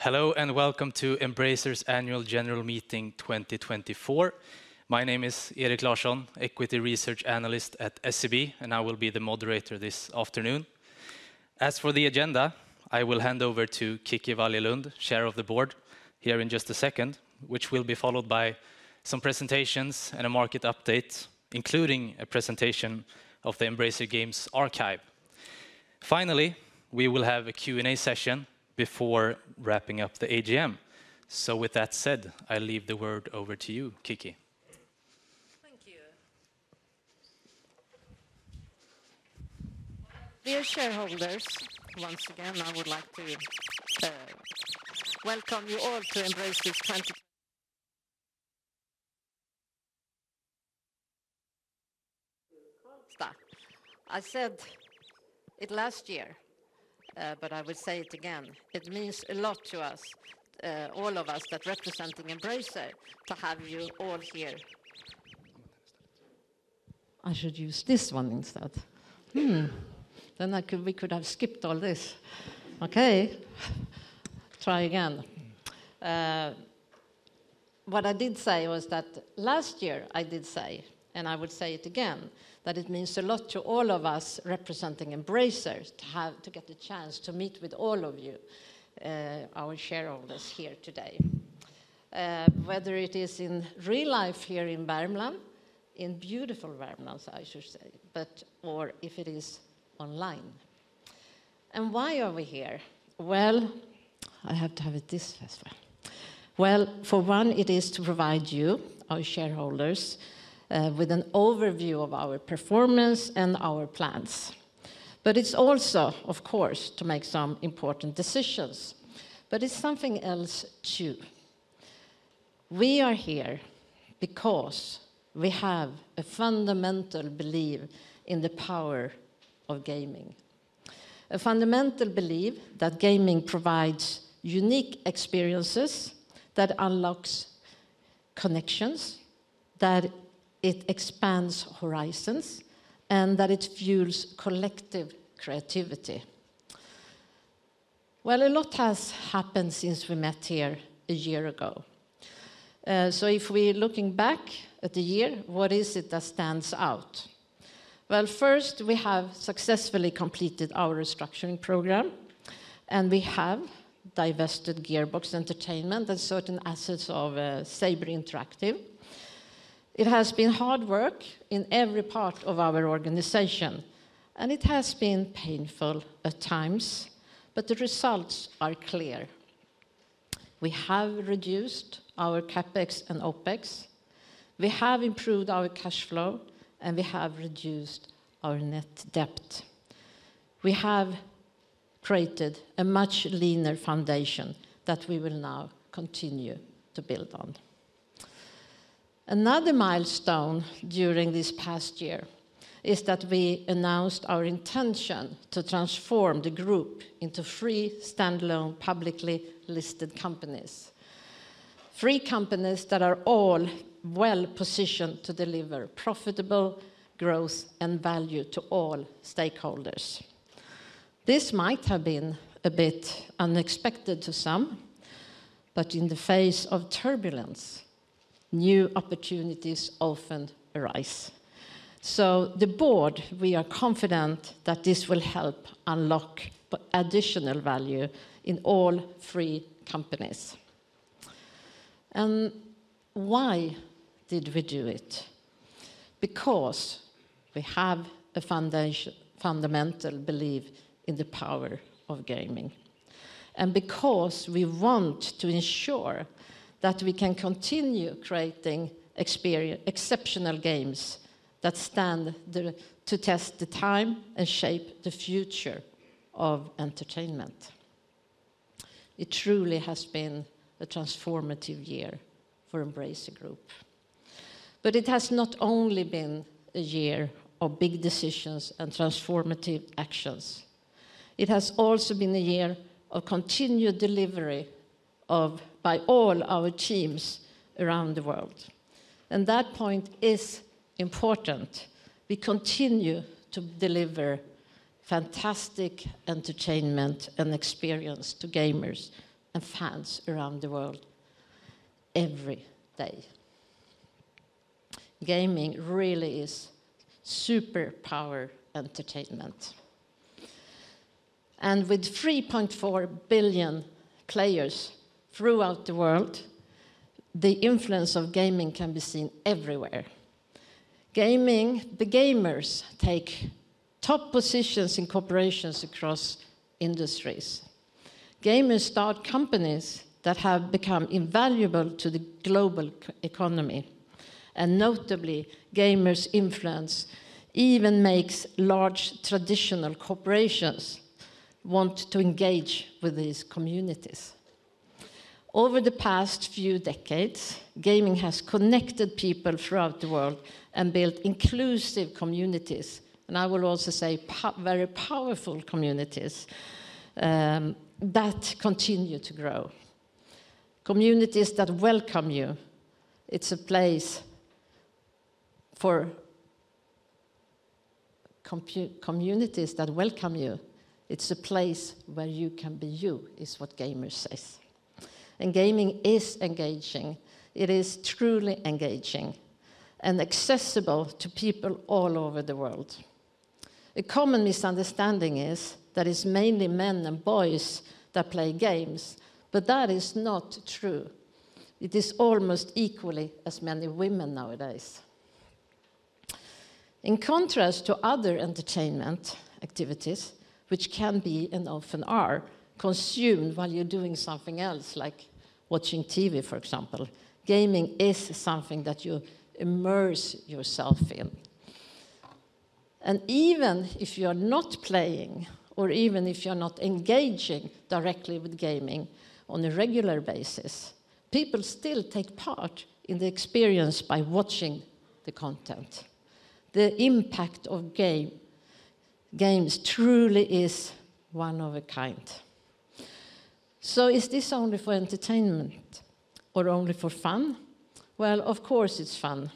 Hello, and welcome to Embracer's Annual General Meeting 2024. My name is Erik Larsson, Equity Research Analyst at SEB, and I will be the moderator this afternoon. As for the agenda, I will hand over to Kicki Wallje-Lund, Chair of the Board, here in just a second, which will be followed by some presentations and a market update, including a presentation of the Embracer Games Archive. Finally, we will have a Q&A session before wrapping up the AGM. So with that said, I leave the word over to you, Kicki. Thank you. Dear shareholders, once again, I would like to welcome you all to Embracer's. I said it last year, but I will say it again, it means a lot to us, all of us that representing Embracer, to have you all here. What I did say was that last year, I did say, and I would say it again, that it means a lot to all of us representing Embracer to have to get the chance to meet with all of you, our shareholders here today. Whether it is in real life here in Värmland, in beautiful Värmland, I should say, or if it is online. Why are we here? I have to have it this as well. For one, it is to provide you, our shareholders, with an overview of our performance and our plans. It's also, of course, to make some important decisions, but it's something else, too. We are here because we have a fundamental belief in the power of gaming. A fundamental belief that gaming provides unique experiences that unlocks connections, that it expands horizons, and that it fuels collective creativity. A lot has happened since we met here a year ago. If we're looking back at the year, what is it that stands out? First, we have successfully completed our restructuring program, and we have divested Gearbox Entertainment and certain assets of Saber Interactive. It has been hard work in every part of our organization, and it has been painful at times, but the results are clear. We have reduced our CapEx and OpEx, we have improved our cash flow, and we have reduced our net debt. We have created a much leaner foundation that we will now continue to build on. Another milestone during this past year is that we announced our intention to transform the group into three standalone, publicly listed companies. Three companies that are all well-positioned to deliver profitable growth and value to all stakeholders. This might have been a bit unexpected to some, but in the face of turbulence, new opportunities often arise. So the board, we are confident that this will help unlock additional value in all three companies. And why did we do it? We have a fundamental belief in the power of gaming, and because we want to ensure that we can continue creating exceptional games that stand the test of time and shape the future of entertainment. It truly has been a transformative year for Embracer Group. It has not only been a year of big decisions and transformative actions, it has also been a year of continued delivery by all our teams around the world. That point is important. We continue to deliver fantastic entertainment and experience to gamers and fans around the world every day. Gaming really is superpower entertainment, and with 3.4 billion players throughout the world, the influence of gaming can be seen everywhere. Gaming, the gamers take top positions in corporations across industries. Gamers start companies that have become invaluable to the global e-economy, and notably, gamers' influence even makes large traditional corporations want to engage with these communities. Over the past few decades, gaming has connected people throughout the world and built inclusive communities, and I will also say very powerful communities that continue to grow. Communities that welcome you. It's a place where you can be you, is what gamers says. And gaming is engaging. It is truly engaging and accessible to people all over the world. A common misunderstanding is that it's mainly men and boys that play games, but that is not true. It is almost equally as many women nowadays. In contrast to other entertainment activities, which can be, and often are, consumed while you're doing something else, like watching TV, for example, gaming is something that you immerse yourself in. And even if you're not playing or even if you're not engaging directly with gaming on a regular basis, people still take part in the experience by watching the content. The impact of games truly is one of a kind. Is this only for entertainment or only for fun? Well, of course, it's fun,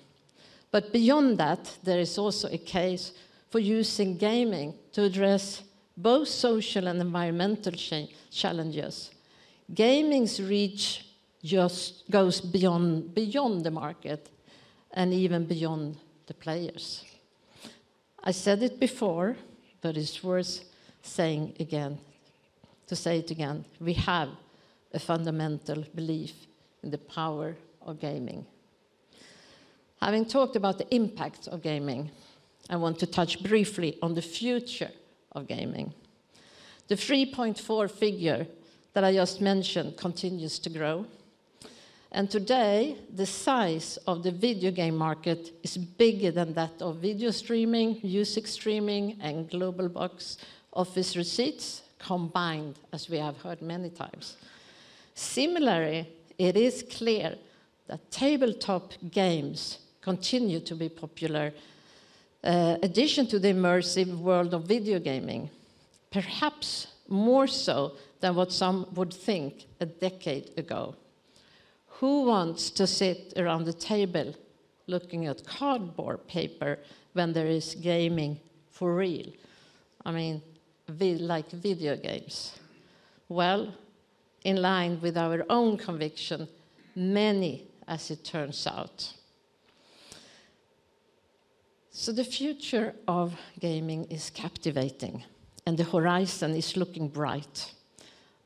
but beyond that, there is also a case for using gaming to address both social and environmental challenges. Gaming's reach just goes beyond the market and even beyond the players. I said it before, but it's worth saying again, we have a fundamental belief in the power of gaming. Having talked about the impact of gaming, I want to touch briefly on the future of gaming. The three point four figure that I just mentioned continues to grow, and today, the size of the video game market is bigger than that of video streaming, music streaming, and global box office receipts combined, as we have heard many times. Similarly, it is clear that tabletop games continue to be popular, addition to the immersive world of video gaming, perhaps more so than what some would think a decade ago. Who wants to sit around the table looking at cardboard paper when there is gaming for real? I mean, like video games. Well, in line with our own conviction, many, as it turns out. So the future of gaming is captivating, and the horizon is looking bright.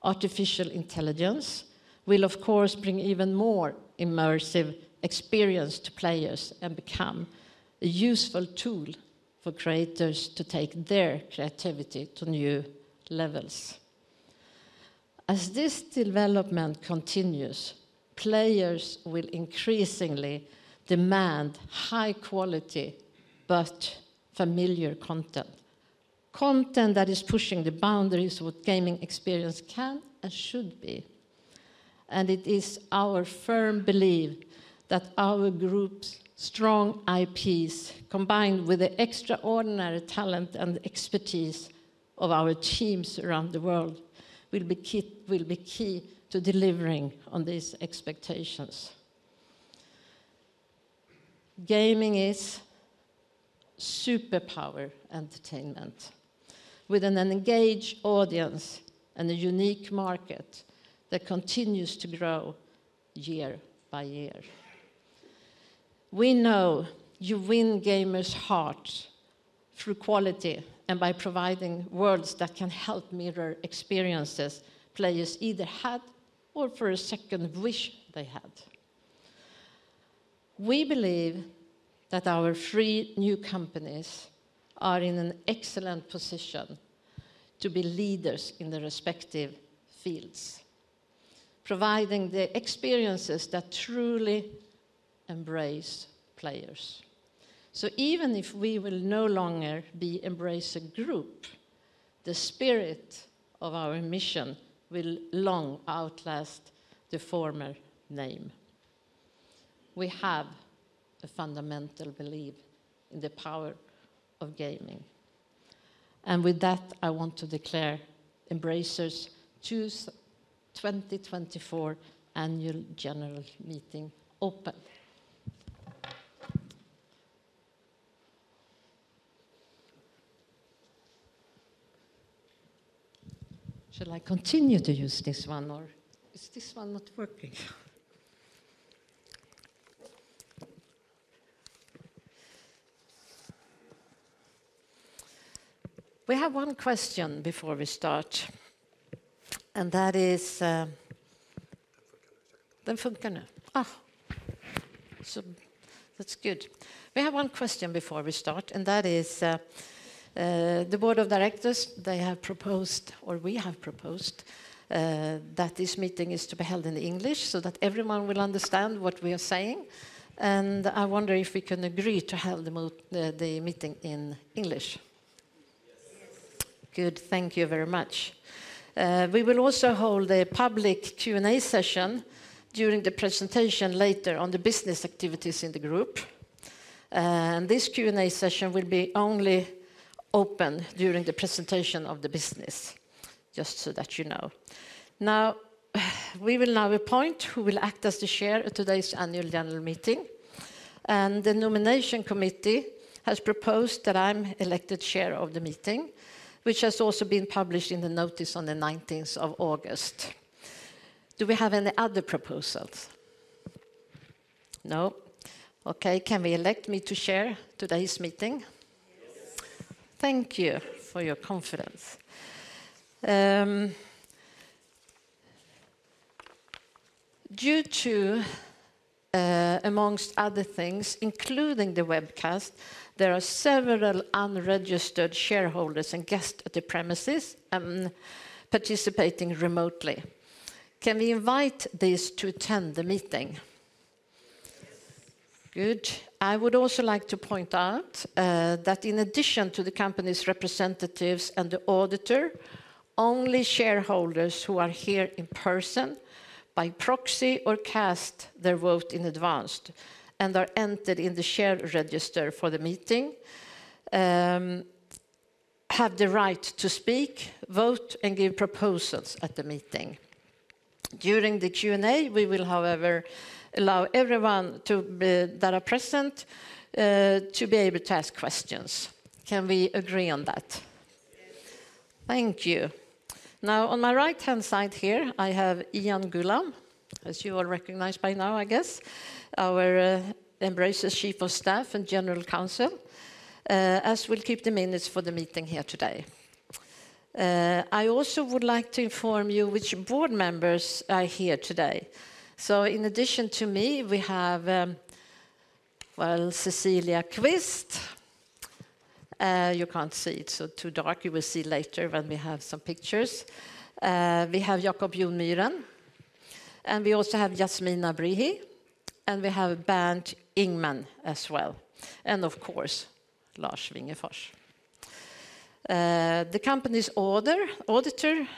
Artificial intelligence will, of course, bring even more immersive experience to players and become a useful tool for creators to take their creativity to new levels. As this development continues, players will increasingly demand high quality, but familiar content, content that is pushing the boundaries of what gaming experience can and should be. And it is our firm belief that our group's strong IPs, combined with the extraordinary talent and expertise of our teams around the world, will be key, will be key to delivering on these expectations. Gaming is superpower entertainment with an engaged audience and a unique market that continues to grow year by year. We know you win gamers' heart through quality and by providing worlds that can help mirror experiences players either had or for a second wish they had. We believe that our three new companies are in an excellent position to be leaders in their respective fields, providing the experiences that truly embrace players. Even if we will no longer be Embracer Group, the spirit of our mission will long outlast the former name. We have a fundamental belief in the power of gaming, and with that, I want to declare Embracer's 2024 Annual General Meeting open. Should I continue to use this one, or is this one not working? We have one question before we start, and that is, so that's good. We have one question before we start, and that is, the board of directors, they have proposed, or we have proposed, that this meeting is to be held in English so that everyone will understand what we are saying, and I wonder if we can agree to have the meeting in English? Good. Thank you very much. We will also hold a public Q&A session during the presentation later on the business activities in the group, and this Q&A session will be only open during the presentation of the business, just so that you know. We will now appoint who will act as the chair at today's annual general meeting. The nomination committee has proposed that I'm elected chair of the meeting, which has also been published in the notice on the nineteenth of August. Do we have any other proposals? No. Okay, can we elect me to chair today's meeting? Thank you for your confidence. Due to, among other things, including the webcast, there are several unregistered shareholders and guests at the premises, participating remotely. Can we invite these to attend the meeting? Good. I would also like to point out that in addition to the company's representatives and the auditor, only shareholders who are here in person, by proxy, or cast their vote in advance and are entered in the share register for the meeting have the right to speak, vote, and give proposals at the meeting. During the Q&A, we will, however, allow everyone that are present to be able to ask questions. Can we agree on that? Thank you. Now, on my right-hand side here, I have Ian Gulam, as you all recognize by now, I guess, our Embracer Chief of Staff and General Counsel, as will keep the minutes for the meeting here today. I also would like to inform you which board members are here today. In addition to me, we have Cecilia Qvist. You can't see it, so too dark. You will see later when we have some pictures. We have Jacob Jonmyren, and we also have Yasmina Brihi, and we have Bernt Ingman as well, and of course, Lars Wingefors. The company's authorized auditor,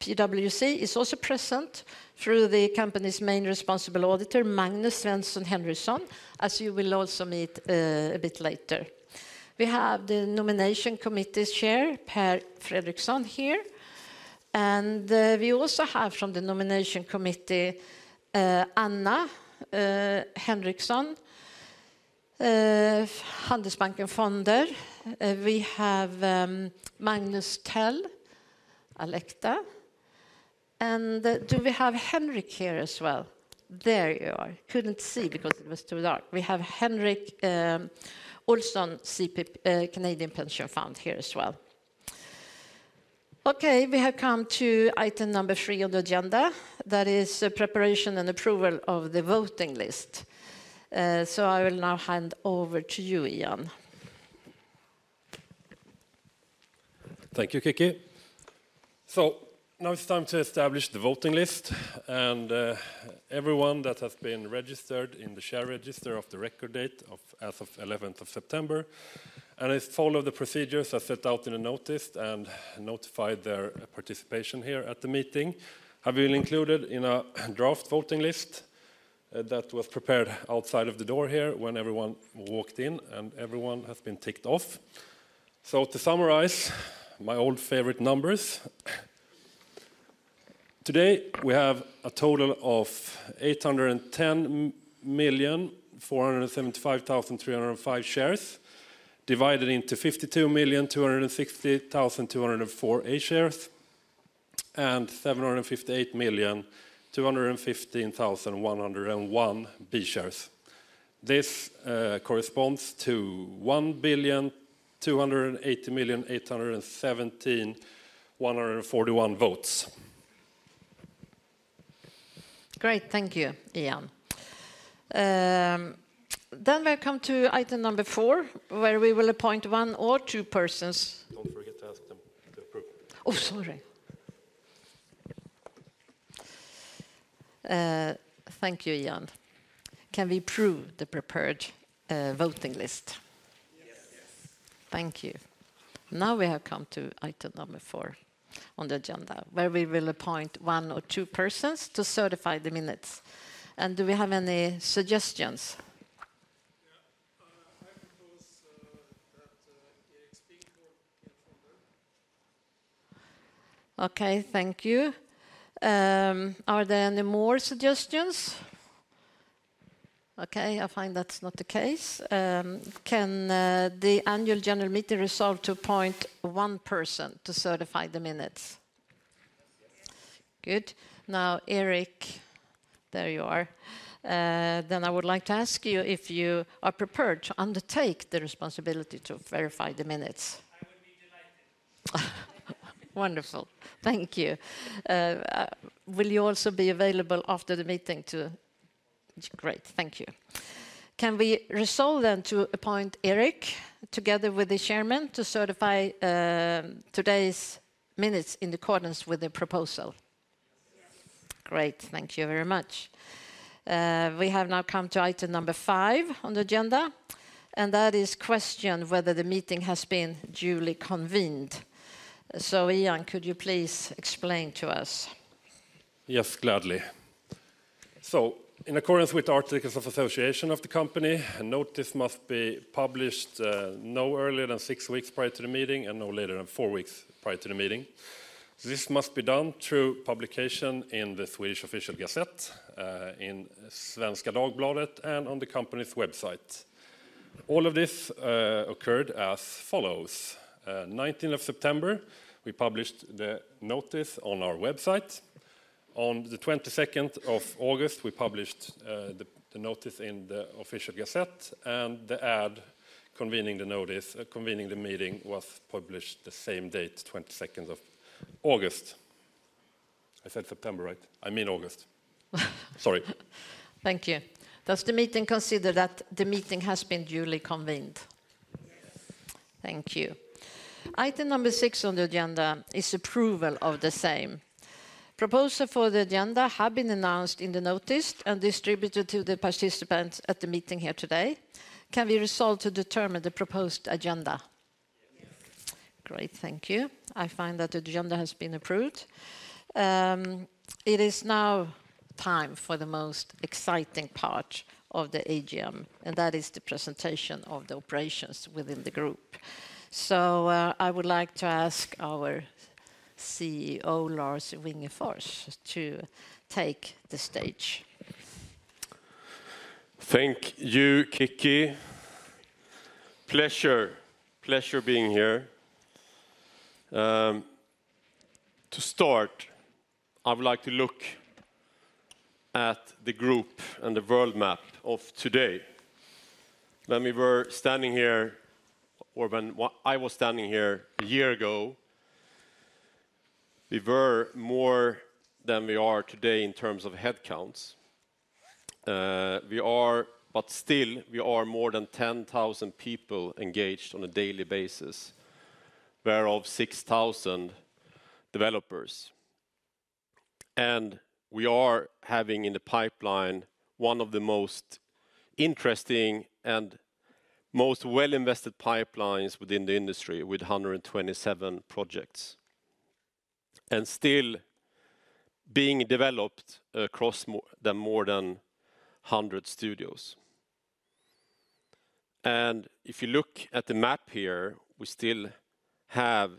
PwC, is also present through the company's main responsible auditor, Magnus Svensson Henryson, as you will also meet a bit later. We have the nomination committee's chair, Per Fredriksson, here. We also have from the nomination committee, Anna Henriksson, Handelsbanken Fonder. We have Magnus Tell, Alecta. And do we have Henrik here as well? There you are. Couldn't see because it was too dark. We have Henrik Olsson, CPP, Canadian Pension Plan, here as well. Okay, we have come to item number three on the agenda. That is the preparation and approval of the voting list. I will now hand over to you, Ian. Thank you, Kicki. Now it's time to establish the voting list, and everyone that has been registered in the share register of the record date of, as of eleventh of September, and has followed the procedures as set out in the notice and notified their participation here at the meeting, have been included in a draft voting list that was prepared outside of the door here when everyone walked in, and everyone has been ticked off. To summarize, my old favorite numbers, today we have a total of 810,475,305, shares, divided into 52,260,204 A shares, and 758,215,101 B shares. This corresponds to1,280,817,14 votes. Great. Thank you, Ian. Then we come to item number four, where we will appoint one or two persons- Don't forget to ask them to approve. Oh, sorry. Thank you, Ian. Can we approve the prepared voting list? Thank you. Now, we have come to item number four on the agenda, where we will appoint one or two persons to certify the minutes. Do we have any suggestions? I propose that Erik Sprinchorn will confirm them. Okay, thank you. Are there any more suggestions? Okay, I find that's not the case. Can the annual general meeting resolve to appoint one person to certify the minutes? Good. Now, Erik, there you are. Then I would like to ask you if you are prepared to undertake the responsibility to verify the minutes. Wonderful. Thank you. Will you also be available after the meeting to... Great, thank you. Can we resolve then to appoint Erik, together with the chairman, to certify today's minutes in accordance with the proposal. Great, Thank you very much. We have now come to item number five on the agenda, and that is question whether the meeting has been duly convened. Ian, could you please explain to us? Yes, gladly. In accordance with the Articles of Association of the company, a notice must be published no earlier than six weeks prior to the meeting, and no later than four weeks prior to the meeting. This must be done through publication in the Swedish Official Gazette in Svenska Dagbladet, and on the company's website. All of this occurred as follows: on the nineteenth of September, we published the notice on our website. On the 22 of August, we published the notice in the Official Gazette, and the ad convening the meeting was published the same date, 22 of August. I said September, right? I mean August. Sorry. Thank you. Does the meeting consider that the meeting has been duly convened? Thank you. Item number six on the agenda is approval of the same. Proposal for the agenda have been announced in the notice and distributed to the participants at the meeting here today. Can we resolve to determine the proposed agenda? Great, thank you. I find that the agenda has been approved. It is now time for the most exciting part of the AGM, and that is the presentation of the operations within the group. I would like to ask our CEO, Lars Wingefors, to take the stage. Thank you, Kiki. Pleasure, pleasure being here. To start, I would like to look at the group and the world map of today. When I was standing here a year ago, we were more than we are today in terms of headcounts, but still, we are more than 10,000 people engaged on a daily basis, whereof 6,000 developers. We are having in the pipeline one of the most interesting and most well-invested pipelines within the industry, with 127 projects, and still being developed across more than 100 studios. If you look at the map here, we still have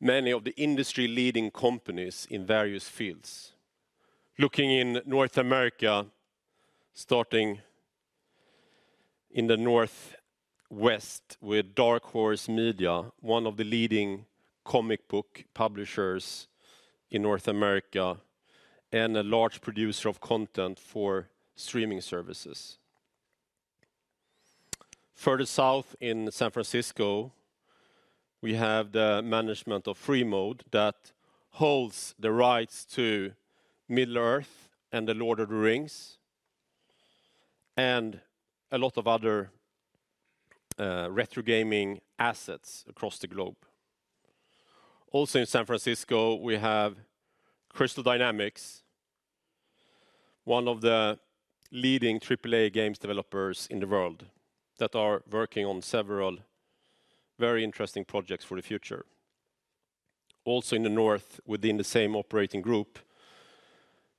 many of the industry-leading companies in various fields. Looking in North America, starting in the Northwest with Dark Horse Media, one of the leading comic book publishers in North America, and a large producer of content for streaming services. Further south in San Francisco, we have the management of Freemode that holds the rights to Middle-earth and The Lord of the Rings, and a lot of other retro gaming assets across the globe. Also, in San Francisco, we have Crystal Dynamics, one of the leading triple-A games developers in the world, that are working on several very interesting projects for the future. Also, in the north, within the same operating group,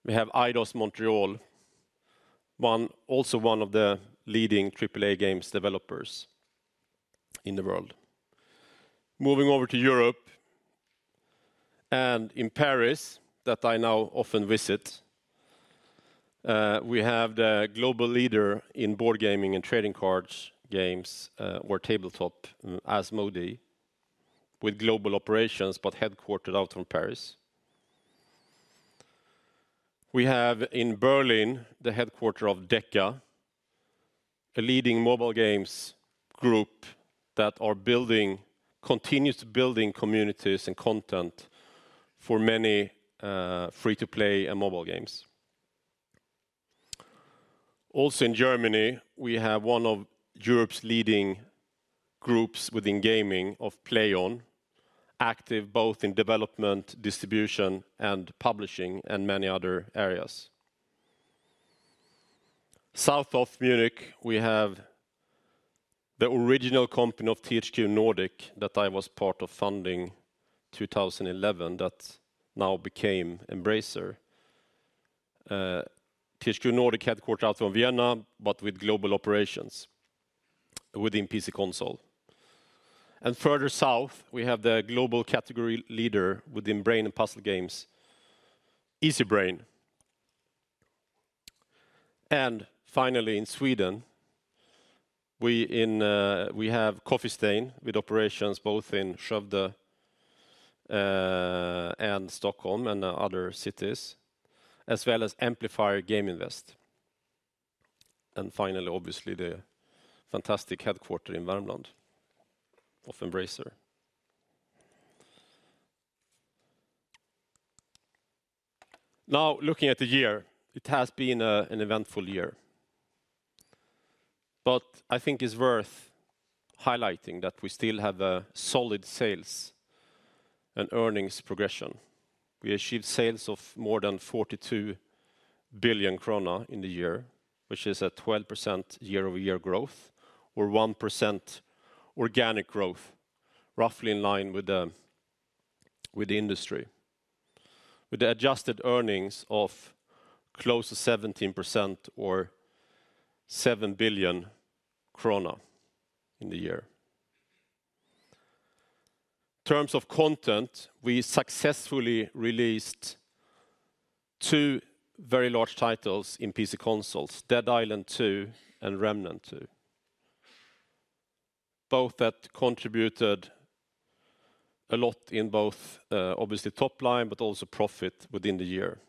we have Eidos-Montréal, one of the leading triple-A games developers in the world. Moving over to Europe, and in Paris, that I now often visit, we have the global leader in board gaming and trading cards, games, or tabletop, Asmodee, with global operations, but headquartered out from Paris. We have in Berlin, the headquarters of DECA, a leading mobile games group that continues building communities and content for many free-to-play and mobile games. Also, in Germany, we have one of Europe's leading groups within gaming of Plaion, active both in development, distribution, and publishing, and many other areas. South of Munich, we have the original company of THQ Nordic, that I was part of funding two thousand and eleven, that now became Embracer. THQ Nordic, headquartered out of Vienna, but with global operations within PC console. And further south, we have the global category leader within brain and puzzle games, Easybrain. Finally, in Sweden, we have Coffee Stain with operations both in Skövde and Stockholm, and other cities, as well as Amplifier Game Invest. Finally, obviously, the fantastic headquarter in Värmland of Embracer. Now, looking at the year, it has been an eventful year, but I think it's worth highlighting that we still have a solid sales and earnings progression. We achieved sales of more than 42 billion krona in the year, which is a 12% year-over-year growth, or 1% organic growth, roughly in line with the industry, with the adjusted earnings of close to 17% or 7 billion krona in the year. In terms of content, we successfully released two very large titles in PC consoles: Dead Island 2 and Remnant II. Both that contributed a lot in both, obviously top line, but also profit within the year.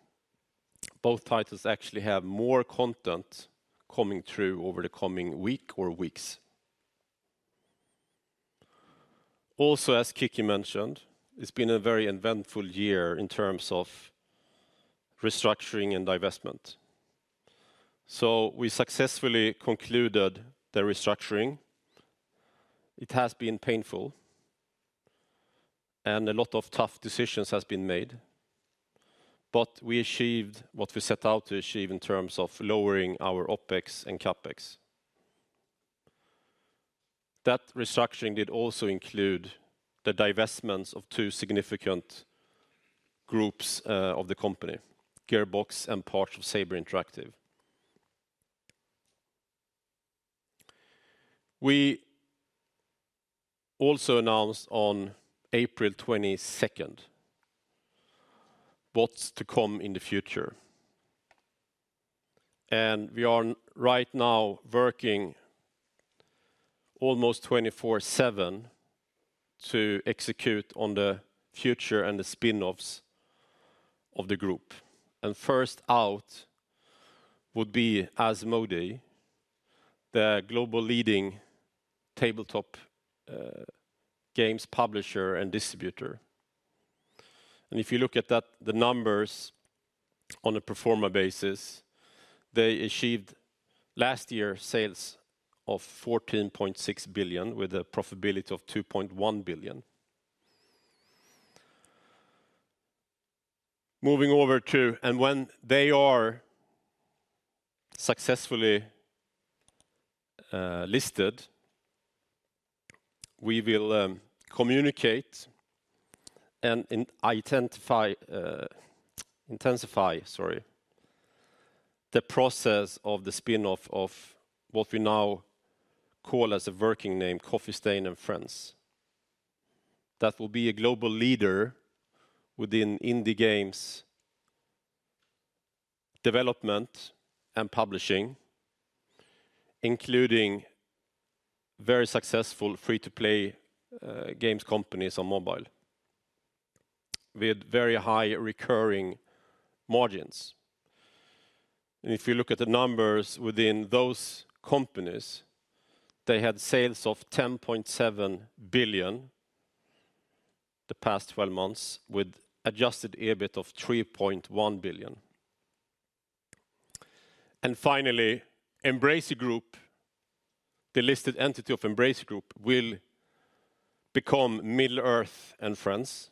Both titles actually have more content coming through over the coming week or weeks. Also, as Kiki mentioned, it's been a very eventful year in terms of restructuring and divestment. We successfully concluded the restructuring. It has been painful, and a lot of tough decisions has been made, but we achieved what we set out to achieve in terms of lowering our OpEx and CapEx. That restructuring did also include the divestments of two significant groups of the company, Gearbox and part of Saber Interactive. We also announced on April 22 what's to come in the future, and we are right now working almost 24/7 to execute on the future and the spin-offs of the group. First out would be Asmodee, the global leading tabletop games publisher and distributor. If you look at that, the numbers on a pro forma basis, they achieved last year sales of 14.6 billion, with a profitability of 2.1 billion. Moving over to and when they are successfully listed, we will communicate and intensify the process of the spin-off of what we now call as a working name, Coffee Stain & Friends. That will be a global leader within indie games development and publishing, including very successful free-to-play games companies on mobile, with very high recurring margins. If you look at the numbers within those companies, they had sales of 10.7 billion the past twelve months, with adjusted EBIT of 3.1 billion. Finally, Embracer Group, the listed entity of Embracer Group, will become Middle-earth & Friends.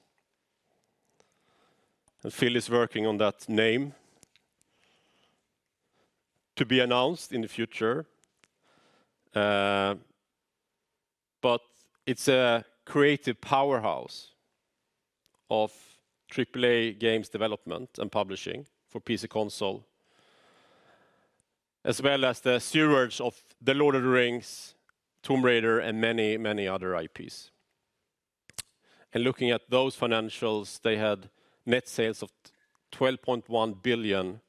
Phil is working on that name to be announced in the future. But it is a creative powerhouse of AAA games development and publishing for PC console, as well as the stewards of The Lord of the Rings, Tomb Raider, and many, many other IPs. Looking at those financials, they had net sales of 12.1 billion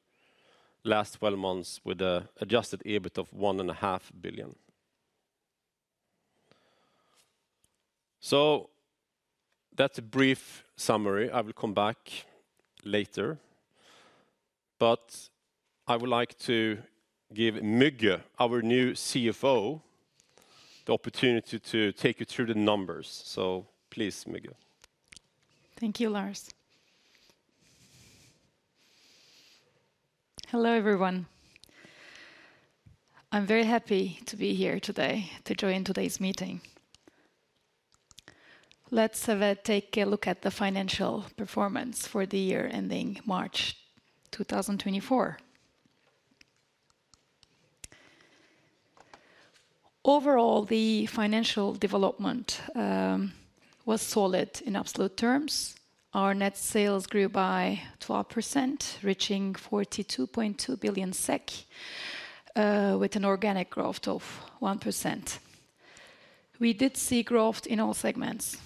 last twelve months, with an adjusted EBIT of 1.5 billion. That is a brief summary. I will come back later, but I would like to give Mygge, our new CFO, the opportunity to take you through the numbers. Please, Mygge. Thank you, Lars. Hello, everyone. I'm very happy to be here today to join today's meeting. Let's take a look at the financial performance for the year ending March 2024. Overall, the financial development was solid in absolute terms. Our net sales grew by 12%, reaching 42.2 billion SEK with an organic growth of 1%. We did see growth in all segments.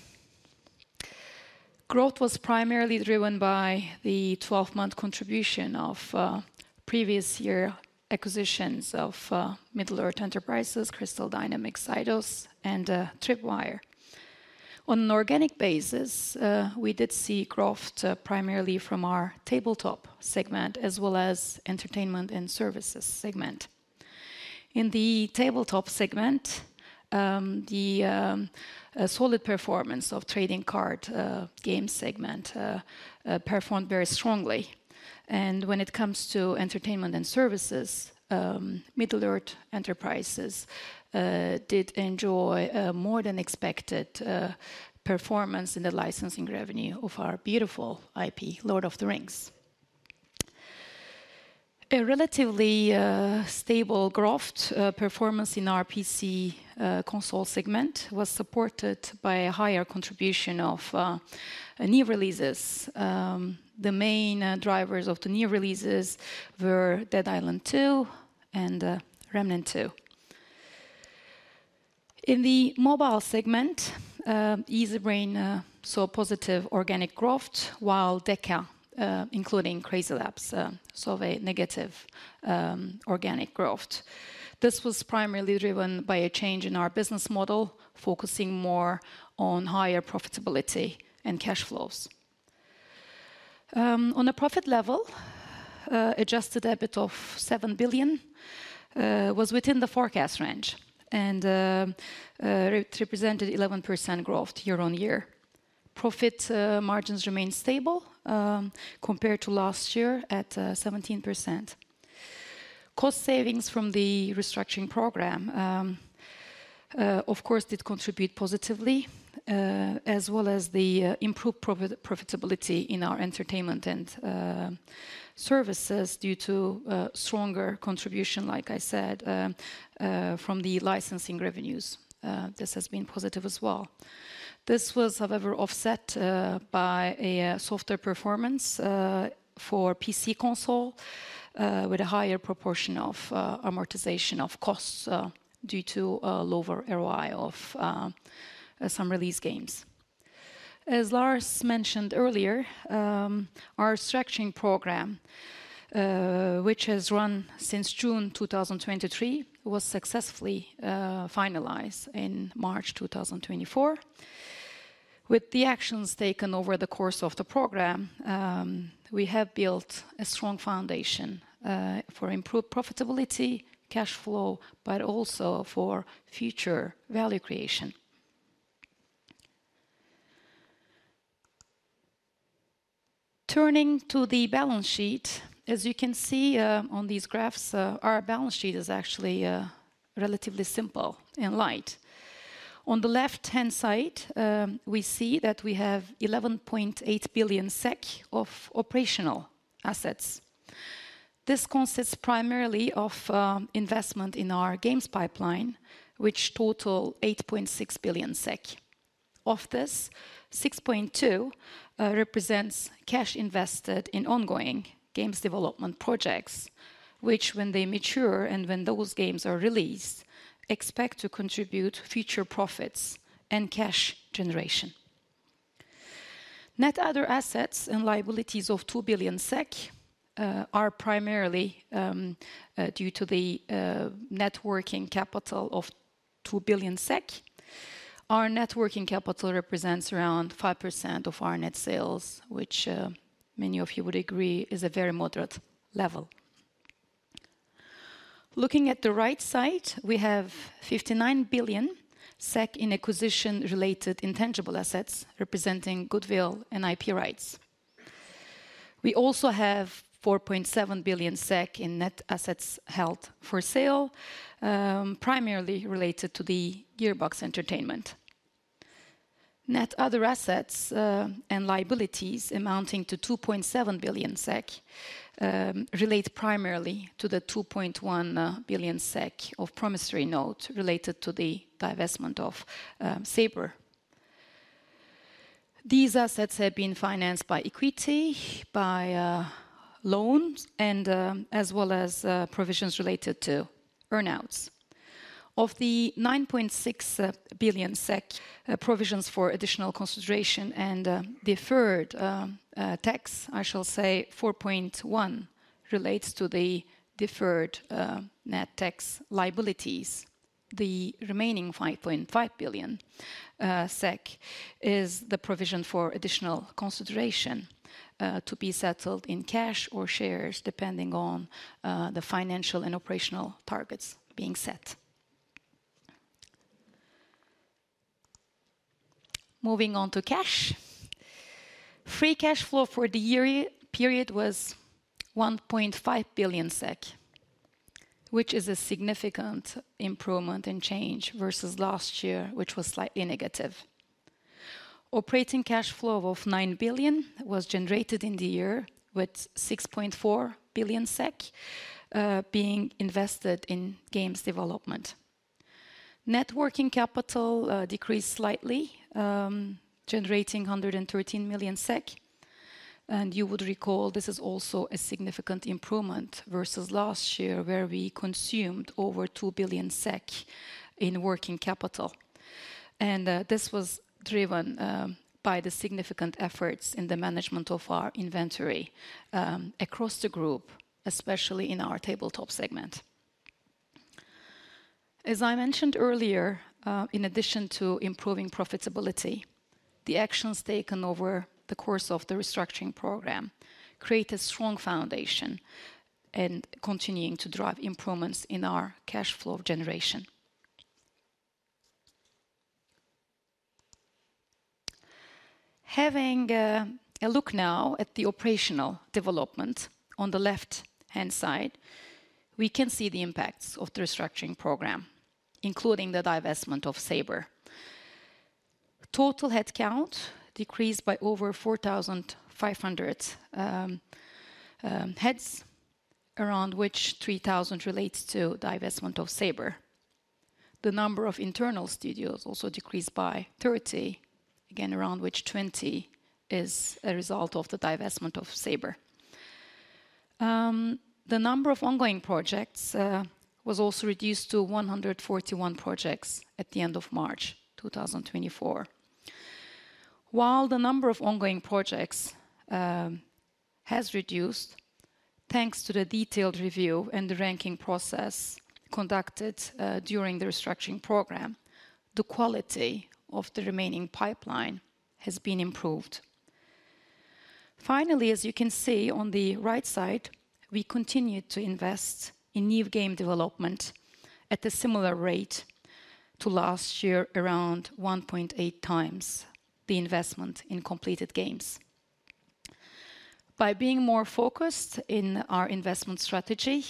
Growth was primarily driven by the twelve-month contribution of previous year acquisitions of Middle-earth Enterprises, Crystal Dynamics, Eidos, and Tripwire. On an organic basis, we did see growth primarily from our tabletop segment, as well as entertainment and services segment. In the tabletop segment, the solid performance of trading card game segment performed very strongly. When it comes to entertainment and services, Middle-earth Enterprises did enjoy a more than expected performance in the licensing revenue of our beautiful IP, Lord of the Rings. A relatively stable growth performance in our PC console segment was supported by a higher contribution of new releases. The main drivers of the new releases were Dead Island 2 and Remnant II. In the mobile segment, Easybrain saw a positive organic growth, while DECA, including CrazyLabs, saw a negative organic growth. This was primarily driven by a change in our business model, focusing more on higher profitability and cash flows. On a profit level, adjusted EBIT of seven billion was within the forecast range, and it represented 11% growth year on year. Profit margins remained stable, compared to last year at 17%. Cost savings from the restructuring program, of course, did contribute positively, as well as the improved profitability in our entertainment and services due to stronger contribution, like I said, from the licensing revenues. This has been positive as well. This was, however, offset by a softer performance for PC and console, with a higher proportion of amortization of costs due to a lower ROI of some release games. As Lars mentioned earlier, our restructuring program, which has run since June 2023, was successfully finalized in March 2024. With the actions taken over the course of the program, we have built a strong foundation for improved profitability, cash flow, but also for future value creation. Turning to the balance sheet, as you can see, on these graphs, our balance sheet is actually relatively simple and light. On the left-hand side, we see that we have 11.8 billion SEK of operational assets. This consists primarily of investment in our games pipeline, which total 8.6 billion SEK. Of this, 6.2 represents cash invested in ongoing games development projects, which, when they mature and when those games are released, expect to contribute future profits and cash generation. Net other assets and liabilities of 2 billion SEK are primarily due to the net working capital of 2 billion SEK. Our net working capital represents around 5% of our net sales, which, many of you would agree, is a very moderate level. Looking at the right side, we have 59 billion SEK in acquisition-related intangible assets, representing goodwill and IP rights. We also have 4.7 billion SEK in net assets held for sale, primarily related to the Gearbox Entertainment. Net other assets and liabilities amounting to 2.7 billion SEK relate primarily to the 2.1 billion SEK of promissory note related to the divestment of Saber. These assets have been financed by equity, by loans, and as well as provisions related to earn-outs. Of the 9.6 billion SEK provisions for additional consideration and deferred tax, I shall say 4.1 relates to the deferred net tax liabilities. The remaining 5.5 billion SEK is the provision for additional consideration to be settled in cash or shares, depending on the financial and operational targets being set. Moving on to cash. Free cash flow for the year period was 1.5 billion SEK, which is a significant improvement and change versus last year, which was slightly negative. Operating cash flow of nine billion was generated in the year, with 6.4 billion SEK being invested in games development. Net working capital decreased slightly, generating 113 million SEK. You would recall this is also a significant improvement versus last year, where we consumed over 2 billion SEK in working capital. This was driven by the significant efforts in the management of our inventory across the group, especially in our tabletop segment. As I mentioned earlier, in addition to improving profitability, the actions taken over the course of the restructuring program create a strong foundation and continuing to drive improvements in our cash flow generation. Having a look now at the operational development on the left-hand side, we can see the impacts of the restructuring program, including the divestment of Saber. Total headcount decreased by over 4,500 heads, around which 3,000 relates to divestment of Saber. The number of internal studios also decreased by 30, again, around which 20 is a result of the divestment of Saber. The number of ongoing projects was also reduced to 141 projects at the end of March 2024. While the number of ongoing projects has reduced, thanks to the detailed review and the ranking process conducted during the restructuring program, the quality of the remaining pipeline has been improved. Finally, as you can see on the right side, we continued to invest in new game development at a similar rate to last year, around 1.8 times the investment in completed games. By being more focused in our investment strategy,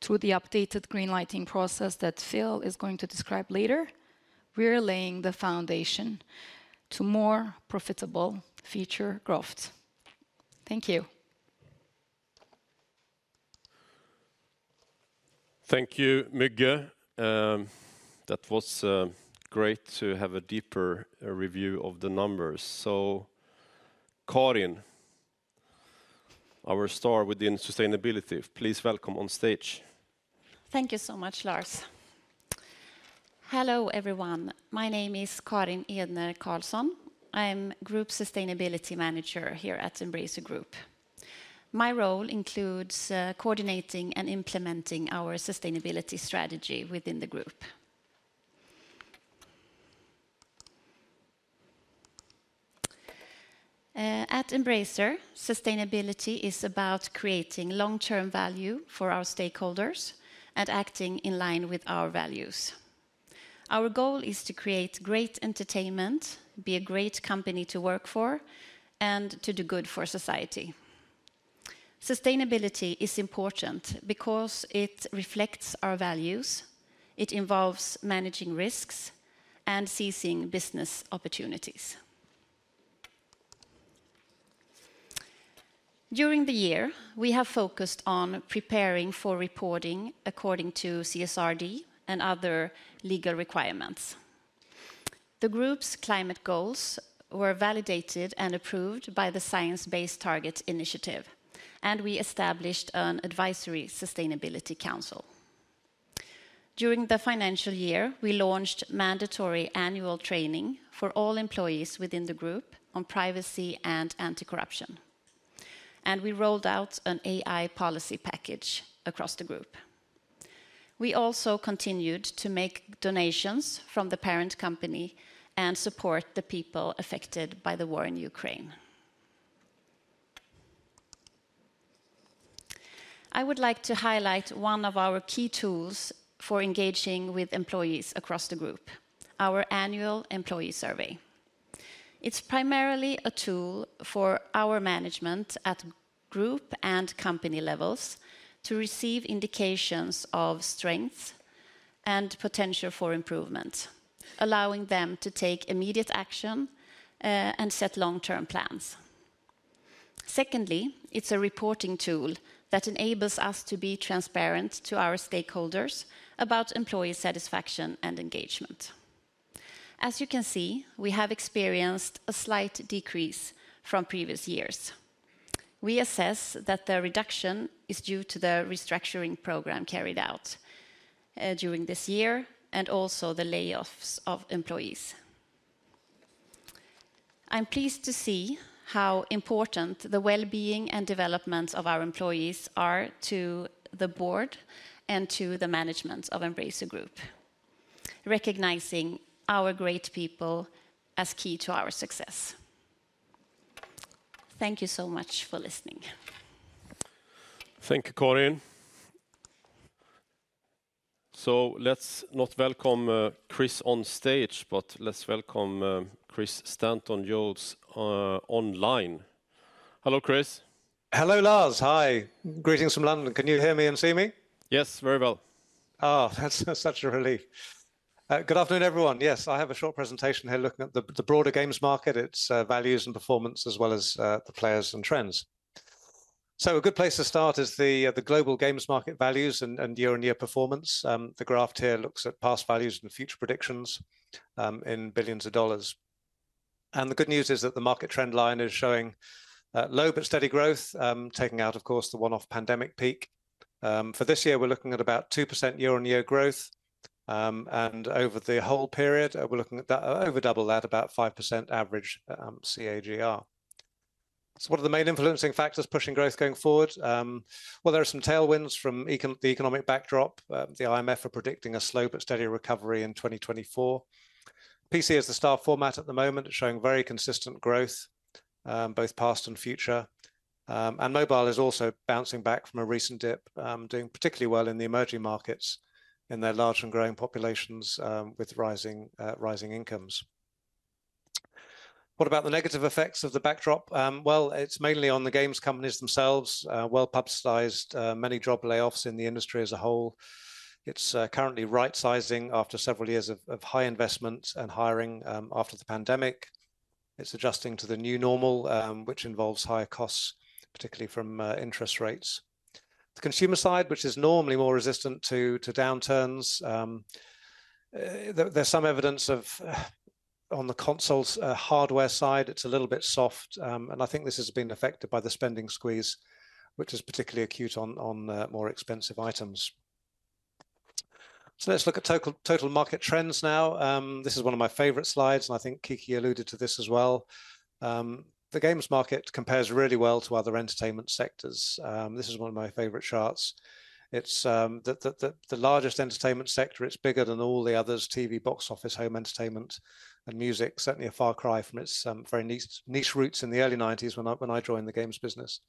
through the updated greenlighting process that Phil is going to describe later, we are laying the foundation to more profitable future growth. Thank you. Thank you, Mygge. That was great to have a deeper review of the numbers, so Karin, our star within sustainability, please welcome on stage. Thank you so much, Lars. Hello, everyone. My name is Karin Edner Carlsson. I'm Group Sustainability Manager here at Embracer Group. My role includes coordinating and implementing our sustainability strategy within the group. At Embracer, sustainability is about creating long-term value for our stakeholders and acting in line with our values. Our goal is to create great entertainment, be a great company to work for, and to do good for society. Sustainability is important because it reflects our values, it involves managing risks, and seizing business opportunities. During the year, we have focused on preparing for reporting according to CSRD and other legal requirements. The group's climate goals were validated and approved by the Science Based Targets initiative, and we established an advisory sustainability council. During the financial year, we launched mandatory annual training for all employees within the group on privacy and anti-corruption, and we rolled out an AI policy package across the group. We also continued to make donations from the parent company and support the people affected by the war in Ukraine. I would like to highlight one of our key tools for engaging with employees across the group, our annual employee survey. It's primarily a tool for our management at group and company levels to receive indications of strengths and potential for improvement, allowing them to take immediate action, and set long-term plans. Secondly, it's a reporting tool that enables us to be transparent to our stakeholders about employee satisfaction and engagement. As you can see, we have experienced a slight decrease from previous years. We assess that the reduction is due to the restructuring program carried out during this year, and also the layoffs of employees. I'm pleased to see how important the well-being and development of our employees are to the board and to the management of Embracer Group, recognizing our great people as key to our success. Thank you so much for listening. Thank you, Karen. So let's not welcome Chris on stage, but let's welcome Chris Stanton-Jones online. Hello, Chris. Hello, Lars. Hi, greetings from London. Can you hear me and see me? Yes, very well. Oh, that's such a relief. Good afternoon, everyone. Yes, I have a short presentation here looking at the broader games market, its values and performance, as well as the players and trends. So a good place to start is the global games market values and year-on-year performance. The graph here looks at past values and future predictions in billions of dollars, and the good news is that the market trend line is showing low but steady growth, taking out, of course, the one-off pandemic peak. For this year, we're looking at about 2% year-on-year growth, and over the whole period, we're looking at that over double that, about 5% average CAGR. So what are the main influencing factors pushing growth going forward? Well, there are some tailwinds from the economic backdrop. The IMF are predicting a slow but steady recovery in 2024. PC is the star format at the moment, showing very consistent growth, both past and future. And mobile is also bouncing back from a recent dip, doing particularly well in the emerging markets, in their large and growing populations, with rising incomes. What about the negative effects of the backdrop? Well, it's mainly on the games companies themselves. Well-publicised, many job layoffs in the industry as a whole. It's currently right-sizing after several years of high investment and hiring, after the pandemic. It's adjusting to the new normal, which involves higher costs, particularly from interest rates. The consumer side, which is normally more resistant to downturns, there's some evidence of on the console's hardware side, it's a little bit soft. And I think this has been affected by the spending squeeze, which is particularly acute on more expensive items. Let's look at total market trends now. This is one of my favorite slides, and I think Kiki alluded to this as well. The games market compares really well to other entertainment sectors. This is one of my favorite charts. It's the largest entertainment sector, it's bigger than all the others: TV, box office, home entertainment, and music. Certainly a far cry from its very niche roots in the early nineties, when I joined the games business.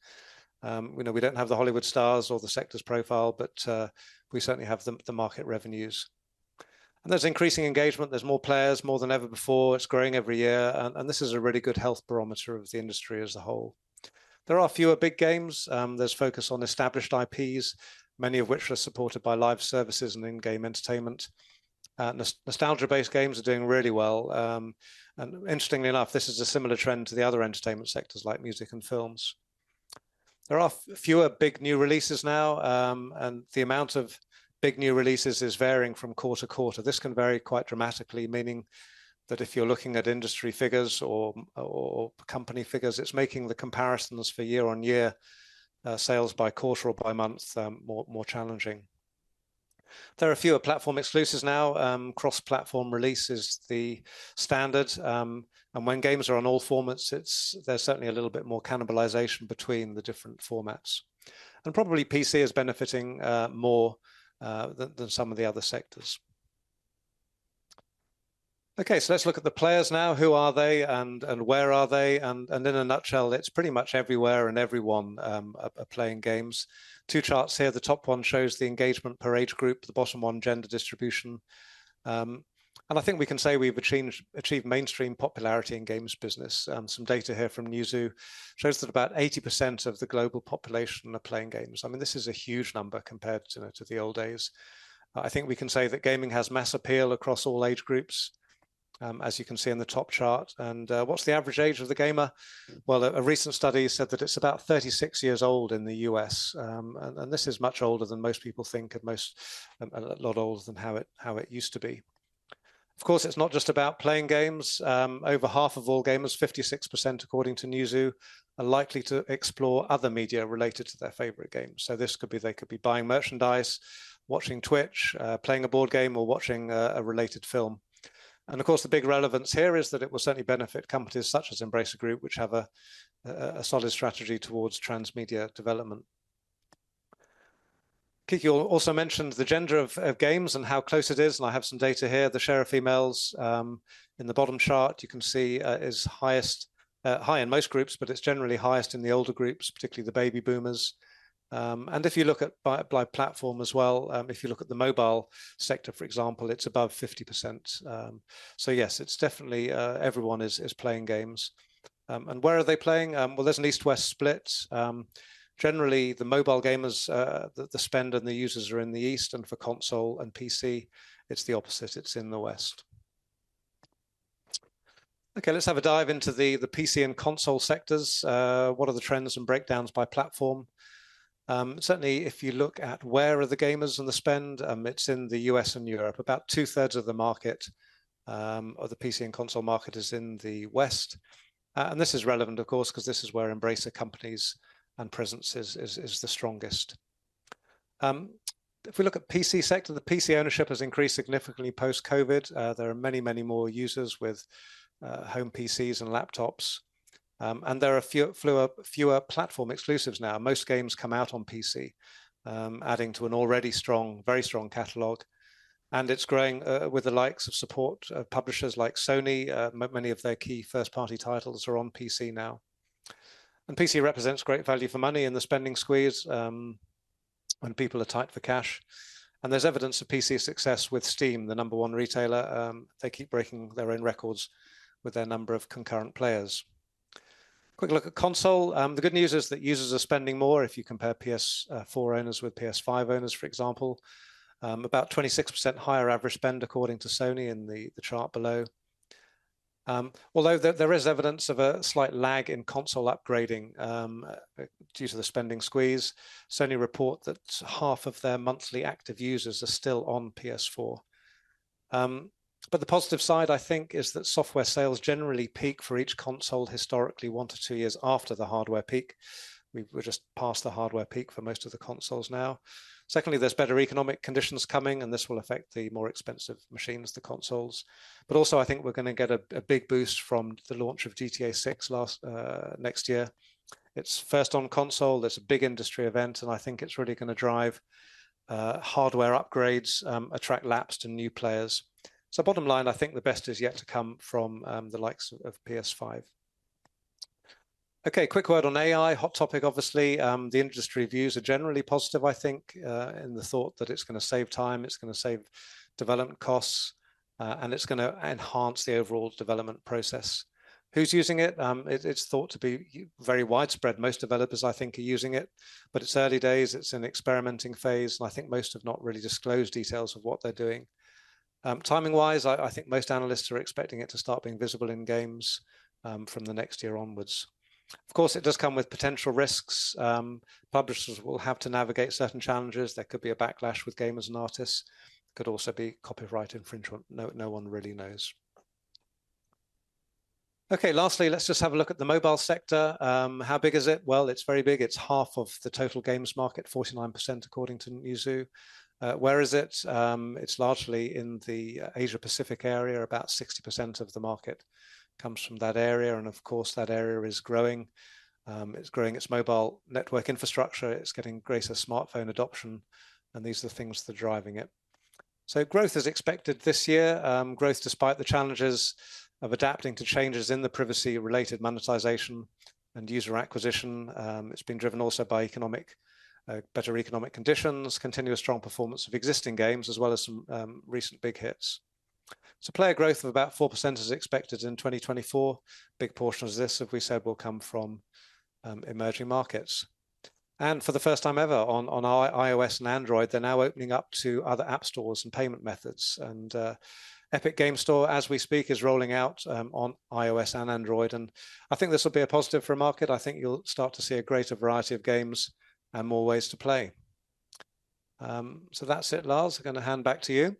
We know we don't have the Hollywood stars or the sector's profile, but we certainly have the market revenues, and there's increasing engagement. There's more players, more than ever before. It's growing every year, and this is a really good health barometer of the industry as a whole. There are fewer big games. There's focus on established IPs, many of which are supported by live services and in-game entertainment, and nostalgia-based games are doing really well. Interestingly enough, this is a similar trend to the other entertainment sectors, like music and films. There are fewer big new releases now, and the amount of big new releases is varying from quarter to quarter. This can vary quite dramatically, meaning that if you're looking at industry figures or company figures, it's making the comparisons for year-on-year sales by quarter or by month more challenging. There are fewer platform exclusives now. Cross-platform release is the standard, and when games are on all formats, there's certainly a little bit more cannibalization between the different formats. And probably PC is benefiting more than some of the other sectors. Okay, so let's look at the players now. Who are they, and where are they? And in a nutshell, it's pretty much everywhere and everyone are playing games. Two charts here. The top one shows the engagement per age group, the bottom one, gender distribution. And I think we can say we've achieved mainstream popularity in games business. Some data here from Newzoo shows that about 80% of the global population are playing games. I mean, this is a huge number compared to the old days. I think we can say that gaming has mass appeal across all age groups, as you can see in the top chart. What's the average age of the gamer? A recent study said that it's about 36 years old in the US, and this is much older than most people think, and a lot older than how it used to be. It's not just about playing games. Over half of all gamers, 56%, according to Newzoo, are likely to explore other media related to their favorite games. This could be they could be buying merchandise, watching Twitch, playing a board game, or watching a related film. And of course, the big relevance here is that it will certainly benefit companies such as Embracer Group, which have a solid strategy towards transmedia development. Kicki also mentioned the gender of gamers and how close it is, and I have some data here. The share of females in the bottom chart, you can see, is highest in most groups, but it's generally highest in the older groups, particularly the baby boomers. And if you look at by platform as well, if you look at the mobile sector, for example, it's above 50%. Yes, it's definitely everyone is playing games. And where are they playing? Well, there's an east-west split. Generally, the mobile gamers, the spend and the users are in the east, and for console and PC, it's the opposite, it's in the west. Okay, let's have a dive into the PC and console sectors. What are the trends and breakdowns by platform? Certainly, if you look at where are the gamers and the spend, it's in the US and Europe. About two-thirds of the market, or the PC and console market is in the West. And this is relevant, of course, because this is where Embracer companies and presence is the strongest. If we look at PC sector, the PC ownership has increased significantly post-COVID. There are many more users with home PCs and laptops, and there are fewer platform exclusives now. Most games come out on PC, adding to an already strong, very strong catalogue, and it's growing with the likes of support of publishers like Sony. Many of their key first-party titles are on PC now. And PC represents great value for money in the spending squeeze, when people are tight for cash, and there's evidence of PC success with Steam, the number one retailer. They keep breaking their own records with their number of concurrent players. Quick look at console. The good news is that users are spending more if you compare PS4 owners with PS5 owners, for example. About 26% higher average spend, according to Sony in the chart below. Although there is evidence of a slight lag in console upgrading, due to the spending squeeze. Sony report that half of their monthly active users are still on PS4. But the positive side, I think, is that software sales generally peak for each console historically, one to two years after the hardware peak. We've just passed the hardware peak for most of the consoles now. Secondly, there's better economic conditions coming, and this will affect the more expensive machines, the consoles. Also I think we're gonna get a big boost from the launch of GTA VI next year. It's first on console, there's a big industry event, and I think it's really gonna drive hardware upgrades, attract lapsed and new players. Bottom line, I think the best is yet to come from the likes of PS5. Okay, quick word on AI. Hot topic, obviously. The industry views are generally positive, I think, in the thought that it's gonna save time, it's gonna save development costs, and it's gonna enhance the overall development process. Who's using it? It's thought to be very widespread. Most developers, I think, are using it, but it's early days, it's in experimenting phase, and I think most have not really disclosed details of what they're doing. Timing-wise, I think most analysts are expecting it to start being visible in games, from the next year onwards. Of course, it does come with potential risks. Publishers will have to navigate certain challenges. There could be a backlash with gamers and artists. Could also be copyright infringement. No, no one really knows. Okay, lastly, let's just have a look at the mobile sector. How big is it? It's very big. It's half of the total games market, 49%, according to Newzoo. Where is it? It's largely in the Asia-Pacific area. About 60% of the market comes from that area, and of course, that area is growing. It's growing its mobile network infrastructure, it's getting greater smartphone adoption, and these are the things that are driving it. Growth is expected this year. Growth despite the challenges of adapting to changes in the privacy-related monetization and user acquisition. It's been driven also by better economic conditions, continuous strong performance of existing games, as well as some recent big hits. Player growth of about 4% is expected in 2024. Big portion of this, as we said, will come from emerging markets. For the first time ever, on iOS and Android, they're now opening up to other app stores and payment methods, and Epic Games Store, as we speak, is rolling out on iOS and Android. I think this will be a positive for our market. I think you'll start to see a greater variety of games and more ways to play. That's it, Lars. I'm gonna hand back to you.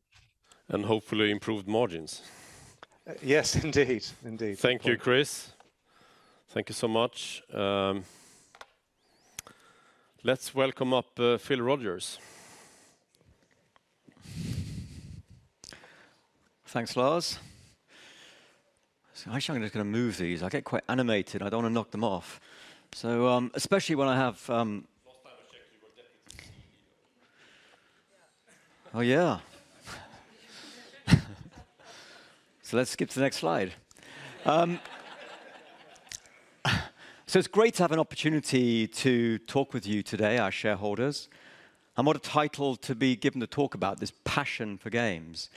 Hopefully, improved margins. Yes, indeed. Indeed. Thank you, Chris. Thank you so much. Let's welcome up Phil Rogers. Thanks, Lars. Actually, I'm just going to move these. I get quite animated. I don't want to knock them off. Especially when I have, Last time I checked, you were deputy CEO. Oh, yeah. Let's skip to the next slide. So it's great to have an opportunity to talk with you today, our shareholders. And what a title to be given to talk about this passion for games.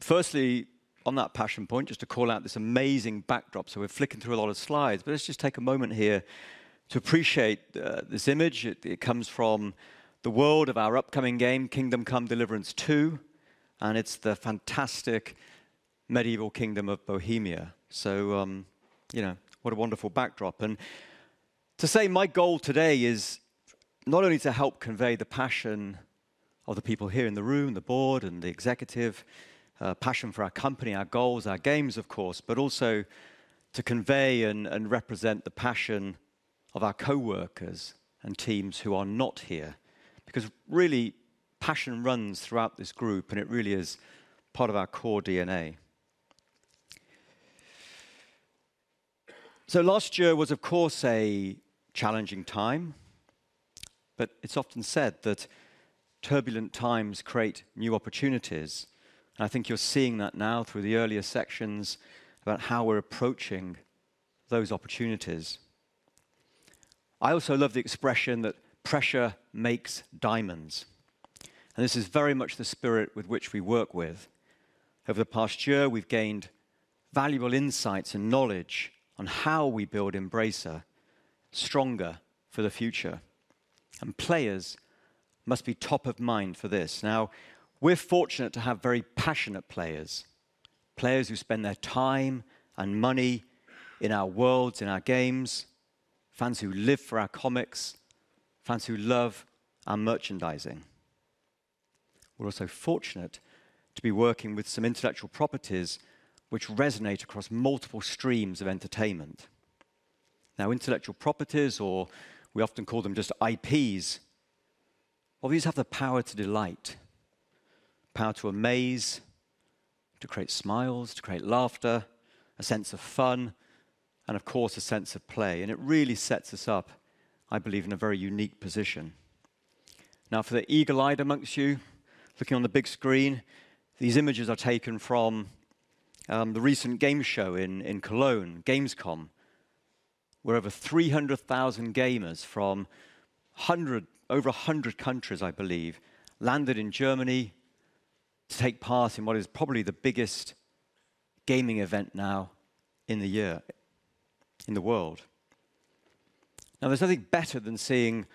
Firstly, on that passion point, just to call out this amazing backdrop. We're flicking through a lot of slides, but let's just take a moment here to appreciate, this image. It comes from the world of our upcoming game, Kingdom Come: Deliverance II, and it's the fantastic medieval kingdom of Bohemia. What a wonderful backdrop. To say my goal today is not only to help convey the passion of the people here in the room, the board and the executive, passion for our company, our goals, our games, of course, but also to convey and represent the passion of our coworkers and teams who are not here. Because really, passion runs throughout this group, and it really is part of our core DNA. Last year was, of course, a challenging time, but it's often said that turbulent times create new opportunities, and I think you're seeing that now through the earlier sections about how we're approaching those opportunities. I also love the expression that pressure makes diamonds, and this is very much the spirit with which we work with. Over the past year, we've gained valuable insights and knowledge on how we build Embracer stronger for the future, and players must be top of mind for this. Now, we're fortunate to have very passionate players, players who spend their time and money in our worlds, in our games, fans who live for our comics, fans who love our merchandising. We're also fortunate to be working with some intellectual properties which resonate across multiple streams of entertainment. Now, intellectual properties, or we often call them just IPs, well, these have the power to delight, power to amaze, to create smiles, to create laughter, a sense of fun, and of course, a sense of play, and it really sets us up, I believe, in a very unique position. Now, for the eagle-eyed among you, looking on the big screen, these images are taken from the recent game show in Cologne, Gamescom, where over 300,000 gamers from over 100 countries, I believe, landed in Germany to take part in what is probably the biggest gaming event now in the year, in the world. Now, there's nothing better than seeing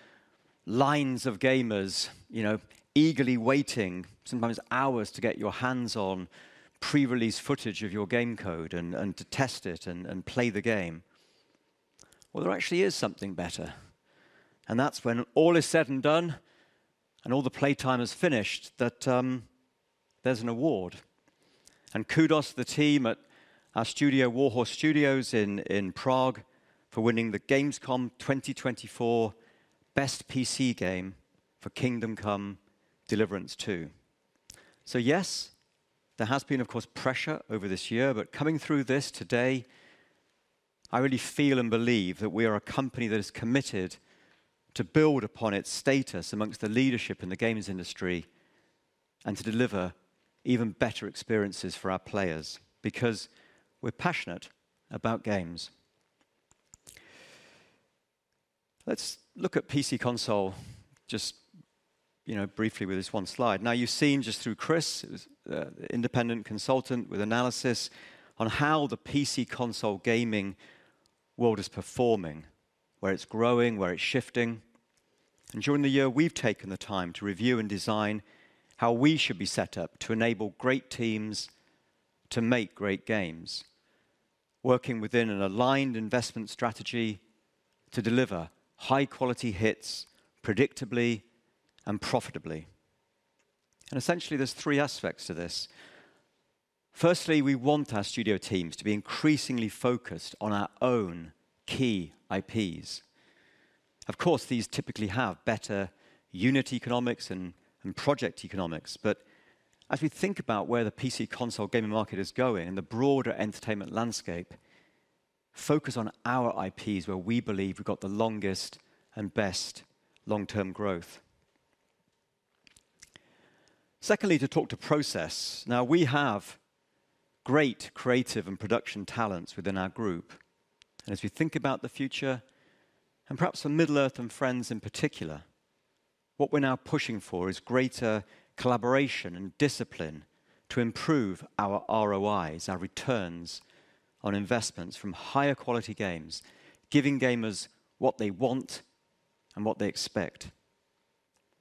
lines of gamers, you know, eagerly waiting, sometimes hours, to get your hands on pre-release footage of your game code and to test it and play the game. Well, there actually is something better, and that's when all is said and done, and all the playtime is finished, that there's an award. And kudos to the team at our studio, Warhorse Studios, in Prague, for winning the Gamescom 2024 Best PC Game for Kingdom Come: Deliverance II. There has been, of course, pressure over this year, but coming through this today, I really feel and believe that we are a company that is committed to build upon its status amongst the leadership in the games industry and to deliver even better experiences for our players, because we're passionate about games. Let's look at PC console, just, you know, briefly with this one slide. Now, you've seen just through Chris, independent consultant with analysis on how the PC console gaming world is performing, where it's growing, where it's shifting. During the year, we've taken the time to review and design how we should be set up to enable great teams to make great games, working within an aligned investment strategy to deliver high-quality hits predictably and profitably. Essentially, there's three aspects to this. Firstly, we want our studio teams to be increasingly focused on our own key IPs. Of course, these typically have better unit economics and project economics. But as we think about where the PC console gaming market is going and the broader entertainment landscape, focus on our IPs, where we believe we've got the longest and best long-term growth. Secondly, to talk to process. Now, we have great creative and production talents within our group, and as we think about the future, and perhaps on Middle-earth and Friends in particular, what we're now pushing for is greater collaboration and discipline to improve our ROIs, our returns on investments from higher quality games, giving gamers what they want and what they expect.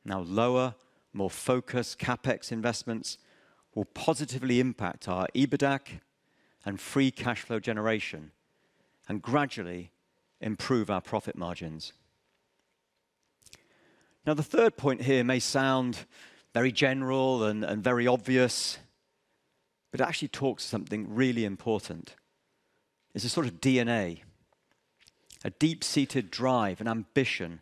Now, lower, more focused CapEx investments will positively impact our EBITDA and free cash flow generation and gradually improve our profit margins. Now, the third point here may sound very general and very obvious, but it actually talks something really important. It's a DNA, a deep-seated drive and ambition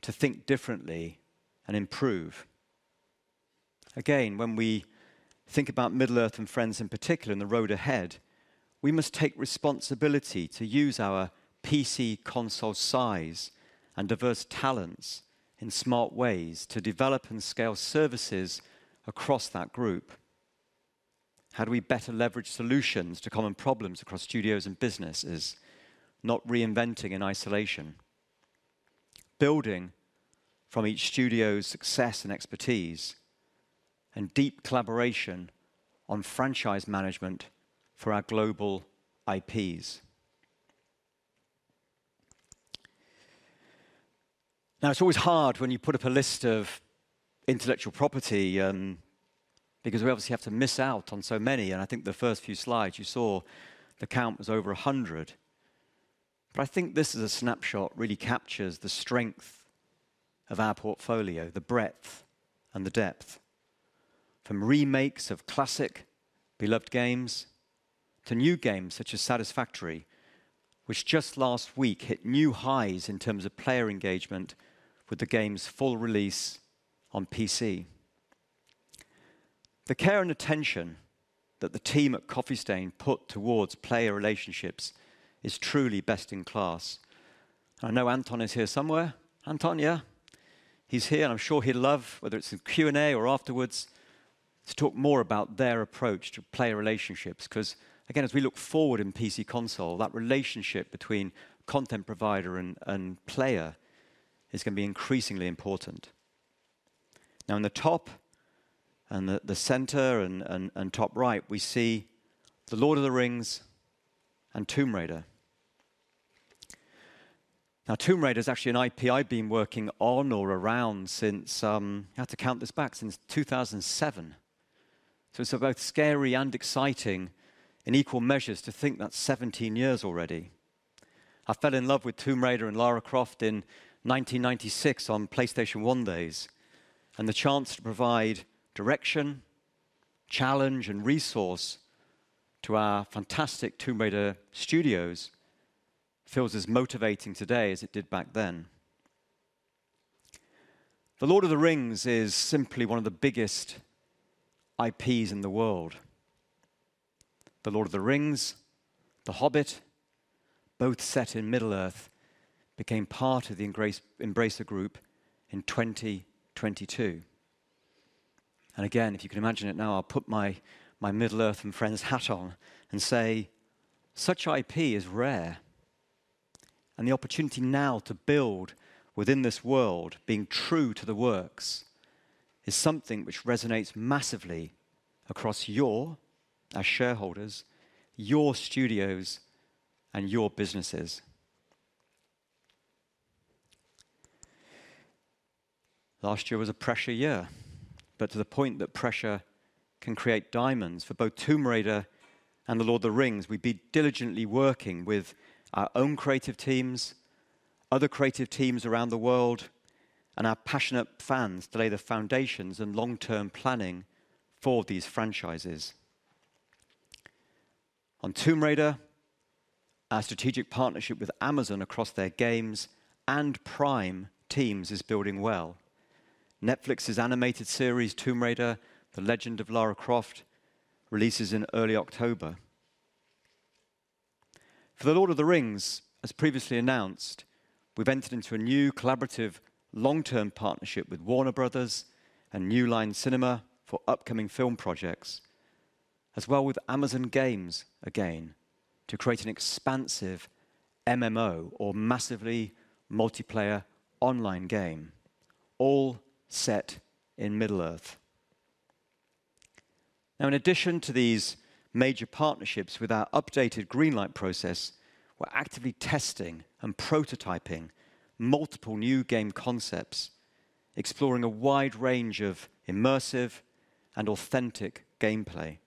to think differently and improve. Again, when we think about Middle-earth and Friends, in particular, and the road ahead, we must take responsibility to use our PC console size and diverse talents in smart ways to develop and scale services across that group. How do we better leverage solutions to common problems across studios and businesses, not reinventing in isolation? Building from each studio's success and expertise, and deep collaboration on franchise management for our global IPs. Now, it's always hard when you put up a list of intellectual property, because we obviously have to miss out on so many, and I think the first few slides you saw, the count was over a hundred. I think this is a snapshot, really captures the strength of our portfolio, the breadth and the depth. From remakes of classic beloved games to new games such as Satisfactory, which just last week hit new highs in terms of player engagement with the game's full release on PC. The care and attention that the team at Coffee Stain put towards player relationships is truly best-in-class. I know Anton is here somewhere. Anton, yeah? He's here, and I'm sure he'd love, whether it's in Q&A or afterwards, to talk more about their approach to player relationships. 'Cause, again, as we look forward in PC console, that relationship between content provider and player is gonna be increasingly important. Now, in the top and the center and top right, we see The Lord of the Rings and Tomb Raider. Now, Tomb Raider is actually an IP I've been working on or around since, I had to count this back, since 2007. So it's both scary and exciting in equal measures to think that's 17 years already. I fell in love with Tomb Raider and Lara Croft in 1996 on PlayStation One days, and the chance to provide direction, challenge, and resource to our fantastic Tomb Raider studios feels as motivating today as it did back then. The Lord of the Rings is simply one of the biggest IPs in the world. The Lord of the Rings, The Hobbit, both set in Middle-earth, became part of the Embracer Group in 2022. Again, if you can imagine it now, I'll put my Middle-earth and Friends hat on and say, such IP is rare, and the opportunity now to build within this world, being true to the works, is something which resonates massively across your, our shareholders, your studios, and your businesses. Last year was a pressure year, but to the point that pressure can create diamonds. For both Tomb Raider and The Lord of the Rings, we've been diligently working with our own creative teams, other creative teams around the world, and our passionate fans to lay the foundations and long-term planning for these franchises. On Tomb Raider, our strategic partnership with Amazon across their games and Prime teams is building well. Netflix's animated series, Tomb Raider: The Legend of Lara Croft, releases in early October. For The Lord of the Rings, as previously announced, we've entered into a new collaborative long-term partnership with Warner Bros. and New Line Cinema for upcoming film projects, as well with Amazon Games again, to create an expansive MMO or massively multiplayer online game, all set in Middle-earth. Now, in addition to these major partnerships with our updated green light process, we're actively testing and prototyping multiple new game concepts, exploring a wide range of immersive and authentic gameplay,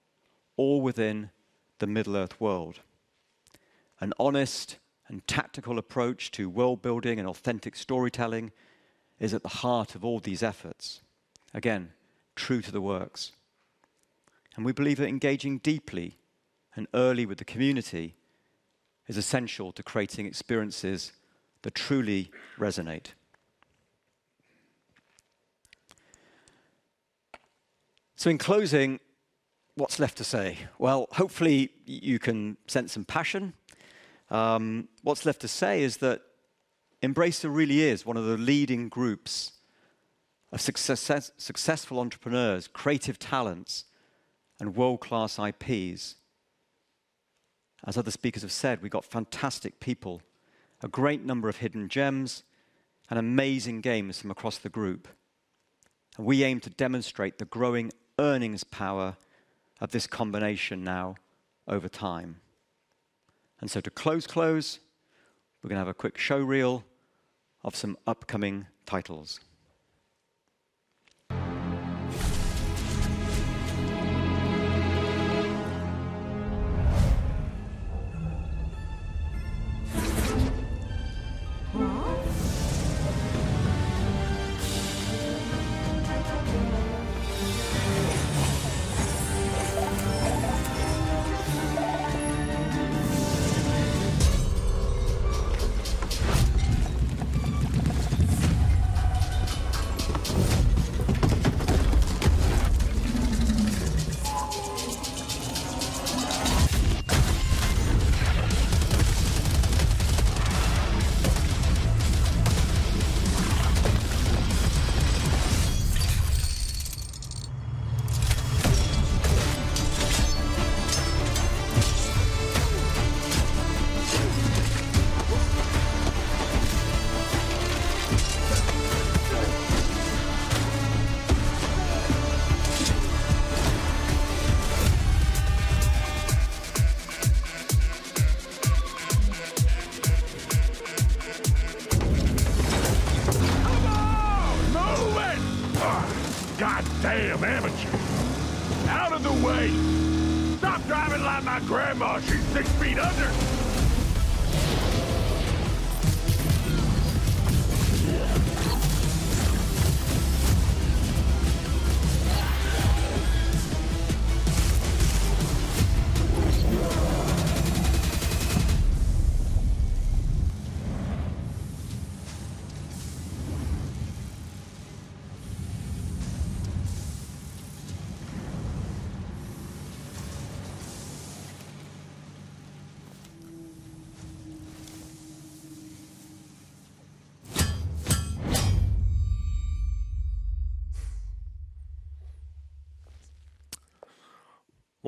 all within the Middle-earth world. An honest and tactical approach to world-building and authentic storytelling is at the heart of all these efforts. Again, true to the works. And we believe that engaging deeply and early with the community is essential to creating experiences that truly resonate. So in closing, what's left to say? Hopefully you can sense some passion. What's left to say is that Embracer really is one of the leading groups of successful entrepreneurs, creative talents, and world-class IPs. As other speakers have said, we've got fantastic people, a great number of hidden gems, and amazing games from across the group. We aim to demonstrate the growing earnings power of this combination now over time. So to close, we're gonna have a quick show reel of some upcoming titles.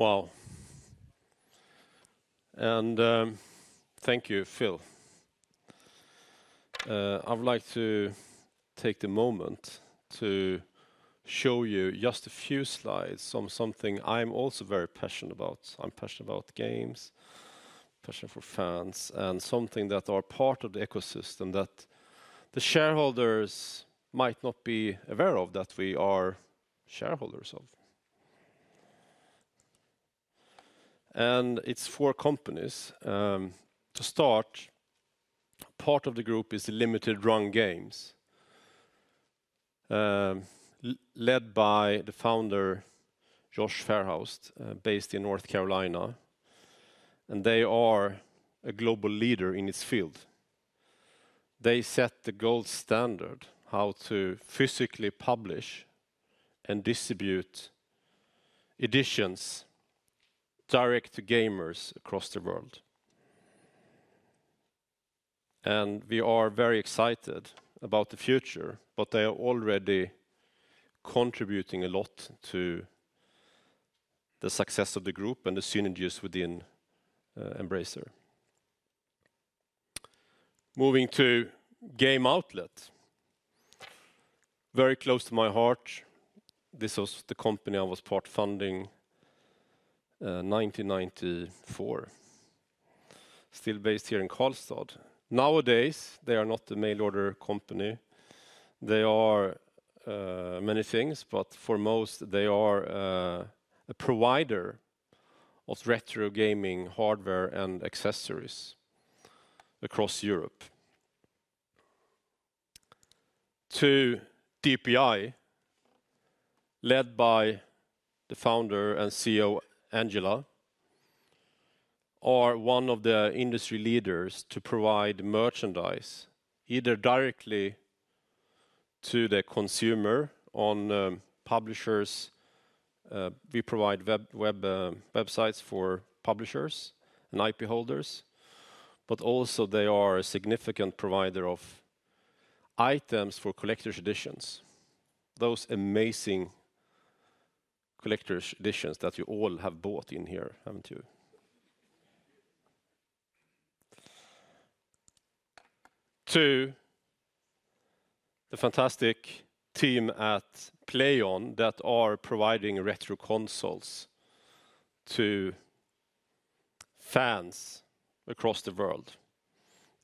Come on, move it! Ah, goddamn amateur. Out of the way. Stop driving like my grandma. She's six feet under. Wow! and thank you, Phil. I would like to take the moment to show you just a few slides on something I'm also very passionate about. I'm passionate about games, passion for fans, and something that are part of the ecosystem that the shareholders might not be aware of, that we are shareholders of. And it's four companies. To start, part of the group is the Limited Run Games, led by the founder, Josh Fairhurst, based in North Carolina, and they are a global leader in this field. They set the gold standard, how to physically publish and distribute editions direct to gamers across the world. And we are very excited about the future, but they are already contributing a lot to the success of the group and the synergies within, Embracer. Moving to Game Outlet, very close to my heart. This was the company I was part funding, 1994, still based here in Karlstad. Nowadays, they are not a mail order company. They are many things, but for most, they are a provider of retro gaming, hardware, and accessories across Europe. To DPI, led by the founder and CEO, Angela, are one of the industry leaders to provide merchandise, either directly to the consumer on publishers, we provide web websites for publishers and IP holders, but also they are a significant provider of items for collector's editions. Those amazing collector's editions that you all have bought in here, haven't you? To the fantastic team at Plaion that are providing retro consoles to fans across the world.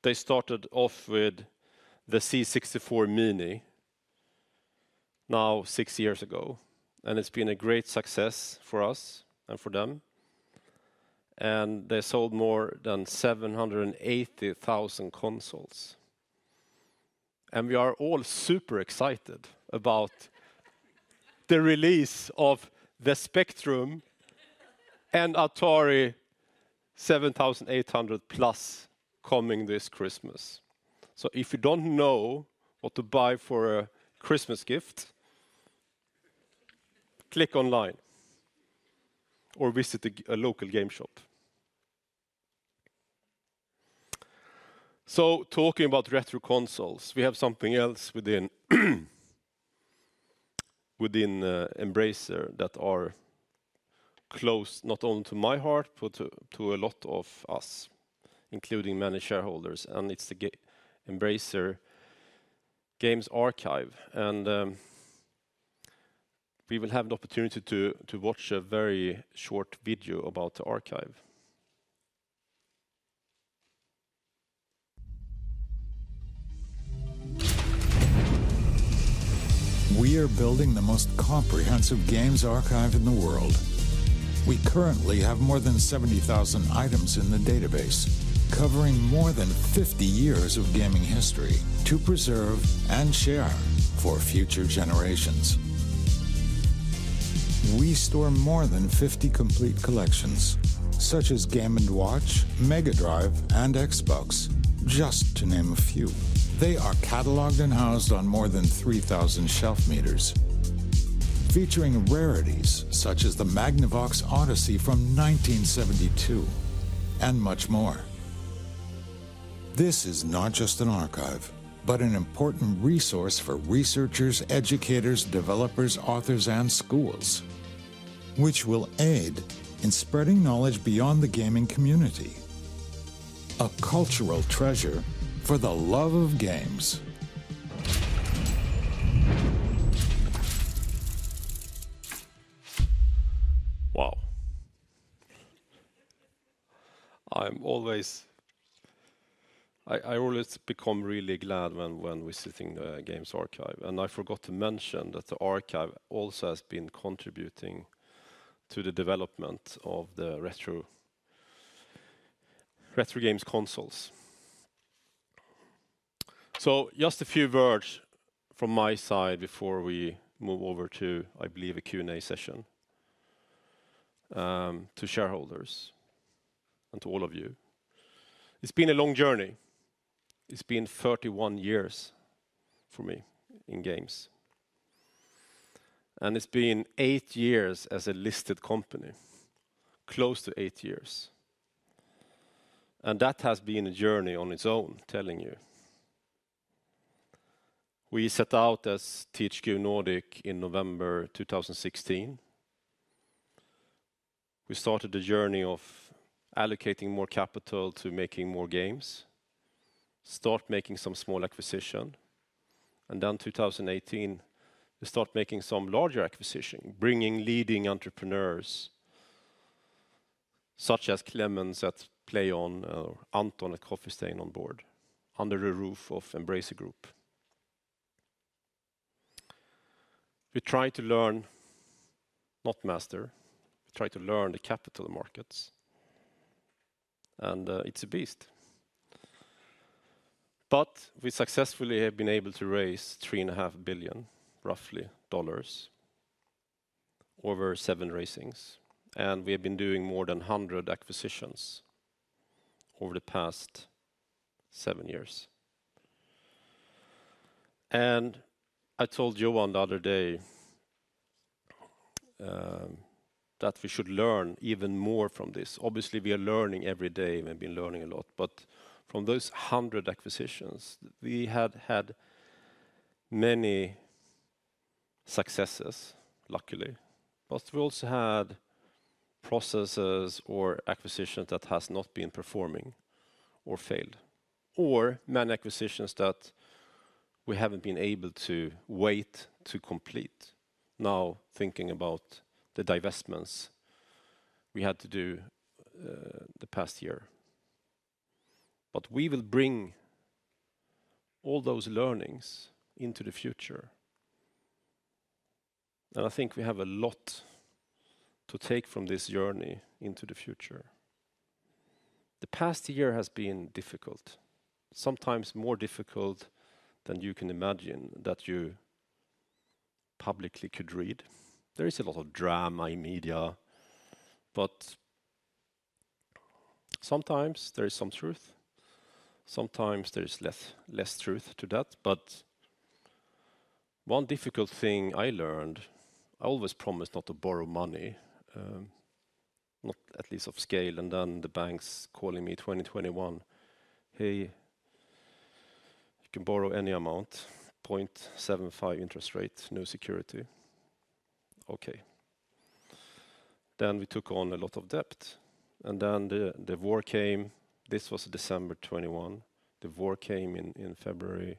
They started off with the C64 Mini, now six years ago, and it's been a great success for us and for them, and they sold more than 780,000 consoles. We are all super excited about the release of the Spectrum and Atari 7800+ coming this Christmas. If you don't know what to buy for a Christmas gift, click online or visit a local game shop. Talking about retro consoles, we have something else within Embracer that are close not only to my heart, but to a lot of us, including many shareholders, and it's the Embracer Games Archive. We will have the opportunity to watch a very short video about the archive. We are building the most comprehensive games archive in the world. We currently have more than 70,000 items in the database, covering more than 50 years of gaming history to preserve and share for future generations. We store more than 50 complete collections, such as Game & Watch, Mega Drive, and Xbox, just to name a few. They are cataloged and housed on more than 3,000 shelf meters, featuring rarities such as the Magnavox Odyssey from 1972, and much more. This is not just an archive, but an important resource for researchers, educators, developers, authors, and schools, which will aid in spreading knowledge beyond the gaming community. Cultural treasure for the love of games. Wow! I always become really glad when we're visiting the games archive. I forgot to mention that the archive also has been contributing to the development of the retro games consoles. Just a few words from my side before we move over to, I believe, a Q&A session to shareholders and to all of you. It's been a long journey. It's been thirty-one years for me in games, and it's been eight years as a listed company, close to eight years, and that has been a journey on its own, telling you. We set out as THQ Nordic in November 2016. We started a journey of allocating more capital to making more games, start making some small acquisition, and then 2018, we start making some larger acquisition, bringing leading entrepreneurs, such as Klemens at Plaion or Anton at Coffee Stain on board, under the roof of Embracer Group. We try to learn, not master, we try to learn the capital markets, and it's a beast. But we successfully have been able to raise $3.5 billion, roughly, over seven raisings, and we have been doing more than 100 acquisitions over the past seven years, and I told Johan the other day, that we should learn even more from this. Obviously, we are learning every day, we've been learning a lot, but from those 100 acquisitions, we have had many successes, luckily. We also had processes or acquisitions that has not been performing or failed, or many acquisitions that we haven't been able to wait to complete, now thinking about the divestments we had to do, the past year. We will bring all those learnings into the future, and I think we have a lot to take from this journey into the future. The past year has been difficult, sometimes more difficult than you can imagine, that you publicly could read. There is a lot of drama in media, but. Sometimes there is some truth, sometimes there is less truth to that. But one difficult thing I learned, I always promised not to borrow money, not at least of scale, and then the bank's calling me 2021, "Hey, you can borrow any amount, 0.75 interest rate, no security." Okay. Then we took on a lot of debt, and then the war came. This was December 2021. The war came in February.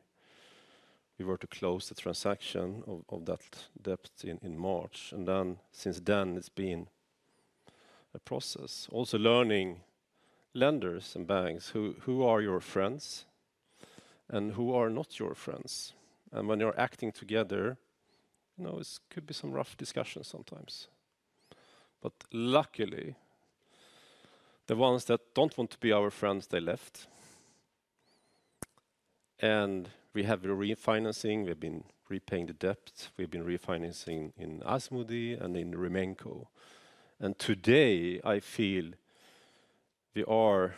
We were to close the transaction of that debt in March, and then since then, it's been a process. Also learning lenders and banks, who are your friends and who are not your friends? And when you're acting together, you know, it could be some rough discussions sometimes. Luckily, the ones that don't want to be our friends, they left. And we have a refinancing. We've been repaying the debt. We've been refinancing in Asmodee and in Remanco. Today, I feel we are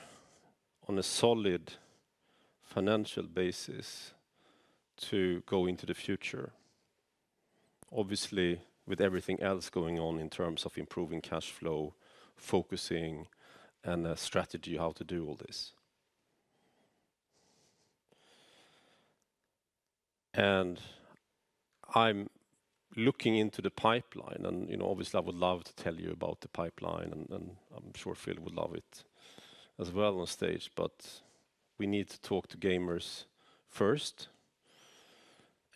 on a solid financial basis to go into the future. Obviously, with everything else going on in terms of improving cash flow, focusing, and a strategy how to do all this. I'm looking into the pipeline, and, you know, obviously, I would love to tell you about the pipeline, and I'm sure Phil would love it as well on stage. We need to talk to gamers first,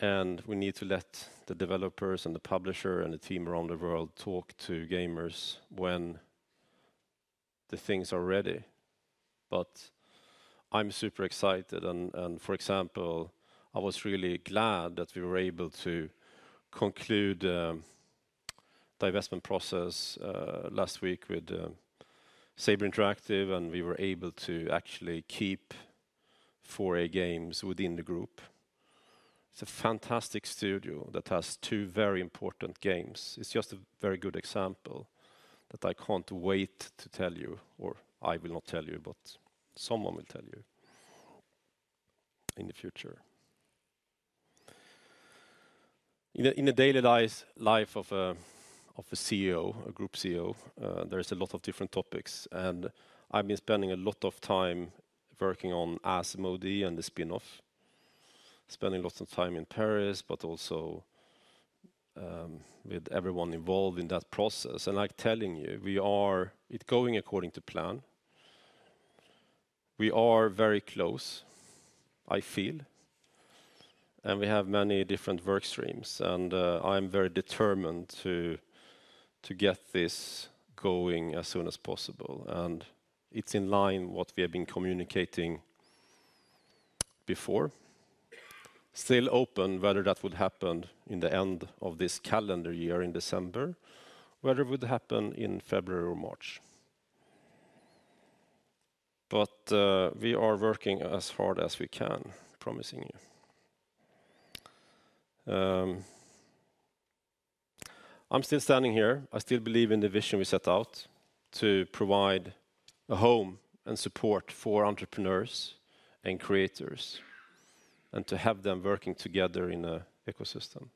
and we need to let the developers, and the publisher, and the team around the world talk to gamers when the things are ready. But I'm super excited, and for example, I was really glad that we were able to conclude divestment process last week with Saber Interactive, and we were able to actually keep 4A Games within the group. It's a fantastic studio that has two very important games. It's just a very good example that I can't wait to tell you, or I will not tell you, but someone will tell you in the future. In the daily life of a CEO, a group CEO, there is a lot of different topics, and I've been spending a lot of time working on Asmodee and the spin-off. Spending lots of time in Paris, but also with everyone involved in that process. Like telling you, it's going according to plan. We are very close, I feel, and we have many different work streams, and I'm very determined to get this going as soon as possible, and it's in line what we have been communicating before. Still open, whether that would happen in the end of this calendar year, in December, whether it would happen in February or March. But we are working as hard as we can, promising you. I'm still standing here. I still believe in the vision we set out, to provide a home and support for entrepreneurs and creators, and to have them working together in an ecosystem.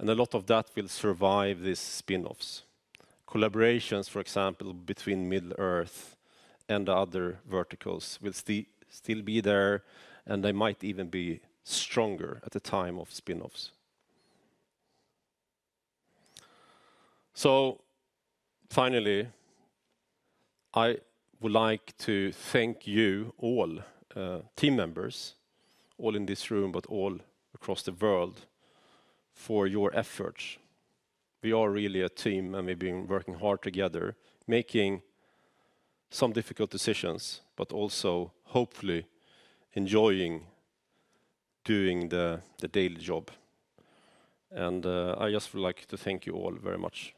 A lot of that will survive these spin-offs. Collaborations, for example, between Middle-earth and other verticals, will still be there, and they might even be stronger at the time of spin-offs. Finally, I would like to thank you all, team members, all in this room, but all across the world, for your efforts. We are really a team, and we've been working hard together, making some difficult decisions, but also hopefully enjoying doing the daily job. I just would like to thank you all very much.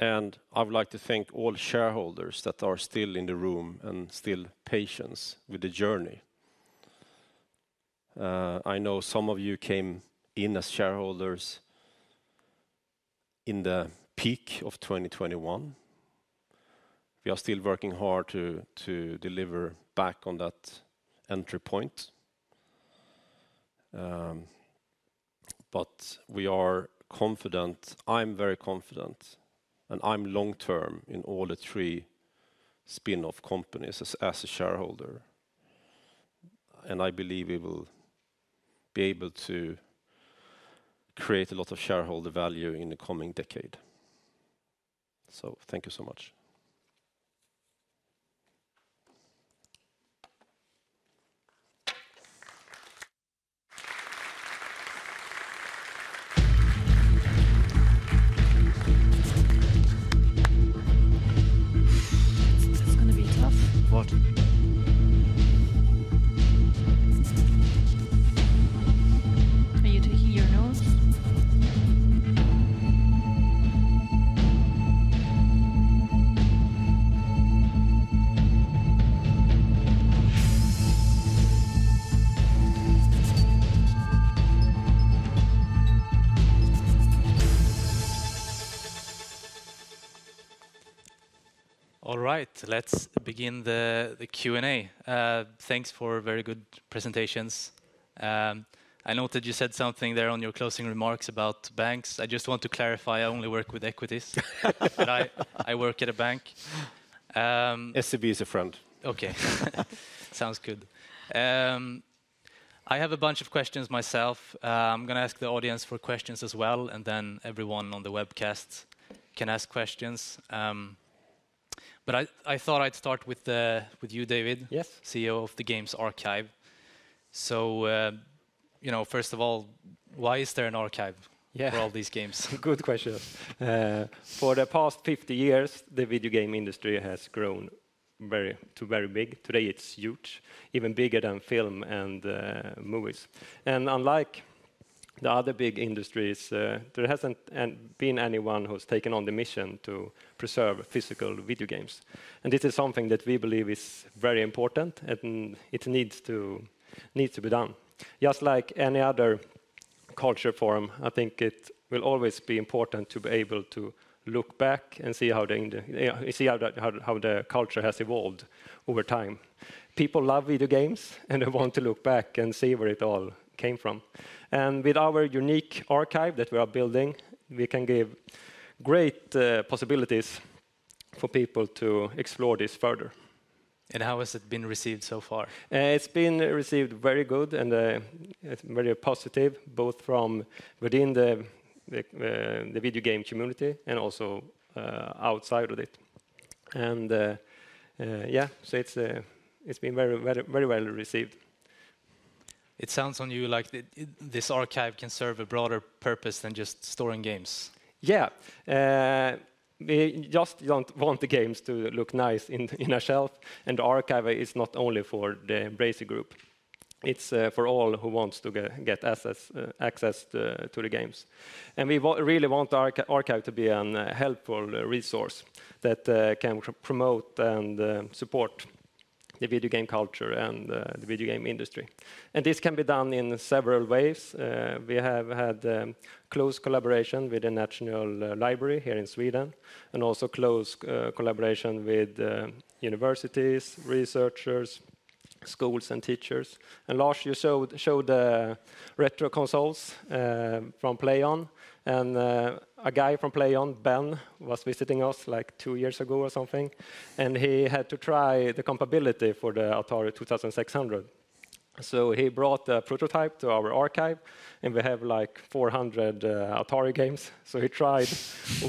I would like to thank all shareholders that are still in the room and still patient with the journey. I know some of you came in as shareholders in the peak of 2021. We are still working hard to deliver back on that entry point, but we are confident. I'm very confident, and I'm long term in all the three spin-off companies as a shareholder, and I believe we will be able to create a lot of shareholder value in the coming decade. Thank you so much. This is going to be tough. What? Are you tweaking your nose? All right, let's begin the Q&A. Thanks for very good presentations. I note that you said something there on your closing remarks about banks. I just want to clarify, I only work with equities. I work at a bank. SEB is a friend. Sounds good. I have a bunch of questions myself. I'm gonna ask the audience for questions as well, and then everyone on the webcast can ask questions. I thought I'd start with you, David. Yes. CEO of the Games Archive. First of all, why is there an archivefor all these games? Good question. For the past 50 years, the video game industry has grown to very big. Today, it's huge, even bigger than film and movies. Unlike the other big industries, there hasn't been anyone who has taken on the mission to preserve physical video games. This is something that we believe is very important, and it needs to be done. Just like any other culture forum, I think it will always be important to be able to look back and see how the culture has evolved over time. People love video games, and they want to look back and see where it all came from. With our unique archive that we are building, we can give great possibilities for people to explore this further. How has it been received so far? It's been received very good, and very positive, both from within the video game community and also, so it's been very, very, very well received. It sounds to you like this archive can serve a broader purpose than just storing games. Yeah. We just don't want the games to look nice in a shelf, and the archive is not only for the Embracer Group, it's for all who wants to get access to the games. And we really want the archive to be a helpful resource that can promote and support the video game culture and the video game industry. And this can be done in several ways. We have had close collaboration with the National Library here in Sweden, and also close collaboration with universities, researchers, schools, and teachers. And last year showed retro consoles from Plaion, and a guy from Plaion, Ben, was visiting us, like, two years ago or something, and he had to try the compatibility for the Atari 2600. He brought the prototype to our archive, and we have, like, 400 Atari games. He tried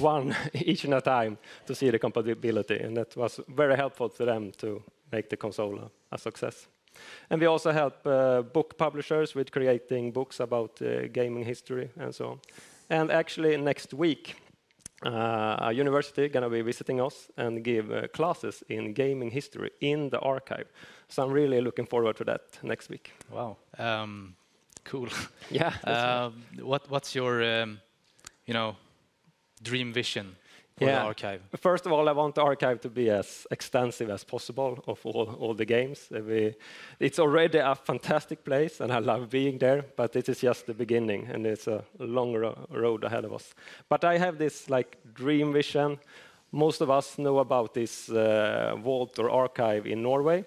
one, each at a time, to see the compatibility, and that was very helpful to them to make the console a success. We also help book publishers with creating books about gaming history, and so on. Actually, next week, a university going to be visiting us and give classes in gaming history in the archive, so I'm really looking forward to that next week. Wow! Cool. Yeah. What's your dream vision for the archive? First of all, I want the archive to be as extensive as possible of all, all the games. It's already a fantastic place, and I love being there, but this is just the beginning, and there's a longer road ahead of us. I have this, like, dream vision. Most of us know about this vault or archive in Norway,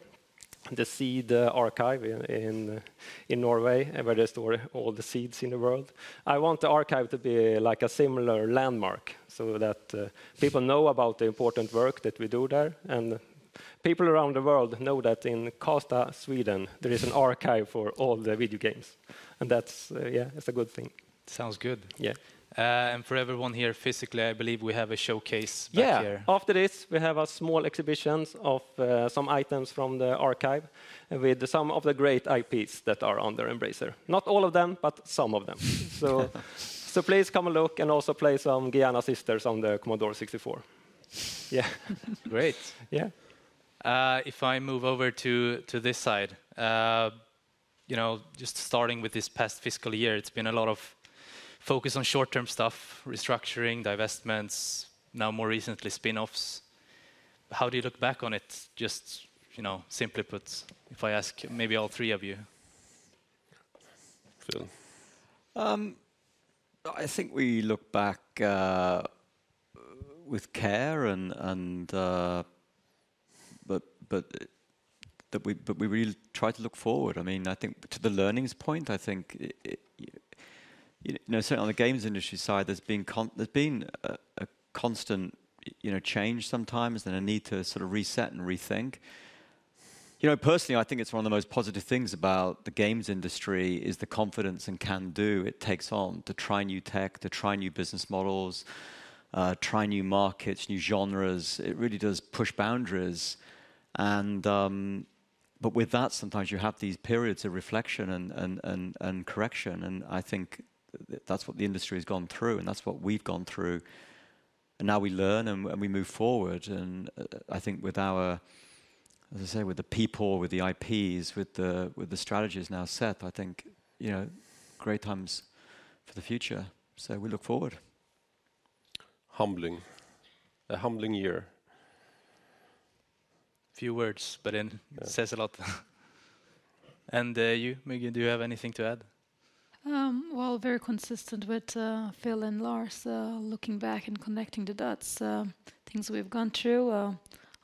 the Global Seed Vault in Norway, where they store all the seeds in the world. I want the archive to be like a similar landmark, so that people know about the important work that we do there, and people around the world know that in Karlstad, Sweden, there is an archive for all the video games, and that's, yeah, that's a good thing. Sounds good. Yeah. For everyone here physically, I believe we have a showcase back here. Yeah. After this, we have a small exhibition of some items from the archive, with some of the great IPs that are under Embracer. Not all of them, but some of them. Please come and look, and also play some Giana Sisters on the Commodore 64. Yeah. Great. Yeah. If I move over to this side, you know, just starting with this past fiscal year, it's been a lot of focus on short-term stuff, restructuring, divestments, now more recently, spin-offs. How do you look back on it? Just, you know, simply put, if I ask maybe all three of you. Phil. I think we look back with care, but we really try to look forward. I mean, I think to the learnings point, I think, you know, so on the games industry side, there's been con there's been a constant change sometimes than a need to reset and rethink. Personally, I think it's one of the most positive things about the games industry, is the confidence and can-do it takes on, to try new tech, to try new business models, try new markets, new genres. It really does push boundaries, but with that, sometimes you have these periods of reflection and correction, and I think that's what the industry has gone through, and that's what we've gone through. Now we learn, and we move forward. I think with our, as I say, with the people, with the IPs, with the strategies now set, I think, you know, great times for the future, so we look forward. Humbling. A humbling year. Few words, but then says a lot. Mygge, do you have anything to add? Well, very consistent with Phil and Lars looking back and connecting the dots. Things we've gone through,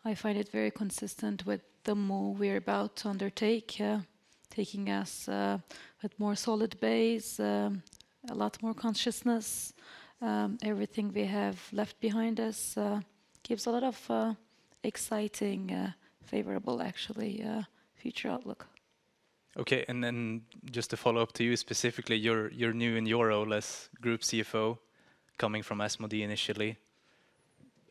I find it very consistent with the move we're about to undertake. Taking us with more solid base, a lot more consciousness. Everything we have left behind us gives a lot of exciting, favorable, actually, future outlook. Okay, and then just to follow up to you specifically, you're new in your role as Group CFO, coming from Asmodee initially.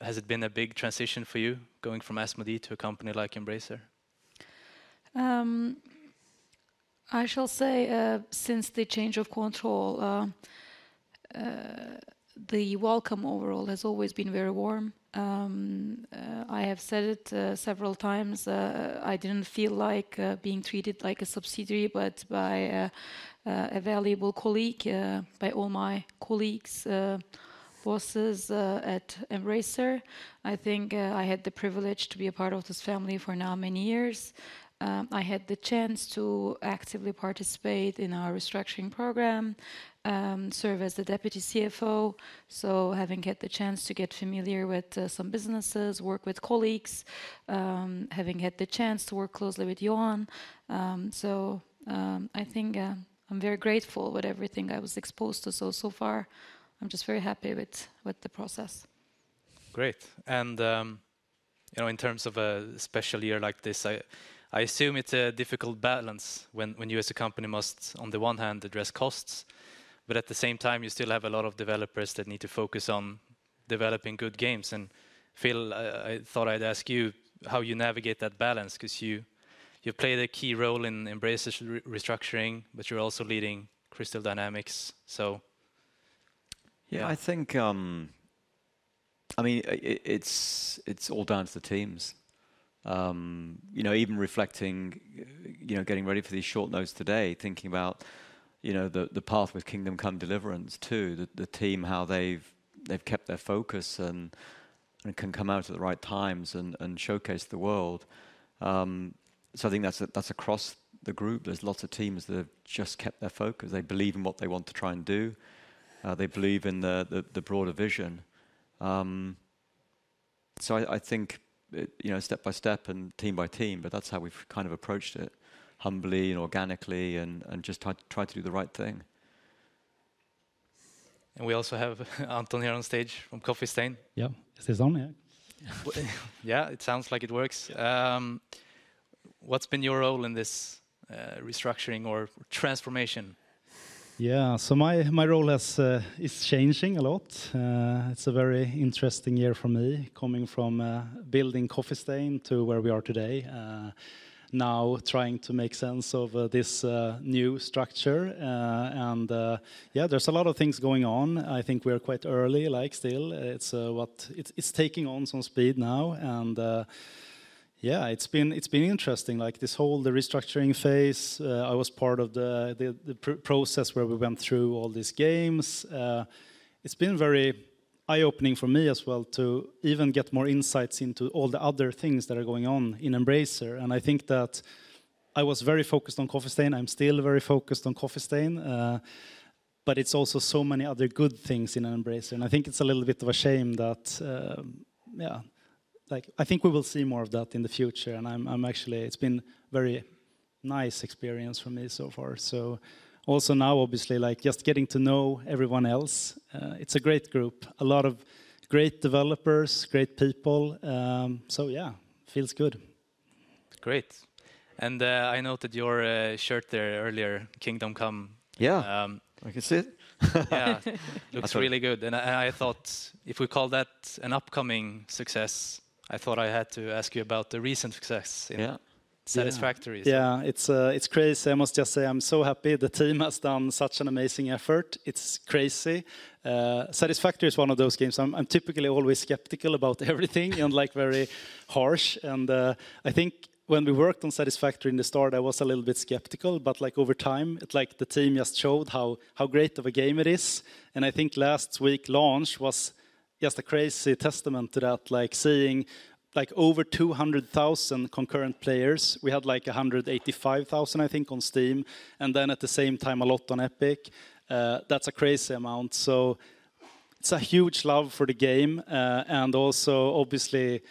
Has it been a big transition for you, going from Asmodee to a company like Embracer? I shall say, since the change of control, the welcome overall has always been very warm. I have said it, several times, I didn't feel like being treated like a subsidiary, but by a valuable colleague, by all my colleagues, bosses, at Embracer. I think, I had the privilege to be a part of this family for now many years. I had the chance to actively participate in our restructuring program, serve as the deputy CFO. So having had the chance to get familiar with some businesses, work with colleagues, having had the chance to work closely with Johan. I think, I'm very grateful with everything I was exposed to so far. I'm just very happy with the process. Great. In terms of a special year like this, I assume it's a difficult balance when you as a company must, on the one hand, address costs, but at the same time, you still have a lot of developers that need to focus on developing good games. Phil, I thought I'd ask you how you navigate that balance, 'cause you played a key role in Embracer's restructuring, but you're also leading Crystal Dynamics. Yeah, I think, I mean, it's all down to the teams. You know, even reflecting, you know, getting ready for these short notes today, thinking about, you know, the path with Kingdom Come: Deliverance II. The team, how they've kept their focus and can come out at the right times and showcase the world. I think that's across the group. There's lots of teams that have just kept their focus. They believe in what they want to try and do. They believe in the broader vision. I think step by step and team by team, but that's how we've kind of approached it, humbly and organically and just try to do the right thing. We also have Anton here on stage from Coffee Stain. Yeah. Is this on, yeah? Yeah, it sounds like it works. What's been your role in this restructuring or transformation? My role is changing a lot. It's a very interesting year for me, coming from building Coffee Stain to where we are today. Now trying to make sense of this new structure. And yeah, there's a lot of things going on. I think we are quite early, like, still. It's taking on some speed now, and yeah, it's been interesting. Like, this whole restructuring phase, I was part of the process where we went through all these games. It's been very eye-opening for me as well to even get more insights into all the other things that are going on in Embracer, and I think that I was very focused on Coffee Stain. I'm still very focused on Coffee Stain, but it's also so many other good things in Embracer. I think it's a little bit of a shame that. Like, I think we will see more of that in the future, and I'm actually. It's been very nice experience for me so far. Also now, obviously, like, just getting to know everyone else, it's a great group, a lot of great developers, great people. Feels good. Great. I noted your shirt there earlier, Kingdom Come. Yeah. I can see it? Yeah. Looks really good. And I, I thought, if we call that an upcoming success, I thought I had to ask you about the recent success. Yeah. Yeah. Satisfactory. It's crazy. I must just say, I'm so happy the team has done such an amazing effort. It's crazy. Satisfactory is one of those games. I'm typically always skeptical about everything and like very harsh. I think when we worked on Satisfactory in the start, I was a little bit skeptical, but like over time it like the team just showed how great of a game it is. And I think last week launch was just a crazy testament to that, like seeing like over 200,000 concurrent players. We had like 185,000, I think, on Steam, and then at the same time a lot on Epic. That's a crazy amount. So it's a huge love for the game. Also, obviously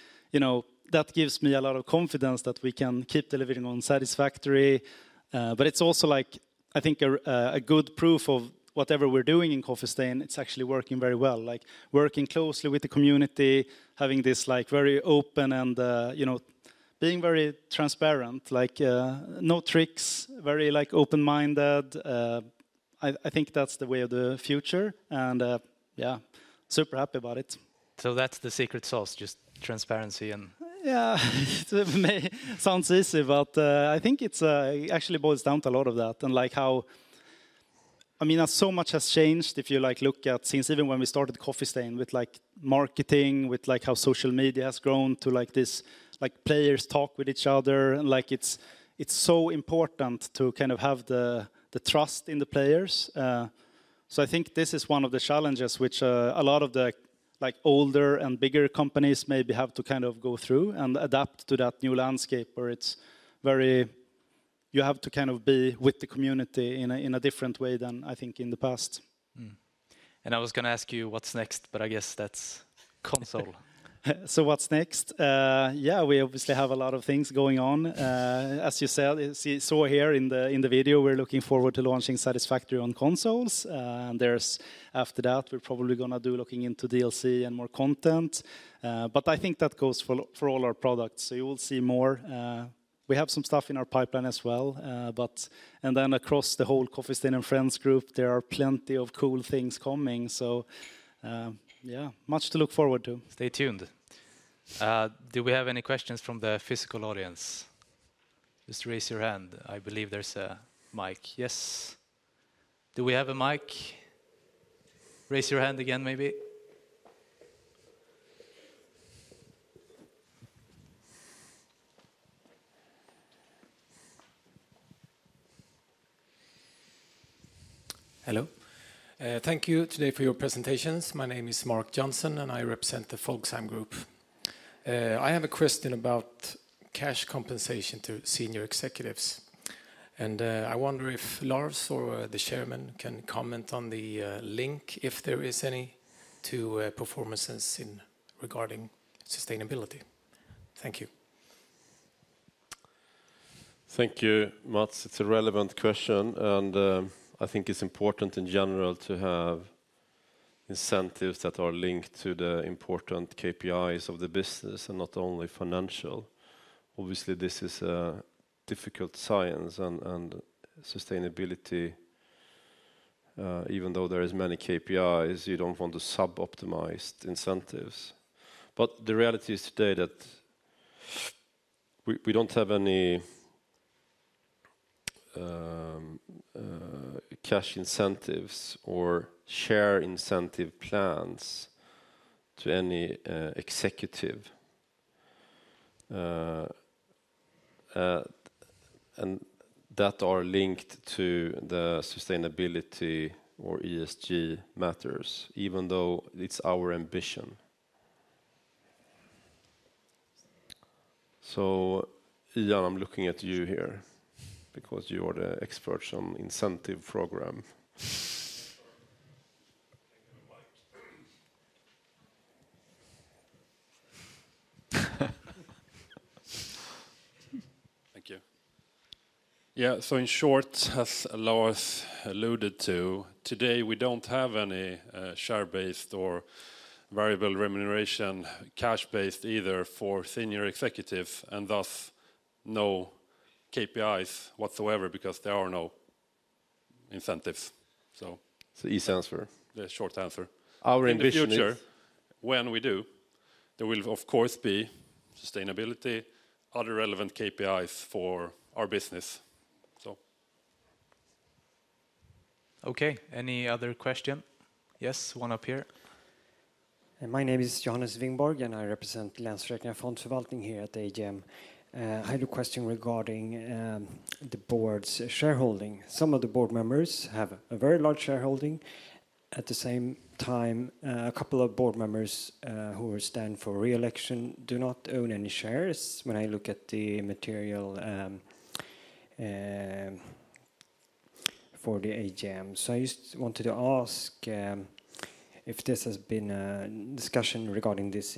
that gives me a lot of confidence that we can keep delivering on Satisfactory. It's also like, I think, a good proof of whatever we're doing in Coffee Stain; it's actually working very well. Like, working closely with the community, having this, like, very open and being very transparent, like, no tricks, very, like, open-minded. I think that's the way of the future, and, yeah, super happy about it. That's the secret sauce, just transparency and- To me, sounds easy, but, I think it's actually boils down to a lot of that. Like so much has changed if you, like, look at since even when we started Coffee Stain, with, like, marketing, with, like, how social media has grown to like this, like, players talk with each other. Like, it's so important to kind of have the trust in the players. I think this is one of the challenges which a lot of the, like, older and bigger companies maybe have to kind of go through and adapt to that new landscape, where it's very... you have to kind of be with the community in a different way than I think in the past. I was going ask you what's next, but I guess that's console. What's next? Yeah, we obviously have a lot of things going on. As you said, you saw here in the video, we're looking forward to launching Satisfactory on consoles. Then after that, we're probably gonna do looking into DLC and more content. I think that goes for all our products. You will see more. We have some stuff in our pipeline as well, but and then across the whole Coffee Stain and Friends group, there are plenty of cool things coming. Much to look forward to. Stay tuned. Do we have any questions from the physical audience? Just raise your hand. I believe there's a mic. Yes. Do we have a mic? Raise your hand again, maybe. Hello. Thank you today for your presentations. My name is Mark Johnson, and I represent the Folksam Group. I have a question about cash compensation to senior executives, and I wonder if Lars or the chairman can comment on the link, if there is any, to performances in regarding sustainability. Thank you. Thank you, Mats. It's a relevant question, and I think it's important in general to have incentives that are linked to the important KPIs of the business and not only financial. Obviously, this is a difficult science, and sustainability, even though there is many KPIs, you don't want to suboptimize incentives. The reality is today that we don't have any cash incentives or share incentive plans to any executive, and that are linked to the sustainability or ESG matters, even though it's our ambition. Ian, I'm looking at you here because you are the expert on incentive program. Thank you. In short, as Lars alluded to, today, we don't have any share-based or variable remuneration, cash-based either for senior executive, and thus no KPIs whatsoever because there are no incentives, so- It's the easy answer. .The short answer. Our .ambition is. In the future, when we do, there will, of course, be sustainability, other relevant KPIs for our business, so. Okay, any other question? Yes, one up here. My name is Johannes Wingborg, and I represent Länsförsäkringar Fondförvaltning here at AGM. I have a question regarding the board's shareholding. Some of the board members have a very large shareholding. At the same time, a couple of board members who stand for re-election do not own any shares when I look at the material for the AGM. So I just wanted to ask if this has been a discussion regarding this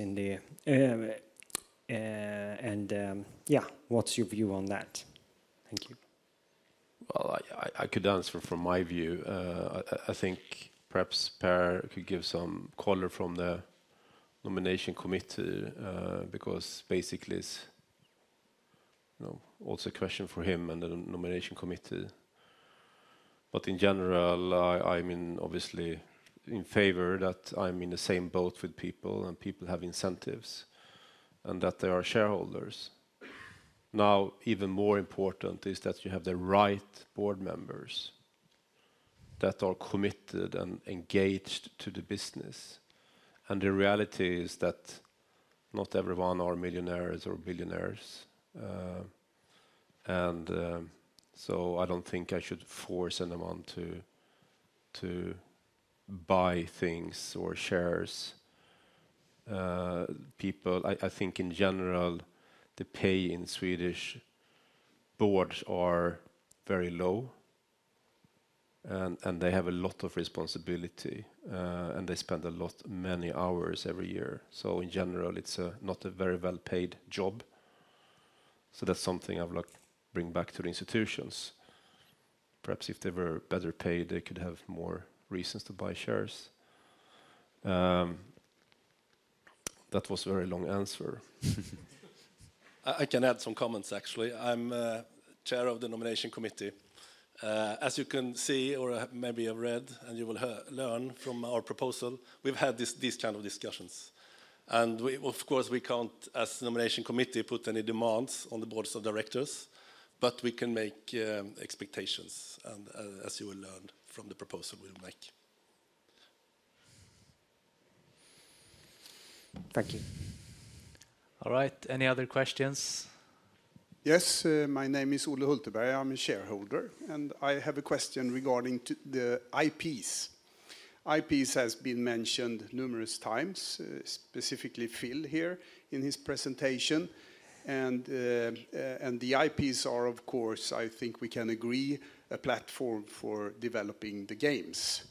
in the... Yeah, what's your view on that? Thank you. I could answer from my view. I think perhaps Per could give some color from the nomination committee, because basically, it's, you know, also a question for him and the nomination committee. But in general, I'm obviously in favor that I'm in the same boat with people, and people have incentives, and that they are shareholders. Now, even more important is that you have the right board members that are committed and engaged to the business. And the reality is that not everyone are millionaires or billionaires. And so I don't think I should force anyone to buy things or shares. People, I think in general, the pay in Swedish boards are very low, and they have a lot of responsibility, and they spend a lot, many hours every year. In general, it's not a very well-paid job. So that's something I would like to bring back to the institutions. Perhaps if they were better paid, they could have more reasons to buy shares. That was a very long answer. I can add some comments, actually. I'm chair of the nomination committee. As you can see, or maybe you have read, and you will learn from our proposal, we've had this, these kind of discussions, and we, of course, we can't, as the nomination committee, put any demands on the boards of directors, but we can make expectations, and as you will learn from the proposal we'll make. Thank you. All right, any other questions? Yes. My name is Ole Hulteberg. I'm a shareholder, and I have a question regarding to the IPs. IPs has been mentioned numerous times, specifically Phil here in his presentation. And the IPs are, of course, I think we can agree, a platform for developing the games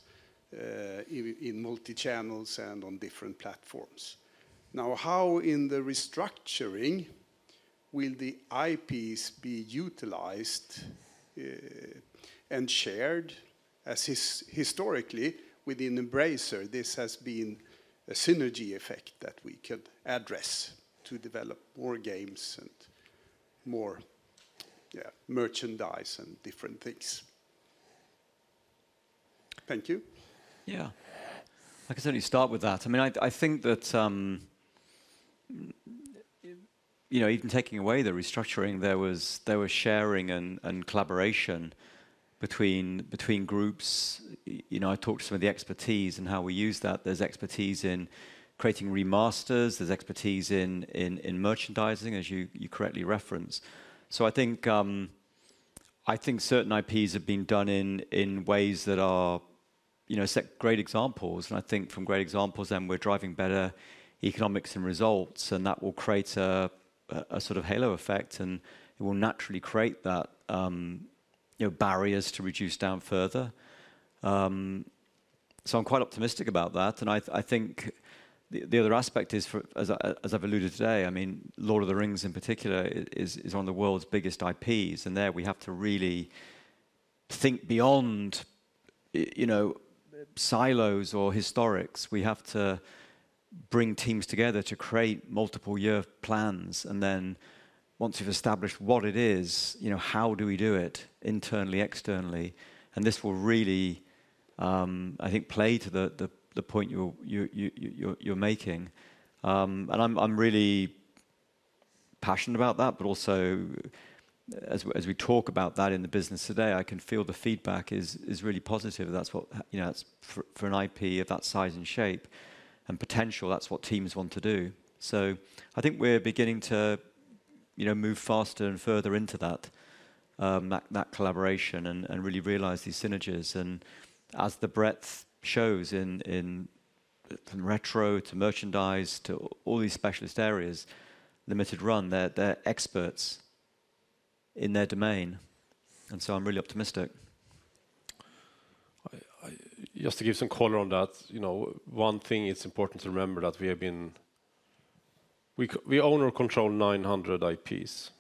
in multi-channels and on different platforms. Now, how in the restructuring will the IPs be utilized and shared, as historically, within Embracer, this has been a synergy effect that we could address to develop more games and more, yeah, merchandise and different things. Thank you. I can certainly start with that. I mean, I think that, you know, even taking away the restructuring, there was sharing and collaboration between groups. You know, I talked to some of the expertise and how we use that. There's expertise in creating remasters, there's expertise in merchandising, as you correctly referenced. I think certain IPs have been done in ways that are, you know, set great examples, and I think from great examples, then we're driving better economics and results, and that will create a halo effect, and it will naturally create that, you know, barriers to reduce down further. I'm quite optimistic about that, and I think the other aspect is—as I've alluded today, I mean, Lord of the Rings in particular is one of the world's biggest IPs, and there we have to really think beyond you know silos or historical. We have to bring teams together to create multiple-year plans, and then once you've established what it is how do we do it internally, externally? This will really I think play to the point you're making. I'm really passionate about that, but also as we talk about that in the business today, I can feel the feedback is really positive. That's what, you know, it's for an IP of that size and shape, and potential, that's what teams want to do, so I think we're beginning to move faster and further into that collaboration and really realize these synergies, and as the breadth shows in from retro to merchandise to all these specialist areas, Limited Run, they're experts in their domain, and so I'm really optimistic. Just to give some color on that, you know, one thing it's important to remember that we own or control nine hundred IPs.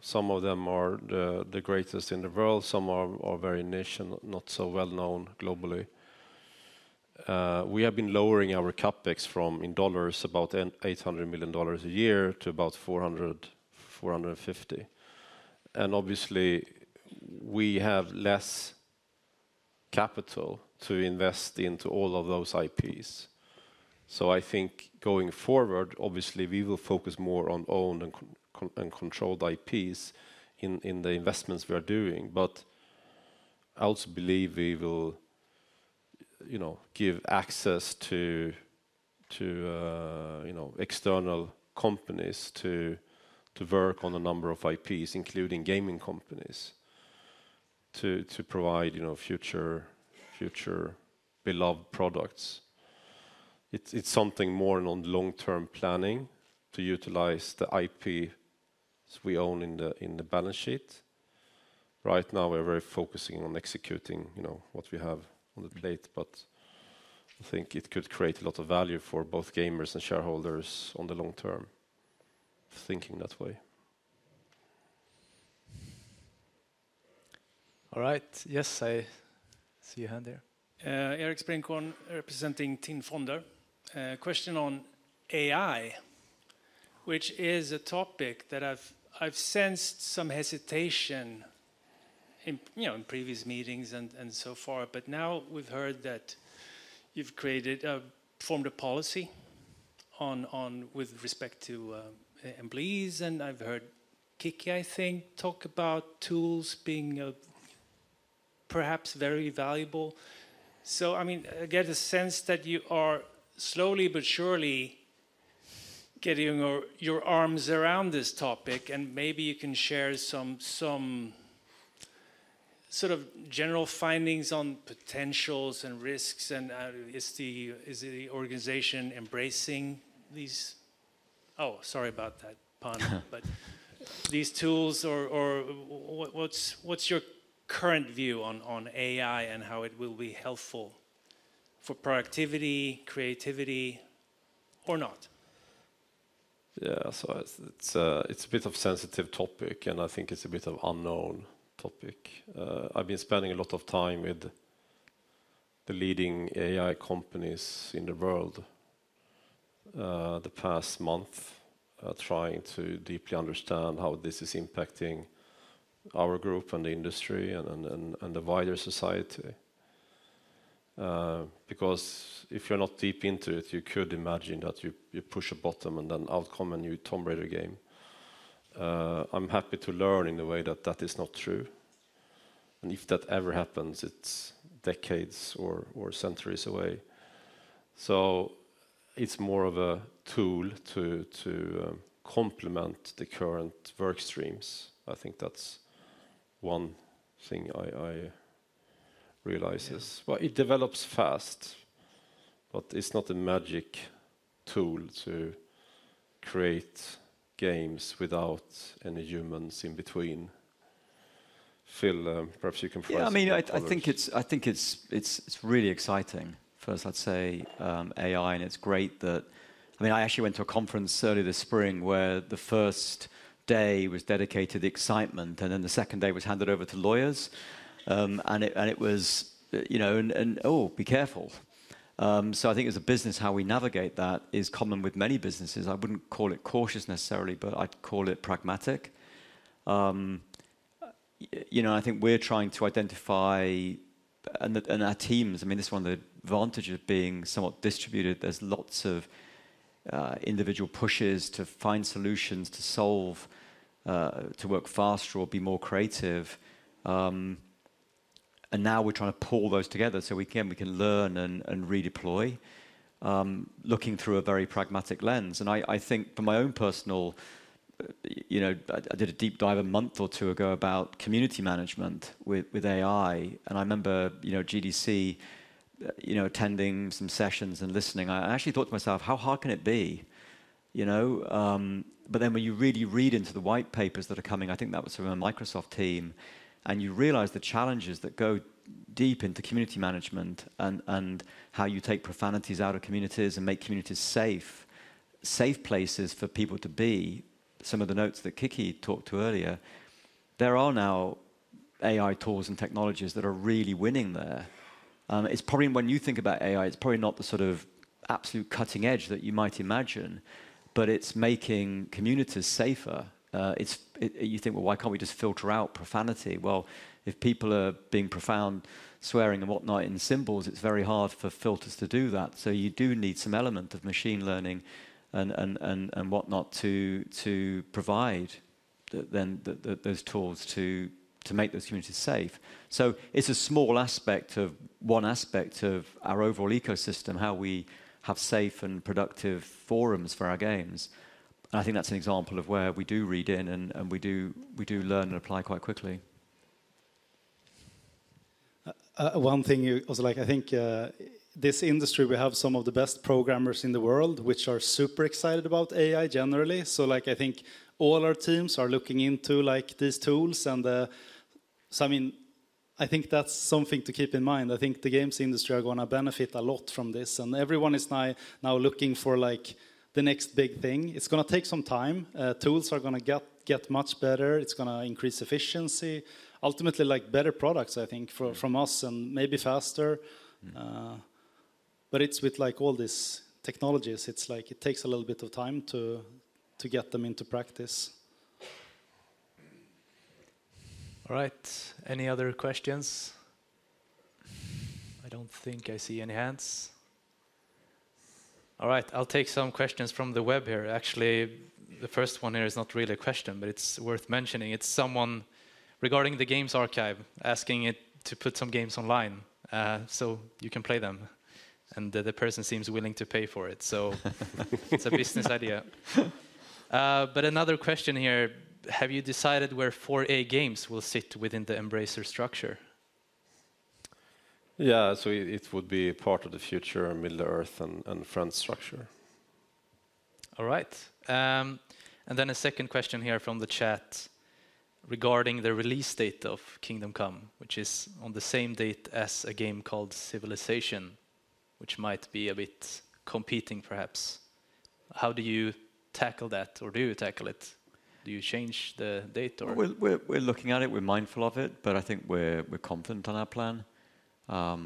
Some of them are the greatest in the world, some are very niche and not so well known globally. We have been lowering our CapEx from about $800 million a year to about $400-$450 million. And obviously, we have less capital to invest into all of those IPs. I think going forward, obviously, we will focus more on owned and controlled IPs in the investments we are doing. But I also believe we will, you know, give access to external companies to work on a number of IPs, including gaming companies, to provide future beloved products. It's something more on long-term planning to utilize the IP we own in the balance sheet. Right now, we're very focusing on executing, you know, what we have on the plate, but I think it could create a lot of value for both gamers and shareholders on the long term, thinking that way. All right. Yes, I see a hand there. Erik Sprinchorn, representing Tin Fonder. Question on AI, which is a topic that I've sensed some hesitation in, you know, in previous meetings and so far, but now we've heard that you've created a formed a policy on with respect to employees, and I've heard Kiki, I think, talk about tools being perhaps very valuable. I mean, I get a sense that you are slowly but surely getting your arms around this topic, and maybe you can share some general findings on potentials and risks, and is the organization embracing these. Oh, sorry about that pun. But these tools or what's your current view on AI and how it will be helpful for productivity, creativity, or not? It's, it's a bit of sensitive topic, and I think it's a bit of unknown topic. I've been spending a lot of time with the leading AI companies in the world, the past month, trying to deeply understand how this is impacting our group and the industry and the wider society. Because if you're not deep into it, you could imagine that you push a button, and then out come a new Tomb Raider game. I'm happy to learn in a way that that is not true, and if that ever happens, it's decades or centuries away. It's more of a tool to complement the current work streams. I think that's one thing I realize, yes. It develops fast, but it's not a magic tool to create games without any humans in between. Phil, perhaps you can fill us in on- Yeah, I mean, I think it's really exciting. First, I'd say AI, and it's great that—I mean, I actually went to a conference early this spring, where the first day was dedicated to excitement, and then the second day was handed over to lawyers. And it was, you know, "Oh, be careful!" So I think as a business, how we navigate that is common with many businesses. I wouldn't call it cautious necessarily, but I'd call it pragmatic. You know, I think we're trying to identify. And our teams, I mean, this is one of the advantages of being somewhat distributed. There's lots of individual pushes to find solutions to work faster or be more creative. Now we're trying to pull those together, so we can learn and redeploy, looking through a very pragmatic lens. And I think from my own personal, you know, I did a deep dive a month or two ago about community management with AI, and I remember, you know, GDC, you know, attending some sessions and listening. I actually thought to myself, "How hard can it be?" You know, but then when you really read into the white papers that are coming, I think that was from a Microsoft team, and you realize the challenges that go deep into community management, and how you take profanities out of communities and make communities safe places for people to be. Some of the notes that Kiki talked to earlier, there are now AI tools and technologies that are really winning there. It's probably when you think about AI, it's probably not the absolute cutting edge that you might imagine, but it's making communities safer. You think, "Well, why can't we just filter out profanity?" Well, if people are being profane, swearing and whatnot, in symbols, it's very hard for filters to do that. You do need some element of machine learning and whatnot to provide those tools to make those communities safe. It's a small aspect of one aspect of our overall ecosystem, how we have safe and productive forums for our games. I think that's an example of where we do read in and we do learn and apply quite quickly. One thing you also like, I think, this industry, we have some of the best programmers in the world, which are super excited about AI generally. Like, I think all our teams are looking into, like, these tools and, so I mean, I think that's something to keep in mind. I think the games industry are gonna benefit a lot from this, and everyone is looking for, like, the next big thing. It's gonna take some time. Tools are gonna get much better. It's gonna increase efficiency. Ultimately, like, better products, I think, from us, and maybe faster. It's with, like, all these technologies, it's like it takes a little bit of time to get them into practice. All right, any other questions? I don't think I see any hands. All right, I'll take some questions from the web here. Actually, the first one here is not really a question, but it's worth mentioning. It's someone regarding the games archive, asking it to put some games online, so you can play them, and the person seems willing to pay for it, so it's a business idea. But another question here: Have you decided where 4A Games will sit within the Embracer structure? Yeah, so it would be part of the future Middle-earth and Friends structure. All right. And then a second question here from the chat regarding the release date of Kingdom Come, which is on the same date as a game called Civilization, which might be a bit competing, perhaps. How do you tackle that, or do you tackle it? Do you change the date, or? We're looking at it. We're mindful of it, but I think we're confident on our plan. I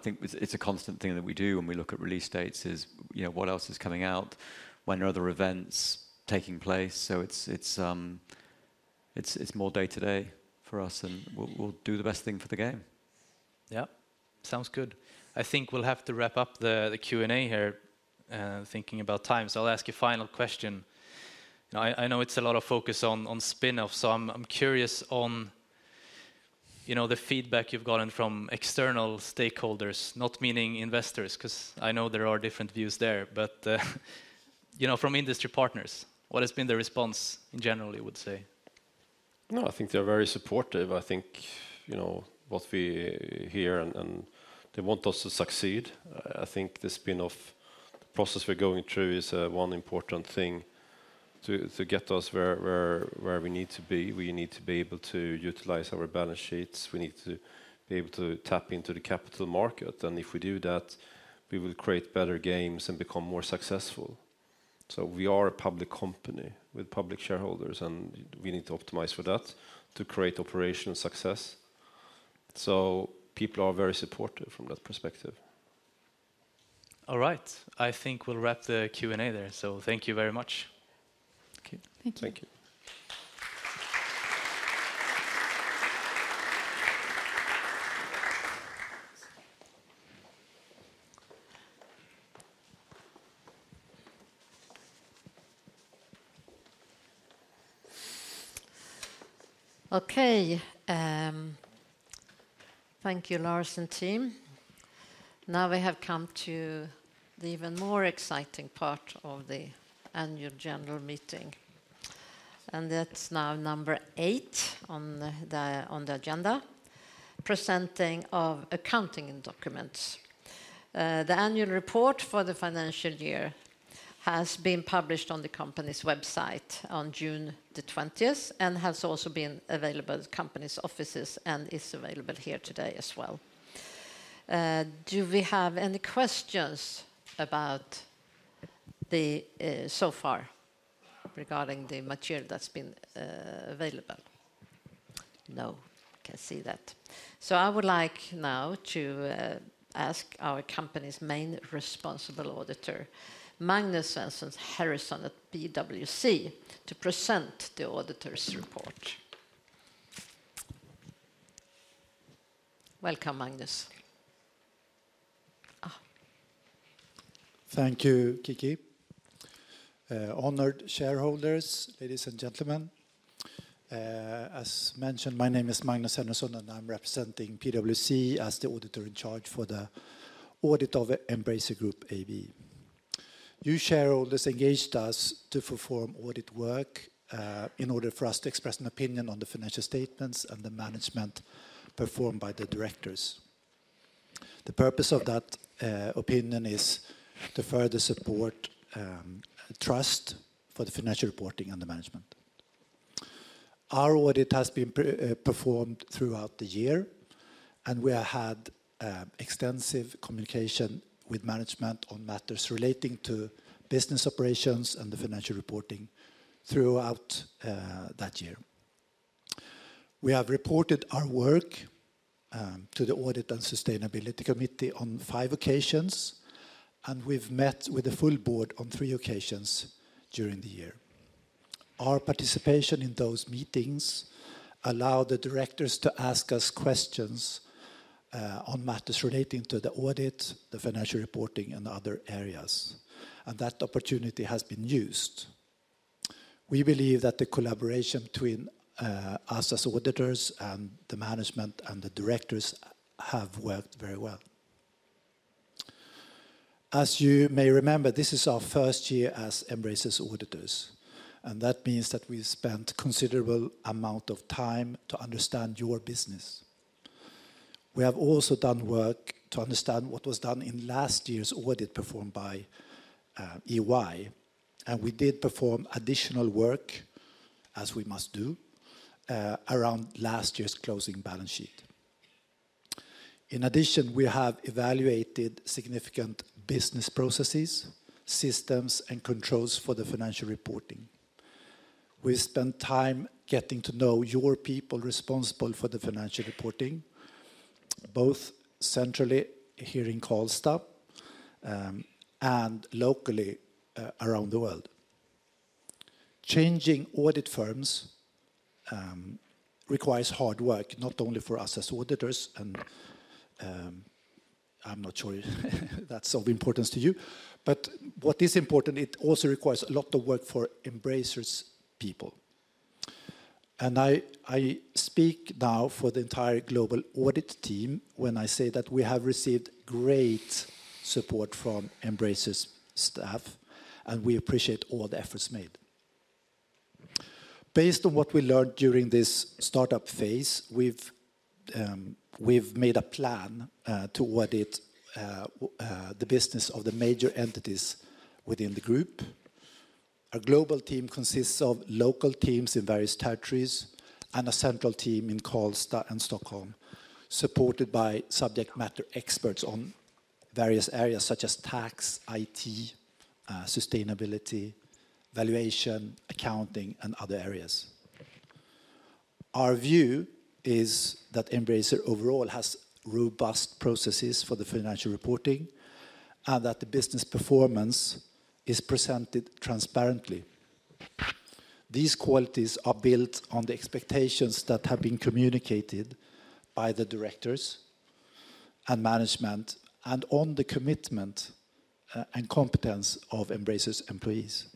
think it's a constant thing that we do when we look at release dates is, you know, what else is coming out? When are other events taking place? It's more day-to-day for us, and we'll do the best thing for the game. Yeah. Sounds good. I think we'll have to wrap up the Q&A here, thinking about time. I'll ask you a final question. I know it's a lot of focus on spin-off, so I'm curious on, you know, the feedback you've gotten from external stakeholders, not meaning investors, 'cause I know there are different views there. But, you know, from industry partners, what has been the response in general, you would say? No, I think they're very supportive. I think what we hear, and they want us to succeed. I think the spin-off process we're going through is one important thing to get us where we need to be. We need to be able to utilize our balance sheets. We need to be able to tap into the capital market, and if we do that, we will create better games and become more successful. We are a public company with public shareholders, and we need to optimize for that to create operational success. People are very supportive from that perspective. All right. I think we'll wrap the Q&A there, so thank you very much. Thank you. Thank you. Okay, thank you, Lars and team. Now we have come to the even more exciting part of the annual general meeting, and that's now number eight on the agenda: presenting of accounting and documents. The annual report for the financial year has been published on the company's website on June the twentieth, and has also been available at the company's offices, and is available here today as well. Do we have any questions so far regarding the material that's been available? No, I can see that. So I would like now to ask our company's main responsible auditor, Magnus Svensson Henryson at PwC, to present the auditor's report. Welcome, Magnus. Thank you, Kiki. Honored shareholders, ladies and gentlemen, as mentioned, my name is Magnus Svensson Henryson, and I'm representing PwC as the auditor in charge for the audit of Embracer Group AB. You shareholders engaged us to perform audit work in order for us to express an opinion on the financial statements and the management performed by the directors. The purpose of that opinion is to further support trust for the financial reporting and the management. Our audit has been performed throughout the year, and we have had extensive communication with management on matters relating to business operations and the financial reporting throughout that year. We have reported our work to the Audit and Sustainability Committee on five occasions, and we've met with the full board on three occasions during the year. Our participation in those meetings allow the directors to ask us questions, on matters relating to the audit, the financial reporting, and other areas, and that opportunity has been used. We believe that the collaboration between, us as auditors and the management and the directors have worked very well. As you may remember, this is our first year as Embracer's auditors, and that means that we spent considerable amount of time to understand your business. We have also done work to understand what was done in last year's audit performed by, EY, and we did perform additional work, as we must do, around last year's closing balance sheet. In addition, we have evaluated significant business processes, systems, and controls for the financial reporting. We spent time getting to know your people responsible for the financial reporting, both centrally here in Karlstad, and locally, around the world. Changing audit firms requires hard work, not only for us as auditors, and I'm not sure that's of importance to you, but what is important, it also requires a lot of work for Embracer's people. I speak now for the entire global audit team when I say that we have received great support from Embracer's staff, and we appreciate all the efforts made. Based on what we learned during this startup phase, we've made a plan to audit the business of the major entities within the group. Our global team consists of local teams in various territories and a central team in Karlstad and Stockholm, supported by subject matter experts on various areas such as tax, IT, sustainability, valuation, accounting, and other areas. Our view is that Embracer overall has robust processes for the financial reporting, and that the business performance is presented transparently. These qualities are built on the expectations that have been communicated by the directors and management, and on the commitment, and competence of Embracer's employees.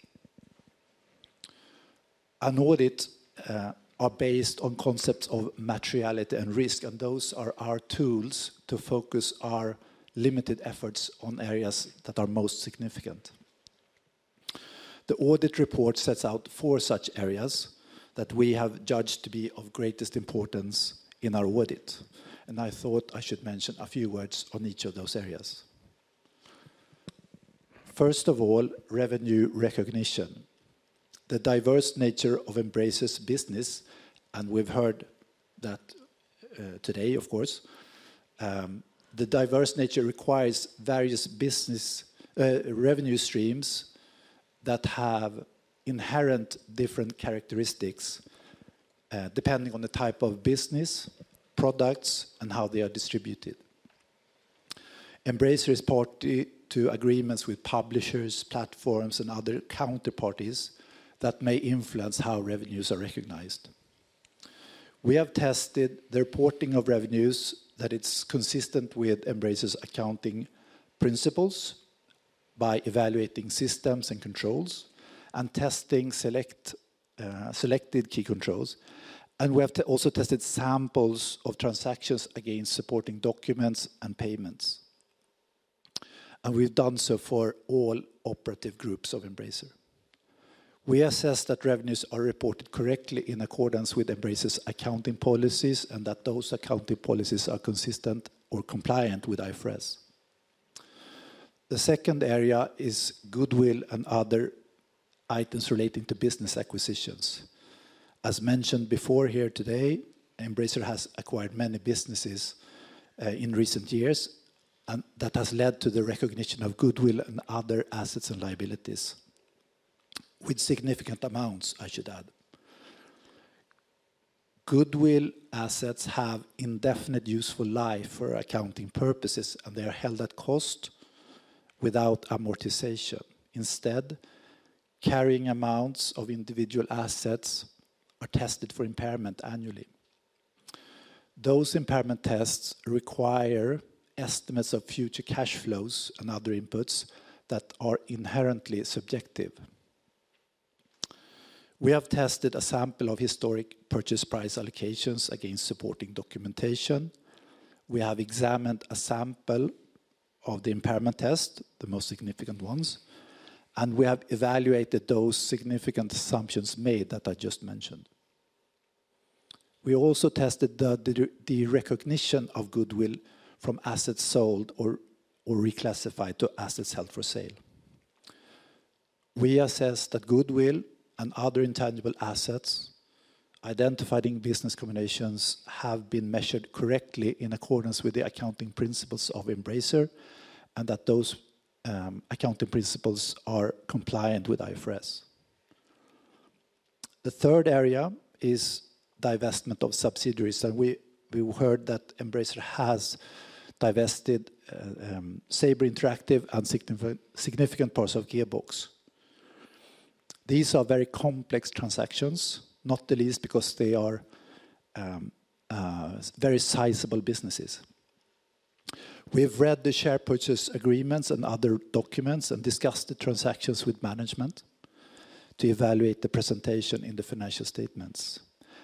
An audit, are based on concepts of materiality and risk, and those are our tools to focus our limited efforts on areas that are most significant. The audit report sets out four such areas that we have judged to be of greatest importance in our audit, and I thought I should mention a few words on each of those areas. First of all, revenue recognition. The diverse nature of Embracer's business, and we've heard that today, of course, the diverse nature requires various business revenue streams that have inherent different characteristics depending on the type of business, products, and how they are distributed. Embracer is party to agreements with publishers, platforms, and other counterparties that may influence how revenues are recognized. We have tested the reporting of revenues, that it's consistent with Embracer's accounting principles by evaluating systems and controls, and testing selected key controls. And we have to also tested samples of transactions against supporting documents and payments. And we've done so for all operative groups of Embracer. We assess that revenues are reported correctly in accordance with Embracer's accounting policies, and that those accounting policies are consistent or compliant with IFRS. The second area is goodwill and other items relating to business acquisitions. As mentioned before here today, Embracer has acquired many businesses in recent years, and that has led to the recognition of goodwill and other assets and liabilities, with significant amounts, I should add. Goodwill assets have indefinite useful life for accounting purposes, and they are held at cost without amortization. Instead, carrying amounts of individual assets are tested for impairment annually. Those impairment tests require estimates of future cash flows and other inputs that are inherently subjective. We have tested a sample of historic purchase price allocations against supporting documentation. We have examined a sample of the impairment test, the most significant ones, and we have evaluated those significant assumptions made that I just mentioned. We also tested the recognition of goodwill from assets sold or reclassified to assets held for sale. We assess that goodwill and other intangible assets identified in business combinations have been measured correctly in accordance with the accounting principles of Embracer, and that those accounting principles are compliant with IFRS. The third area is divestment of subsidiaries, and we heard that Embracer has divested Saber Interactive and significant parts of Gearbox. These are very complex transactions, not the least because they are very sizable businesses. We've read the share purchase agreements and other documents and discussed the transactions with management to evaluate the presentation in the financial statements.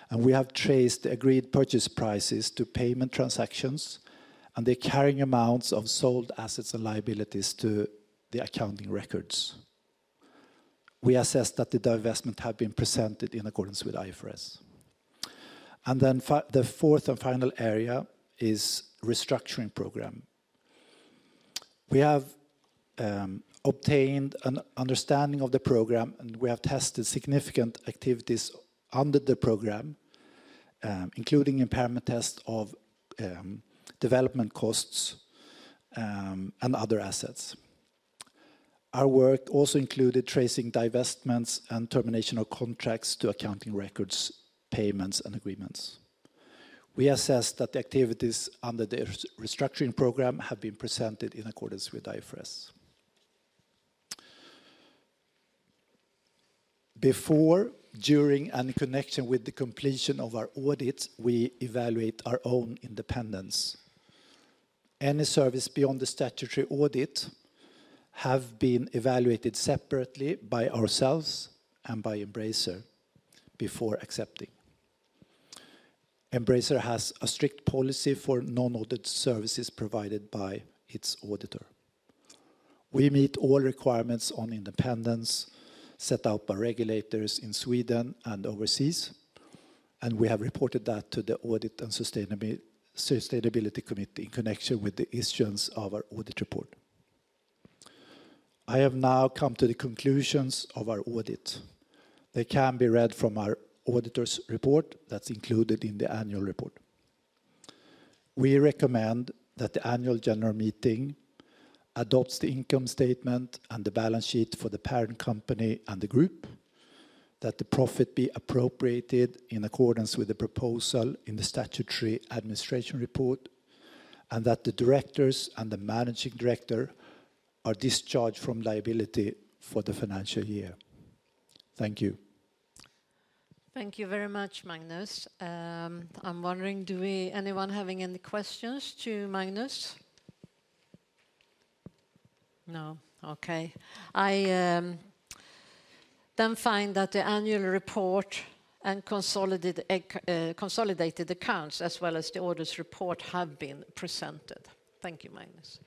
And we have traced the agreed purchase prices to payment transactions, and the carrying amounts of sold assets and liabilities to the accounting records. We assess that the divestment have been presented in accordance with IFRS. And then the fourth and final area is restructuring program. We have obtained an understanding of the program, and we have tested significant activities under the program, including impairment test of development costs and other assets. Our work also included tracing divestments and termination of contracts to accounting records, payments, and agreements. We assess that the activities under the restructuring program have been presented in accordance with IFRS. Before, during, and in connection with the completion of our audit, we evaluate our own independence. Any service beyond the statutory audit have been evaluated separately by ourselves and by Embracer before accepting. Embracer has a strict policy for non-audit services provided by its auditor. We meet all requirements on independence set out by regulators in Sweden and overseas, and we have reported that to the Audit and Sustainability Committee in connection with the issuance of our audit report. I have now come to the conclusions of our audit. They can be read from our auditor's report that's included in the annual report. We recommend that the annual general meeting adopts the income statement and the balance sheet for the parent company and the group, that the profit be appropriated in accordance with the proposal in the statutory administration report, and that the directors and the managing director are discharged from liability for the financial year. Thank you. Thank you very much, Magnus. I'm wondering, anyone having any questions to Magnus? No. Okay. I then find that the annual report and consolidated accounts, as well as the auditor's report, have been presented. Thank you, Magnus.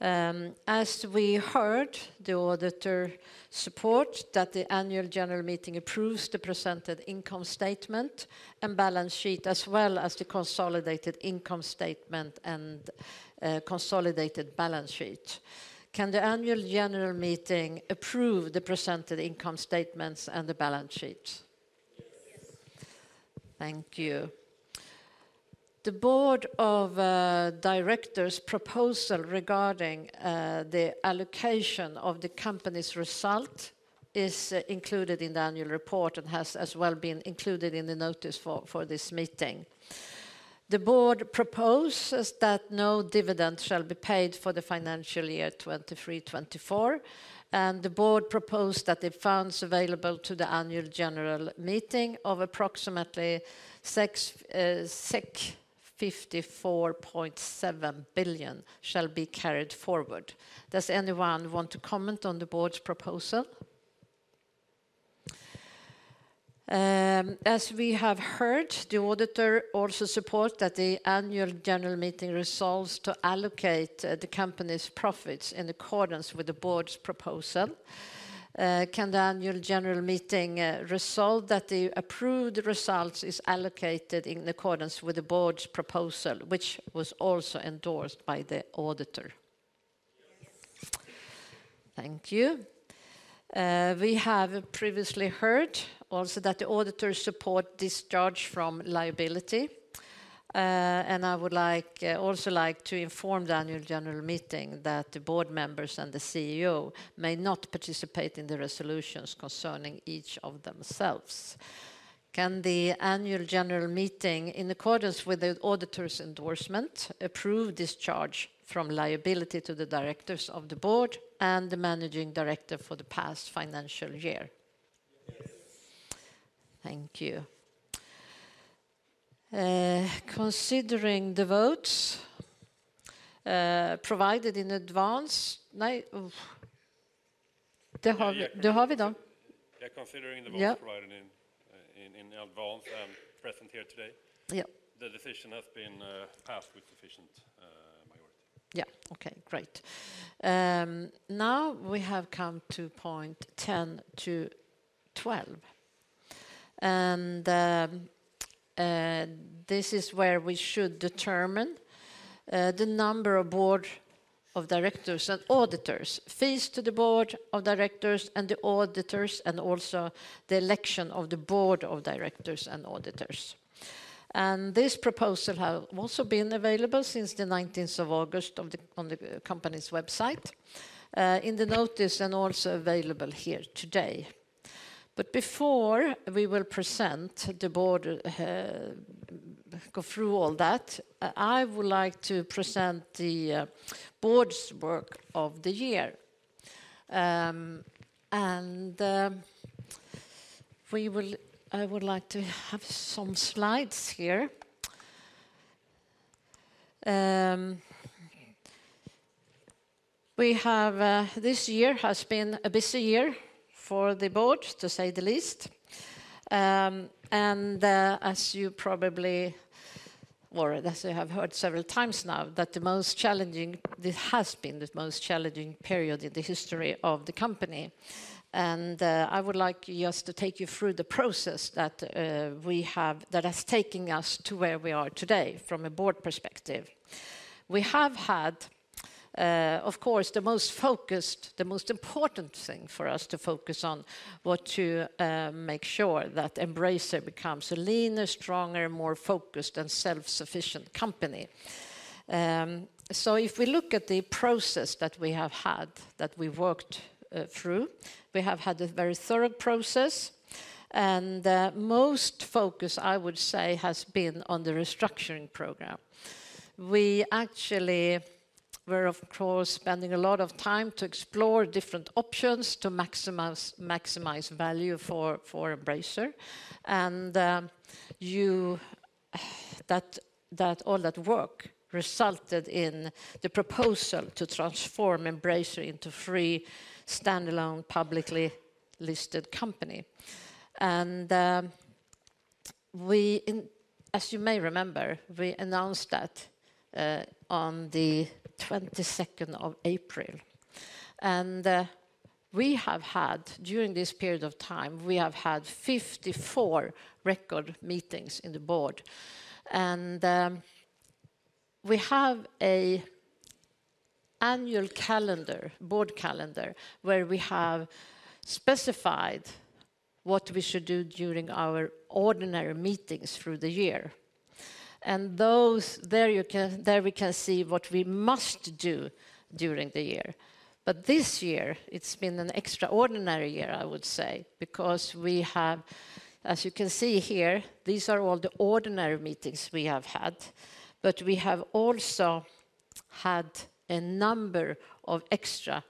As we heard, the auditor support that the annual general meeting approves the presented income statement and balance sheet, as well as the consolidated income statement and consolidated balance sheet. Can the annual general meeting approve the presented income statements and the balance sheets? Yes. Yes. Thank you. The board of directors' proposal regarding the allocation of the company's result is included in the annual report and has as well been included in the notice for this meeting. The board proposes that no dividend shall be paid for the financial year 2023-2024, and the board proposed that the funds available to the annual general meeting of approximately 654.7 billion shall be carried forward. Does anyone want to comment on the board's proposal? As we have heard, the auditor also support that the annual general meeting resolves to allocate the company's profits in accordance with the board's proposal. Can the annual general meeting resolve that the approved results is allocated in accordance with the board's proposal, which was also endorsed by the auditor? Thank you. We have previously heard also that the auditors support discharge from liability. I would like also to inform the annual general meeting that the board members and the CEO may not participate in the resolutions concerning each of themselves. Can the annual general meeting, in accordance with the auditor's endorsement, approve discharge from liability to the directors of the board and the managing director for the past financial year? Yes. Thank you. Considering the votes provided in advance... No, oof. Yeah, considering the vote provided in advance and present here today. Yeah The decision has been passed with sufficient majority. Great. Now we have come to point ten to twelve, and this is where we should determine the number of Board of Directors and auditors, fees to the Board of Directors and the auditors, and also the election of the Board of Directors and auditors. This proposal have also been available since the nineteenth of August on the company's website in the notice, and also available here today. Before we will present the Board, go through all that, I would like to present the Board's work of the year. I would like to have some slides here. This year has been a busy year for the Board, to say the least. As you probably, or as you have heard several times now, this has been the most challenging period in the history of the company. I would like just to take you through the process that we have that has taken us to where we are today from a board perspective. We have had, of course, the most focused, the most important thing for us to focus on was to make sure that Embracer becomes a leaner, stronger, more focused, and self-sufficient company. So if we look at the process that we have had that we worked through, we have had a very thorough process, and the most focus, I would say, has been on the restructuring program. We actually were, of course, spending a lot of time to explore different options to maximize value for Embracer, and that all that work resulted in the proposal to transform Embracer into three standalone, publicly listed company. As you may remember, we announced that on the 22 of April. We have had, during this period of time, 54 recorded meetings of the board. We have an annual board calendar, where we have specified what we should do during our ordinary meetings through the year. There we can see what we must do during the year. This year, it's been an extraordinary year, I would say, because we have, as you can see here, these are all the ordinary meetings we have had, but we have also had a number of extra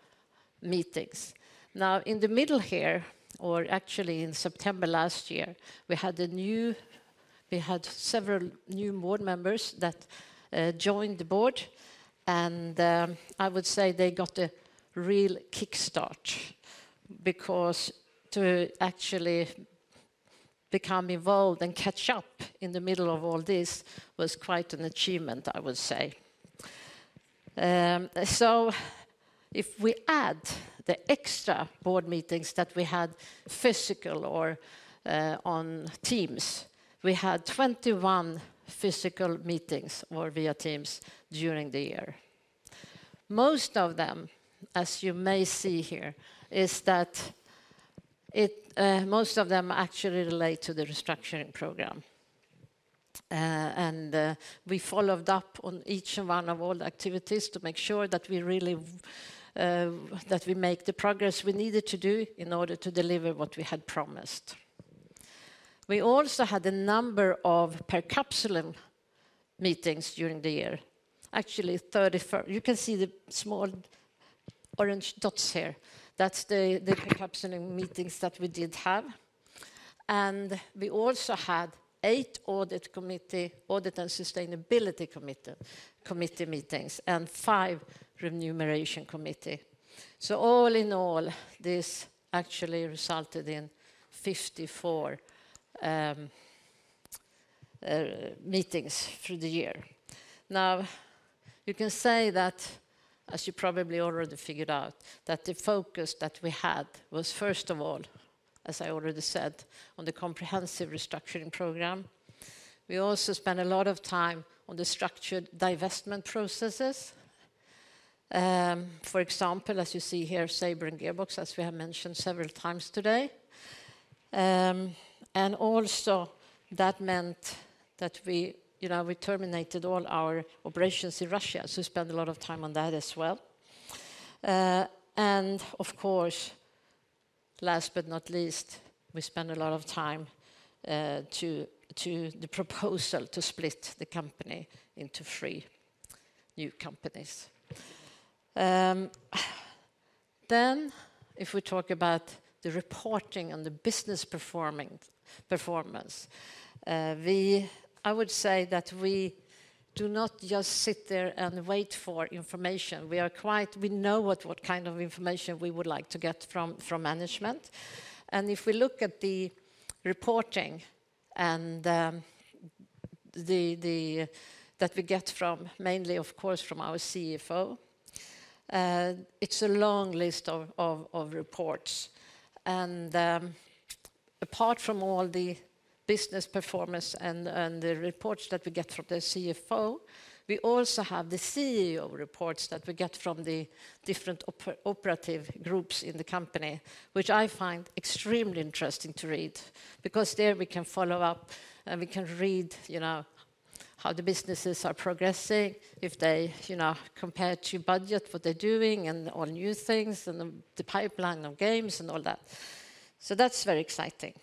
meetings. Now, in the middle here, or actually in September last year, we had several new board members that joined the board, and I would say they got a real kick start, because to actually become involved and catch up in the middle of all this was quite an achievement, I would say. So if we add the extra board meetings that we had, physical or on Teams, we had 21 physical meetings or via Teams during the year. Most of them, as you may see here, actually relate to the restructuring program. We followed up on each one of all the activities to make sure that we really that we make the progress we needed to do in order to deliver what we had promised. We also had a number of per caput meetings during the year. Actually, 34. You can see the small orange dots here. That's the per caput meetings that we did have. We also had eight audit committee, audit and sustainability committee meetings, and five remuneration committee. So all in all, this actually resulted in 54 meetings through the year. Now, you can say that, as you probably already figured out, that the focus that we had was first of all, as I already said, on the comprehensive restructuring program. We also spent a lot of time on the structured divestment processes. For example, as you see here, Saber and Gearbox, as we have mentioned several times today. And also that meant that we, you know, we terminated all our operations in Russia, so we spent a lot of time on that as well. And of course, last but not least, we spent a lot of time to the proposal to split the company into three new companies. Then if we talk about the reporting and the business performance, I would say that we do not just sit there and wait for information. We are quite we know what kind of information we would like to get from management. And if we look at the reporting and the that we get from, mainly, of course, from our CFO, it's a long list of reports. Apart from all the business performance and the reports that we get from the CFO, we also have the CEO reports that we get from the different operative groups in the company, which I find extremely interesting to read, because there we can follow up, and we can read, you know, how the businesses are progressing, if they, you know, compare to budget, what they're doing, and on new things, and the pipeline of games and all that. So that's very exciting.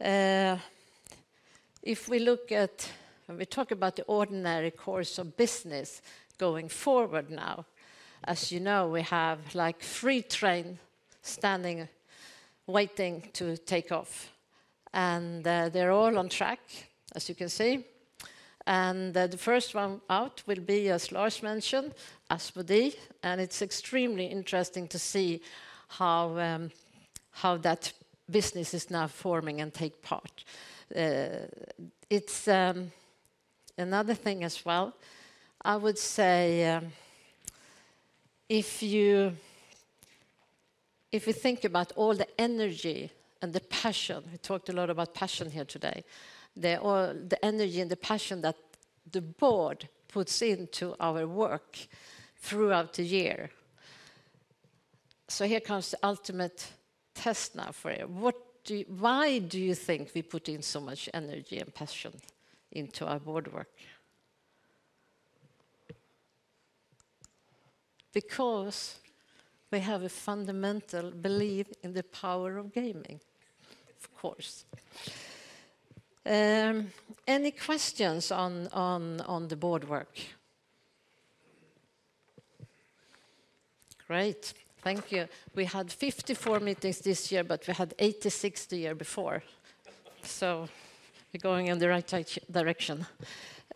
If we look at when we talk about the ordinary course of business going forward now, as you know, we have, like, three trains standing, waiting to take off, and they're all on track, as you can see. The first one out will be, as Lars mentioned, Asmodee, and it's extremely interesting to see how that business is now forming and take part. It's another thing as well, I would say, if you think about all the energy and the passion, we talked a lot about passion here today. The energy and the passion that the board puts into our work throughout the year. Here comes the ultimate test now for you. Why do you think we put in so much energy and passion into our board work? Because we have a fundamental belief in the power of gaming. Any questions on the board work? Great, thank you. We had fifty-four meetings this year, but we had eighty-six the year before, so we're going in the right direction.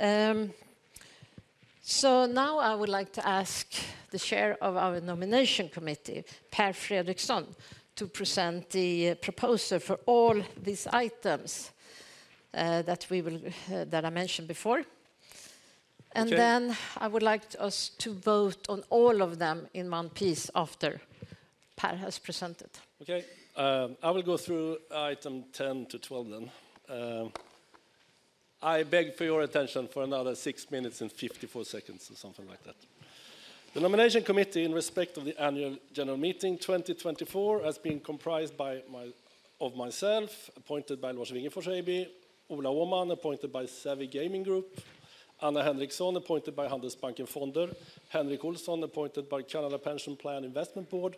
Now I would like to ask the Chair of our Nomination Committee, Per Fredriksson, to present the proposal for all these items that I mentioned before. Okay. Then I would like us to vote on all of them in one piece after Per has presented. I will go through item ten to twelve then. I beg for your attention for another six minutes and fifty-four seconds, or something like that. The nomination committee, in respect of the annual general meeting 2024, has been comprised of myself, appointed by Lars Wingefors AB, Ola Åhman, appointed by Savvy Games Group, Anna Henriksson, appointed by Handelsbanken Fonder, Henrik Olsson, appointed by Canada Pension Plan Investment Board,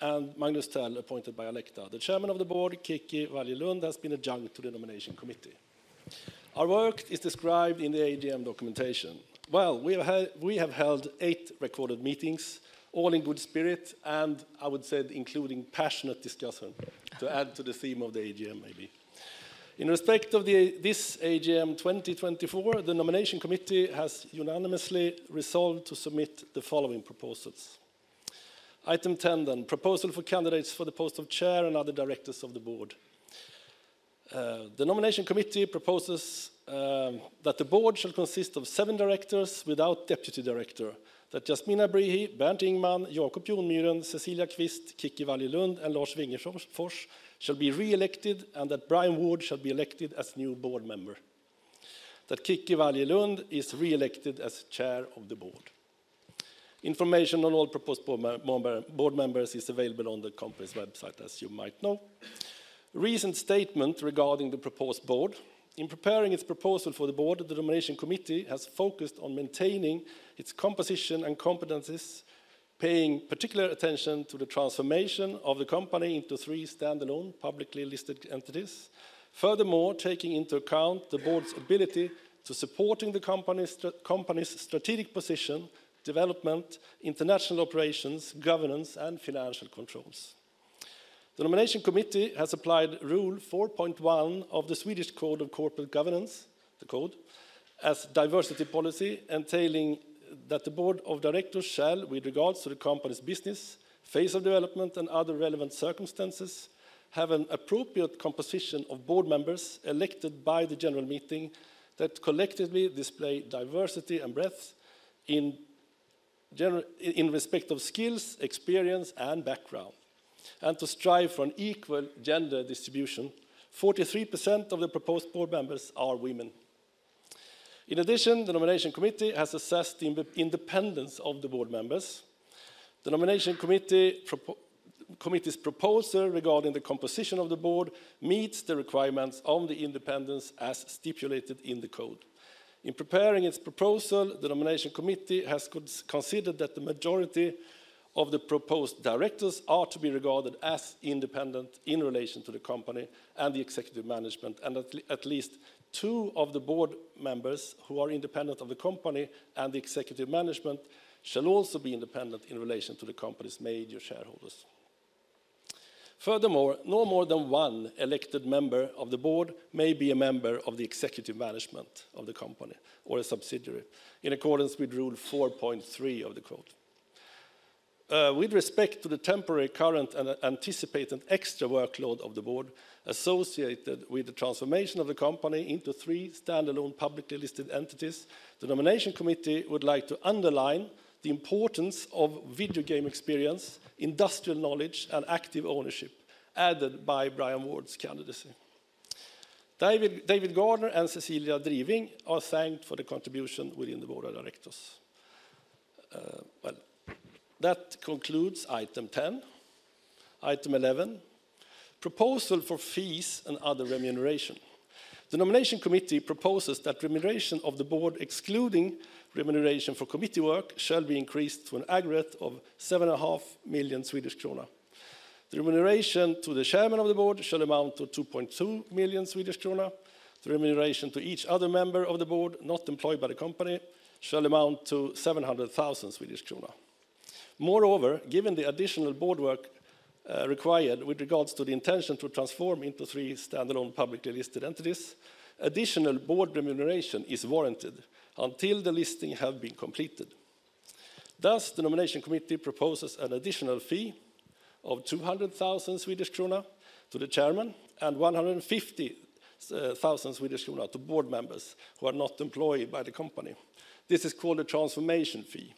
and Magnus Tell, appointed by Alecta. The Chairman of the Board, Kicki Wallje-Lund, has been attached to the nomination committee. Our work is described in the AGM documentation. We have held eight recorded meetings, all in good spirit, and I would say including passionate discussion, to add to the theme of the AGM, maybe. In respect of this AGM 2024, the nomination committee has unanimously resolved to submit the following proposals. Item 10: proposal for candidates for the post of chair and other directors of the board. The nomination committee proposes that the board shall consist of seven directors without deputy directors, that Yasmina Brihi, Bernt Ingman, Jacob Jonmyren, Cecilia Qvist, Kicki Wallje-Lund, and Lars Wingefors shall be re-elected, and that Brian Ward shall be elected as new board member. That Kicki Wallje-Lund is re-elected as chair of the board. Information on all proposed board members is available on the company's website, as you might know. A recent statement regarding the proposed board. In preparing its proposal for the board, the nomination committee has focused on maintaining its composition and competencies, paying particular attention to the transformation of the company into three standalone publicly listed entities. Furthermore, taking into account the board's ability to supporting the company's company's strategic position, development, international operations, governance, and financial controls. The Nomination Committee has applied rule four point one of the Swedish Code of Corporate Governance, the code, as diversity policy entailing that the board of directors shall, with regards to the company's business, phase of development, and other relevant circumstances, have an appropriate composition of board members elected by the general meeting that collectively display diversity and breadth in general, in respect of skills, experience, and background, and to strive for an equal gender distribution. 43% of the proposed board members are women. In addition, the Nomination Committee has assessed the independence of the board members. The Nomination Committee's proposal regarding the composition of the board meets the requirements on the independence as stipulated in the code. In preparing its proposal, the Nomination Committee has considered that the majority of the proposed directors are to be regarded as independent in relation to the company and the executive management, and at least two of the board members who are independent of the company and the executive management shall also be independent in relation to the company's major shareholders. Furthermore, no more than one elected member of the board may be a member of the executive management of the company or a subsidiary, in accordance with rule four point three of the code. With respect to the temporary, current, and anticipated extra workload of the board associated with the transformation of the company into three standalone publicly listed entities, the Nomination Committee would like to underline the importance of video game experience, industrial knowledge, and active ownership added by Brian Ward's candidacy. David Gardner and Cecilia Driving are thanked for the contribution within the board of directors. Well, that concludes item ten. Item eleven, proposal for fees and other remuneration. The Nomination Committee proposes that remuneration of the board, excluding remuneration for committee work, shall be increased to an aggregate of 7.5 million Swedish krona. The remuneration to the chairman of the board shall amount to 2.2 million Swedish krona. The remuneration to each other member of the board not employed by the company shall amount to 700,000 Swedish kronor. Moreover, given the additional board work, required with regards to the intention to transform into three standalone publicly listed entities, additional board remuneration is warranted until the listing have been completed. Thus, the Nomination Committee proposes an additional fee of 200,000 Swedish krona to the chairman and 150,000 Swedish krona to board members who are not employed by the company. This is called a transformation fee.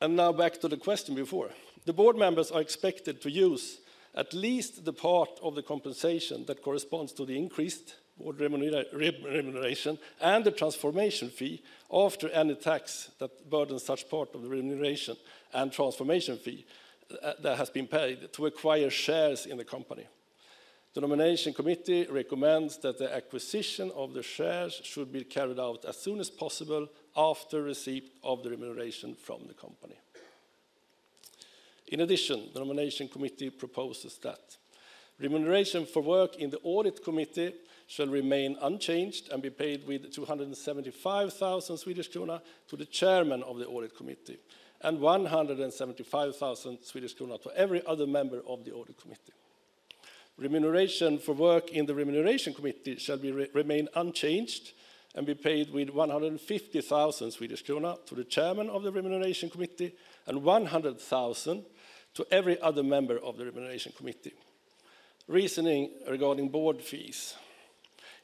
And now back to the question before. The board members are expected to use at least the part of the compensation that corresponds to the increased board remuneration and the transformation fee after any tax that burdens such part of the remuneration and transformation fee that has been paid to acquire shares in the company. The Nomination Committee recommends that the acquisition of the shares should be carried out as soon as possible after receipt of the remuneration from the company. In addition, the Nomination Committee proposes that remuneration for work in the Audit Committee shall remain unchanged and be paid with 275,000 Swedish krona to the chairman of the Audit Committee, and 175,000 Swedish krona to every other member of the Audit Committee. Remuneration for work in the Remuneration Committee shall remain unchanged and be paid with 150,000 Swedish krona to the chairman of the Remuneration Committee and 100,000 to every other member of the Remuneration Committee. Reasoning regarding board fees.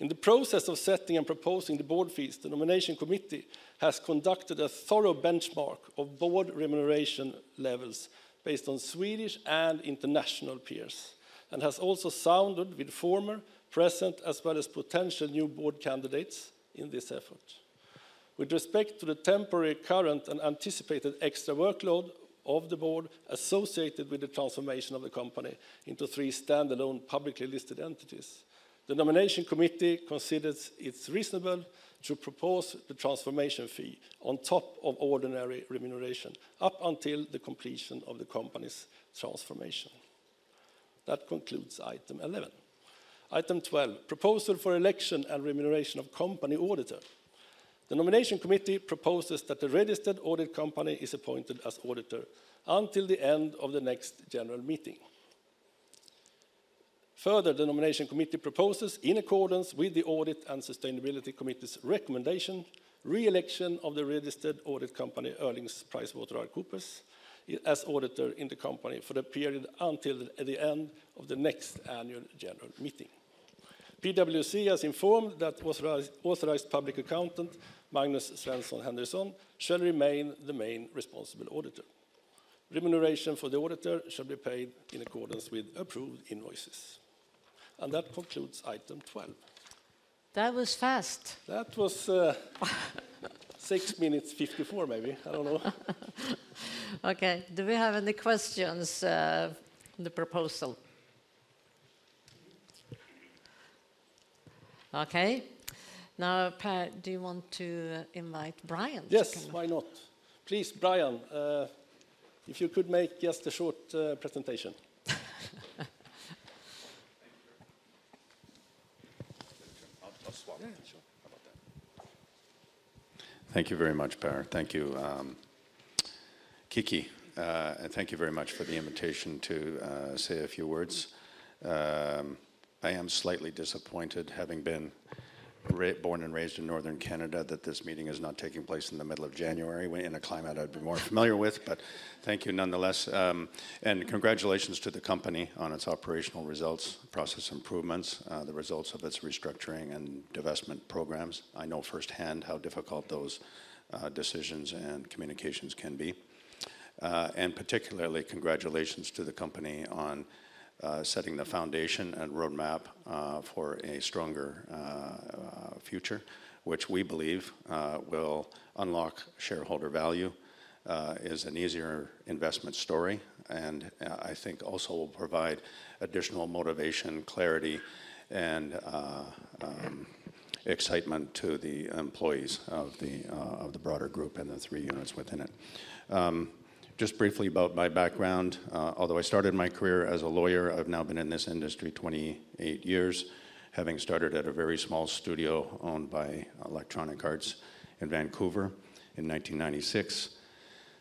In the process of setting and proposing the board fees, the Nomination Committee has conducted a thorough benchmark of board remuneration levels based on Swedish and international peers, and has also sounded with former, present, as well as potential new board candidates in this effort. With respect to the temporary, current, and anticipated extra workload of the board associated with the transformation of the company into three standalone publicly listed entities, the Nomination Committee considers it's reasonable to propose the transformation fee on top of ordinary remuneration, up until the completion of the company's transformation. That concludes item eleven. Item twelve, proposal for election and remuneration of company auditor. The Nomination Committee proposes that the registered audit company is appointed as auditor until the end of the next general meeting. Further, the Nomination Committee proposes, in accordance with the Audit and Sustainability Committee's recommendation, re-election of the registered audit company, PricewaterhouseCoopers, as auditor in the company for the period until the end of the next annual general meeting. PwC has informed that authorized public accountant, Magnus Svensson Henryson, shall remain the main responsible auditor. Remuneration for the auditor shall be paid in accordance with approved invoices, and that concludes item twelve. That was fast. That was six minutes, fifty-four, maybe. I don't know. Okay, do we have any questions on the proposal?... Okay. Now, Per, do you want to invite Brian to come up? Yes, why not? Please, Brian, if you could make just a short presentation. Thank you. I'll swap. Yeah. How about that? Thank you very much, Per. Thank you, Kiki, and thank you very much for the invitation to say a few words. I am slightly disappointed, having been born and raised in Northern Canada, that this meeting is not taking place in the middle of January, when, in a climate I'd be more familiar with, but thank you nonetheless. And congratulations to the company on its operational results, process improvements, the results of its restructuring and divestment programs. I know firsthand how difficult those decisions and communications can be. Particularly, congratulations to the company on setting the foundation and roadmap for a stronger future, which we believe will unlock shareholder value, is an easier investment story, and I think also will provide additional motivation, clarity, and excitement to the employees of the broader group and the three units within it. Just briefly about my background, although I started my career as a lawyer, I've now been in this industry 28 years, having started at a very small studio owned by Electronic Arts in Vancouver in 1996.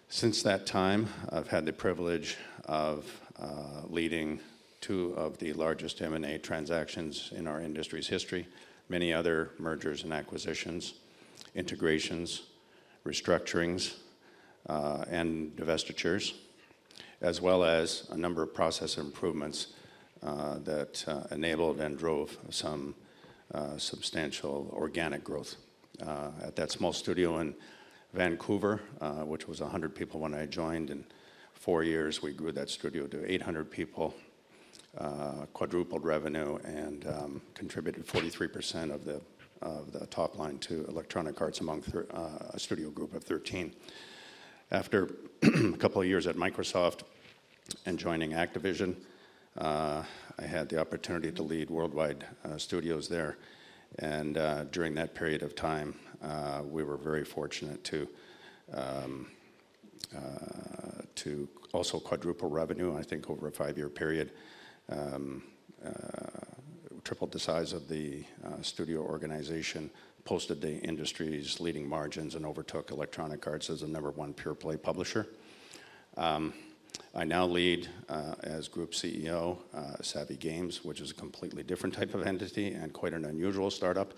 Since that time, I've had the privilege of leading two of the largest M&A transactions in our industry's history, many other mergers and acquisitions, integrations, restructurings, and divestitures, as well as a number of process improvements that enabled and drove some substantial organic growth. At that small studio in Vancouver, which was 100 people when I joined, in four years, we grew that studio to 800 people, quadrupled revenue, and contributed 43% of the top line to Electronic Arts among a studio group of 13. After a couple of years at Microsoft and joining Activision, I had the opportunity to lead worldwide studios there. During that period of time, we were very fortunate to also quadruple revenue, I think over a five-year period. tripled the size of the studio organization, posted the industry's leading margins, and overtook Electronic Arts as the number one pure play publisher. I now lead, as Group CEO, Savvy Games, which is a completely different type of entity and quite an unusual startup.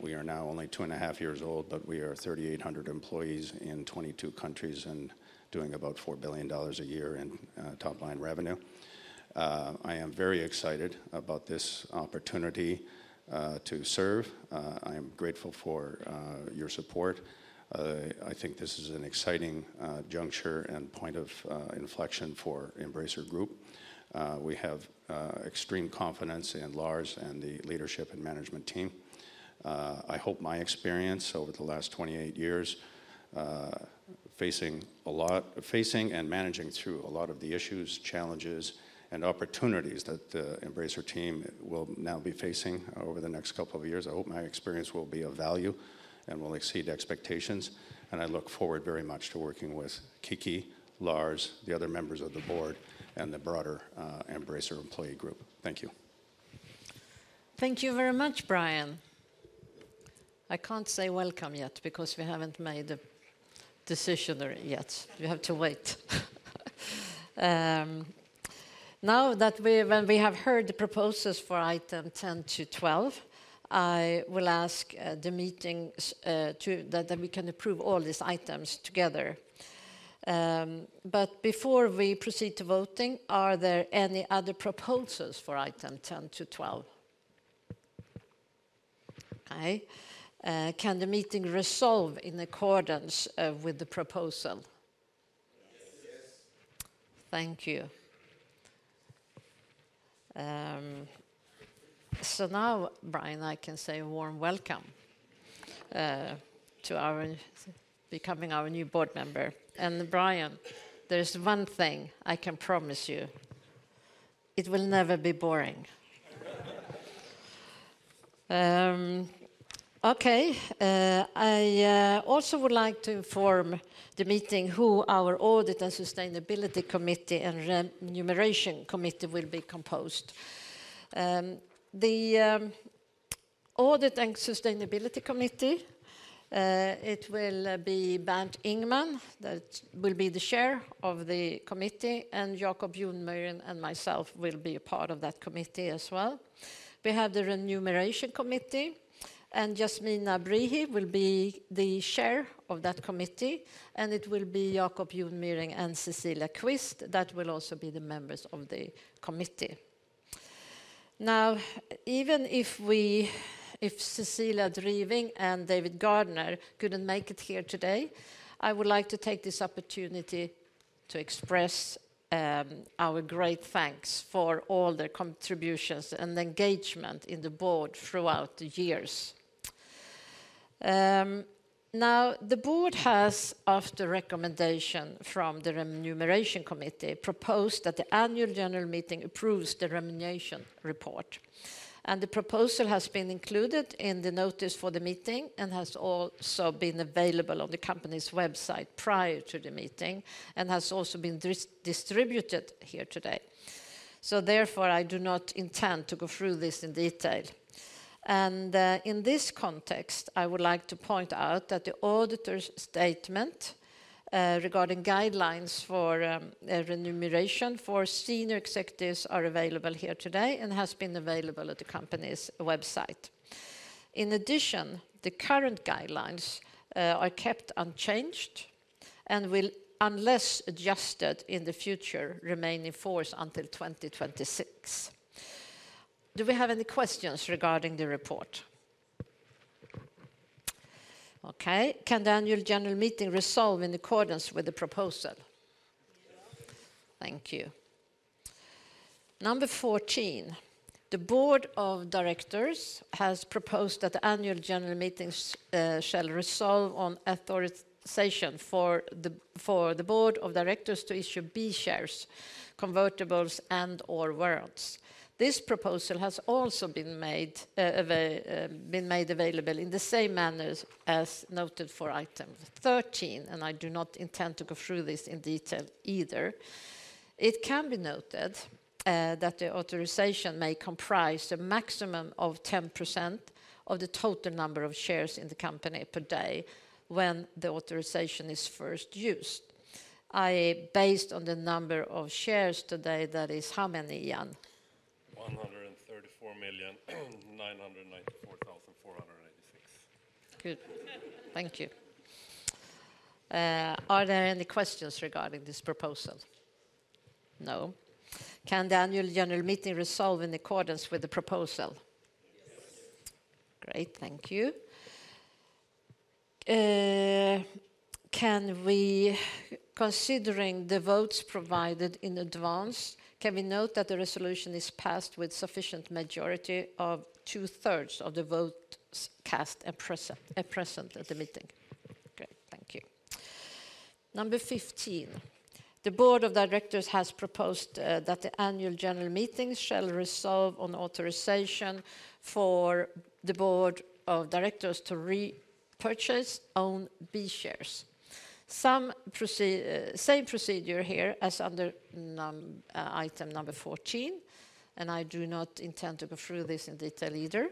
We are now only two and a half years old, but we are 3,800 employees in 22 countries, and doing about $4 billion a year in top-line revenue. I am very excited about this opportunity to serve. I am grateful for your support. I think this is an exciting juncture and point of inflection for Embracer Group. We have extreme confidence in Lars and the leadership and management team. I hope my experience over the last 28 years, facing and managing through a lot of the issues, challenges, and opportunities that the Embracer team will now be facing over the next couple of years. I hope my experience will be of value and will exceed expectations, and I look forward very much to working with Kiki, Lars, the other members of the board, and the broader Embracer employee group. Thank you. Thank you very much, Brian. I can't say welcome yet because we haven't made a decision yet. We have to wait. Now that we have heard the proposals for item 10 to 12, I will ask the meeting that we can approve all these items together. But before we proceed to voting, are there any other proposals for item 10 to 12? Can the meeting resolve in accordance with the proposal? Thank you. Now, Brian, I can say a warm welcome to our becoming our new board member. And Brian, there's one thing I can promise you: it will never be boring. Okay, I also would like to inform the meeting who our Audit and Sustainability Committee and Remuneration Committee will be composed. The Audit and Sustainability Committee, it will be Bernt Ingman, that will be the chair of the committee, and Jacob Jonmyren and myself will be a part of that committee as well. We have the Remuneration Committee, and Yasmina Brihi will be the chair of that committee, and it will be Jacob Jonmyren and Cecilia Qvist, that will also be the members of the committee. Now, even if Cecilia Driving and David Gardner couldn't make it here today, I would like to take this opportunity to express our great thanks for all their contributions and engagement in the board throughout the years. Now, the board has, after recommendation from the Remuneration Committee, proposed that the annual general meeting approves the remuneration report. And the proposal has been included in the notice for the meeting and has also been available on the company's website prior to the meeting, and has also been distributed here today. So therefore, I do not intend to go through this in detail. In this context, I would like to point out that the auditor's statement regarding guidelines for remuneration for senior executives are available here today and has been available at the company's website. In addition, the current guidelines are kept unchanged and will, unless adjusted in the future, remain in force until 2026. Do we have any questions regarding the report? Okay. Can the annual general meeting resolve in accordance with the proposal? Yes. Thank you. Number fourteen: the board of directors has proposed that the annual general meetings shall resolve on authorization for the board of directors to issue B shares, convertibles, and/or warrants. This proposal has also been made available in the same manner as noted for item thirteen, and I do not intend to go through this in detail either. It can be noted that the authorization may comprise a maximum of 10% of the total number of shares in the company per day when the authorization is first used. Based on the number of shares today, that is how many, Ian? One hundred and thirty-four million nine hundred and ninety-four thousand four hundred and eighty-six. Good. Thank you. Are there any questions regarding this proposal? No. Can the annual general meeting resolve in accordance with the proposal? Yes. Great, thank you. Can we, considering the votes provided in advance, note that the resolution is passed with sufficient majority of two-thirds of the votes cast and present at the meeting? Great, thank you. Number 15: the board of directors has proposed that the annual general meeting shall resolve on authorization for the board of directors to repurchase own B shares. Some procedure here as under item number 14, and I do not intend to go through this in detail either.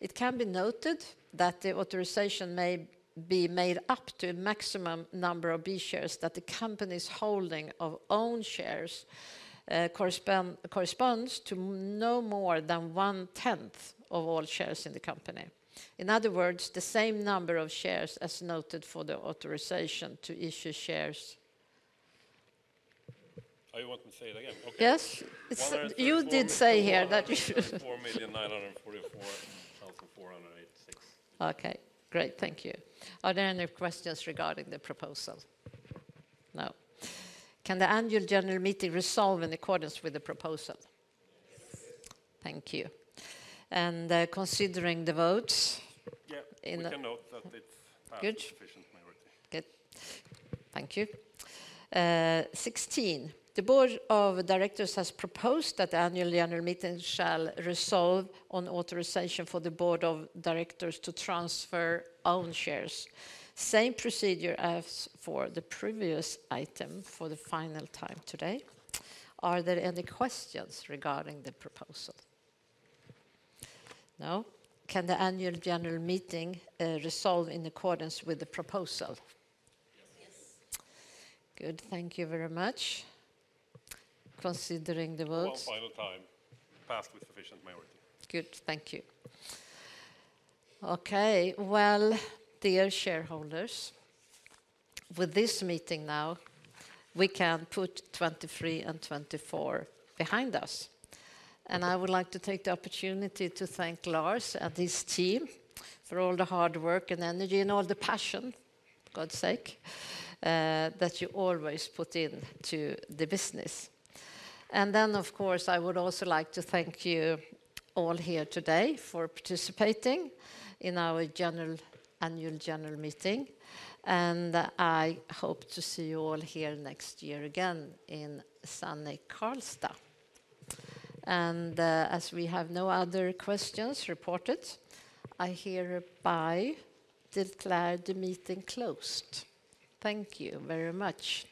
It can be noted that the authorization may be made up to a maximum number of B shares that the company's holding of own shares corresponds to no more than one-tenth of all shares in the company. In other words, the same number of shares as noted for the authorization to issue shares. Oh, you want me to say it again? Okay. You did say here that. 1,944,486. Okay, great. Thank you. Are there any questions regarding the proposal? No. Can the Annual General Meeting resolve in accordance with the proposal? Yes. Thank you. Considering the votes- We can note that it sufficient majority. Good. Thank you. Sixteen, the Board of Directors has proposed that the Annual General Meeting shall resolve on authorization for the Board of Directors to transfer own shares. Same procedure as for the previous item for the final time today. Are there any questions regarding the proposal? No. Can the Annual General Meeting resolve in accordance with the proposal? Good. Thank you very much. Considering the votes- One final time, passed with sufficient majority. Good. Thank you. Okay, well, dear shareholders, with this meeting now, we can put 2023 and 2024 behind us. I would like to take the opportunity to thank Lars and his team for all the hard work and energy, and all the passion, for God's sake, that you always put into the business. Then, of course, I would also like to thank you all here today for participating in our annual general meeting. I hope to see you all here next year again in sunny Karlstad. As we have no other questions reported, I hereby declare the meeting closed. Thank you very much.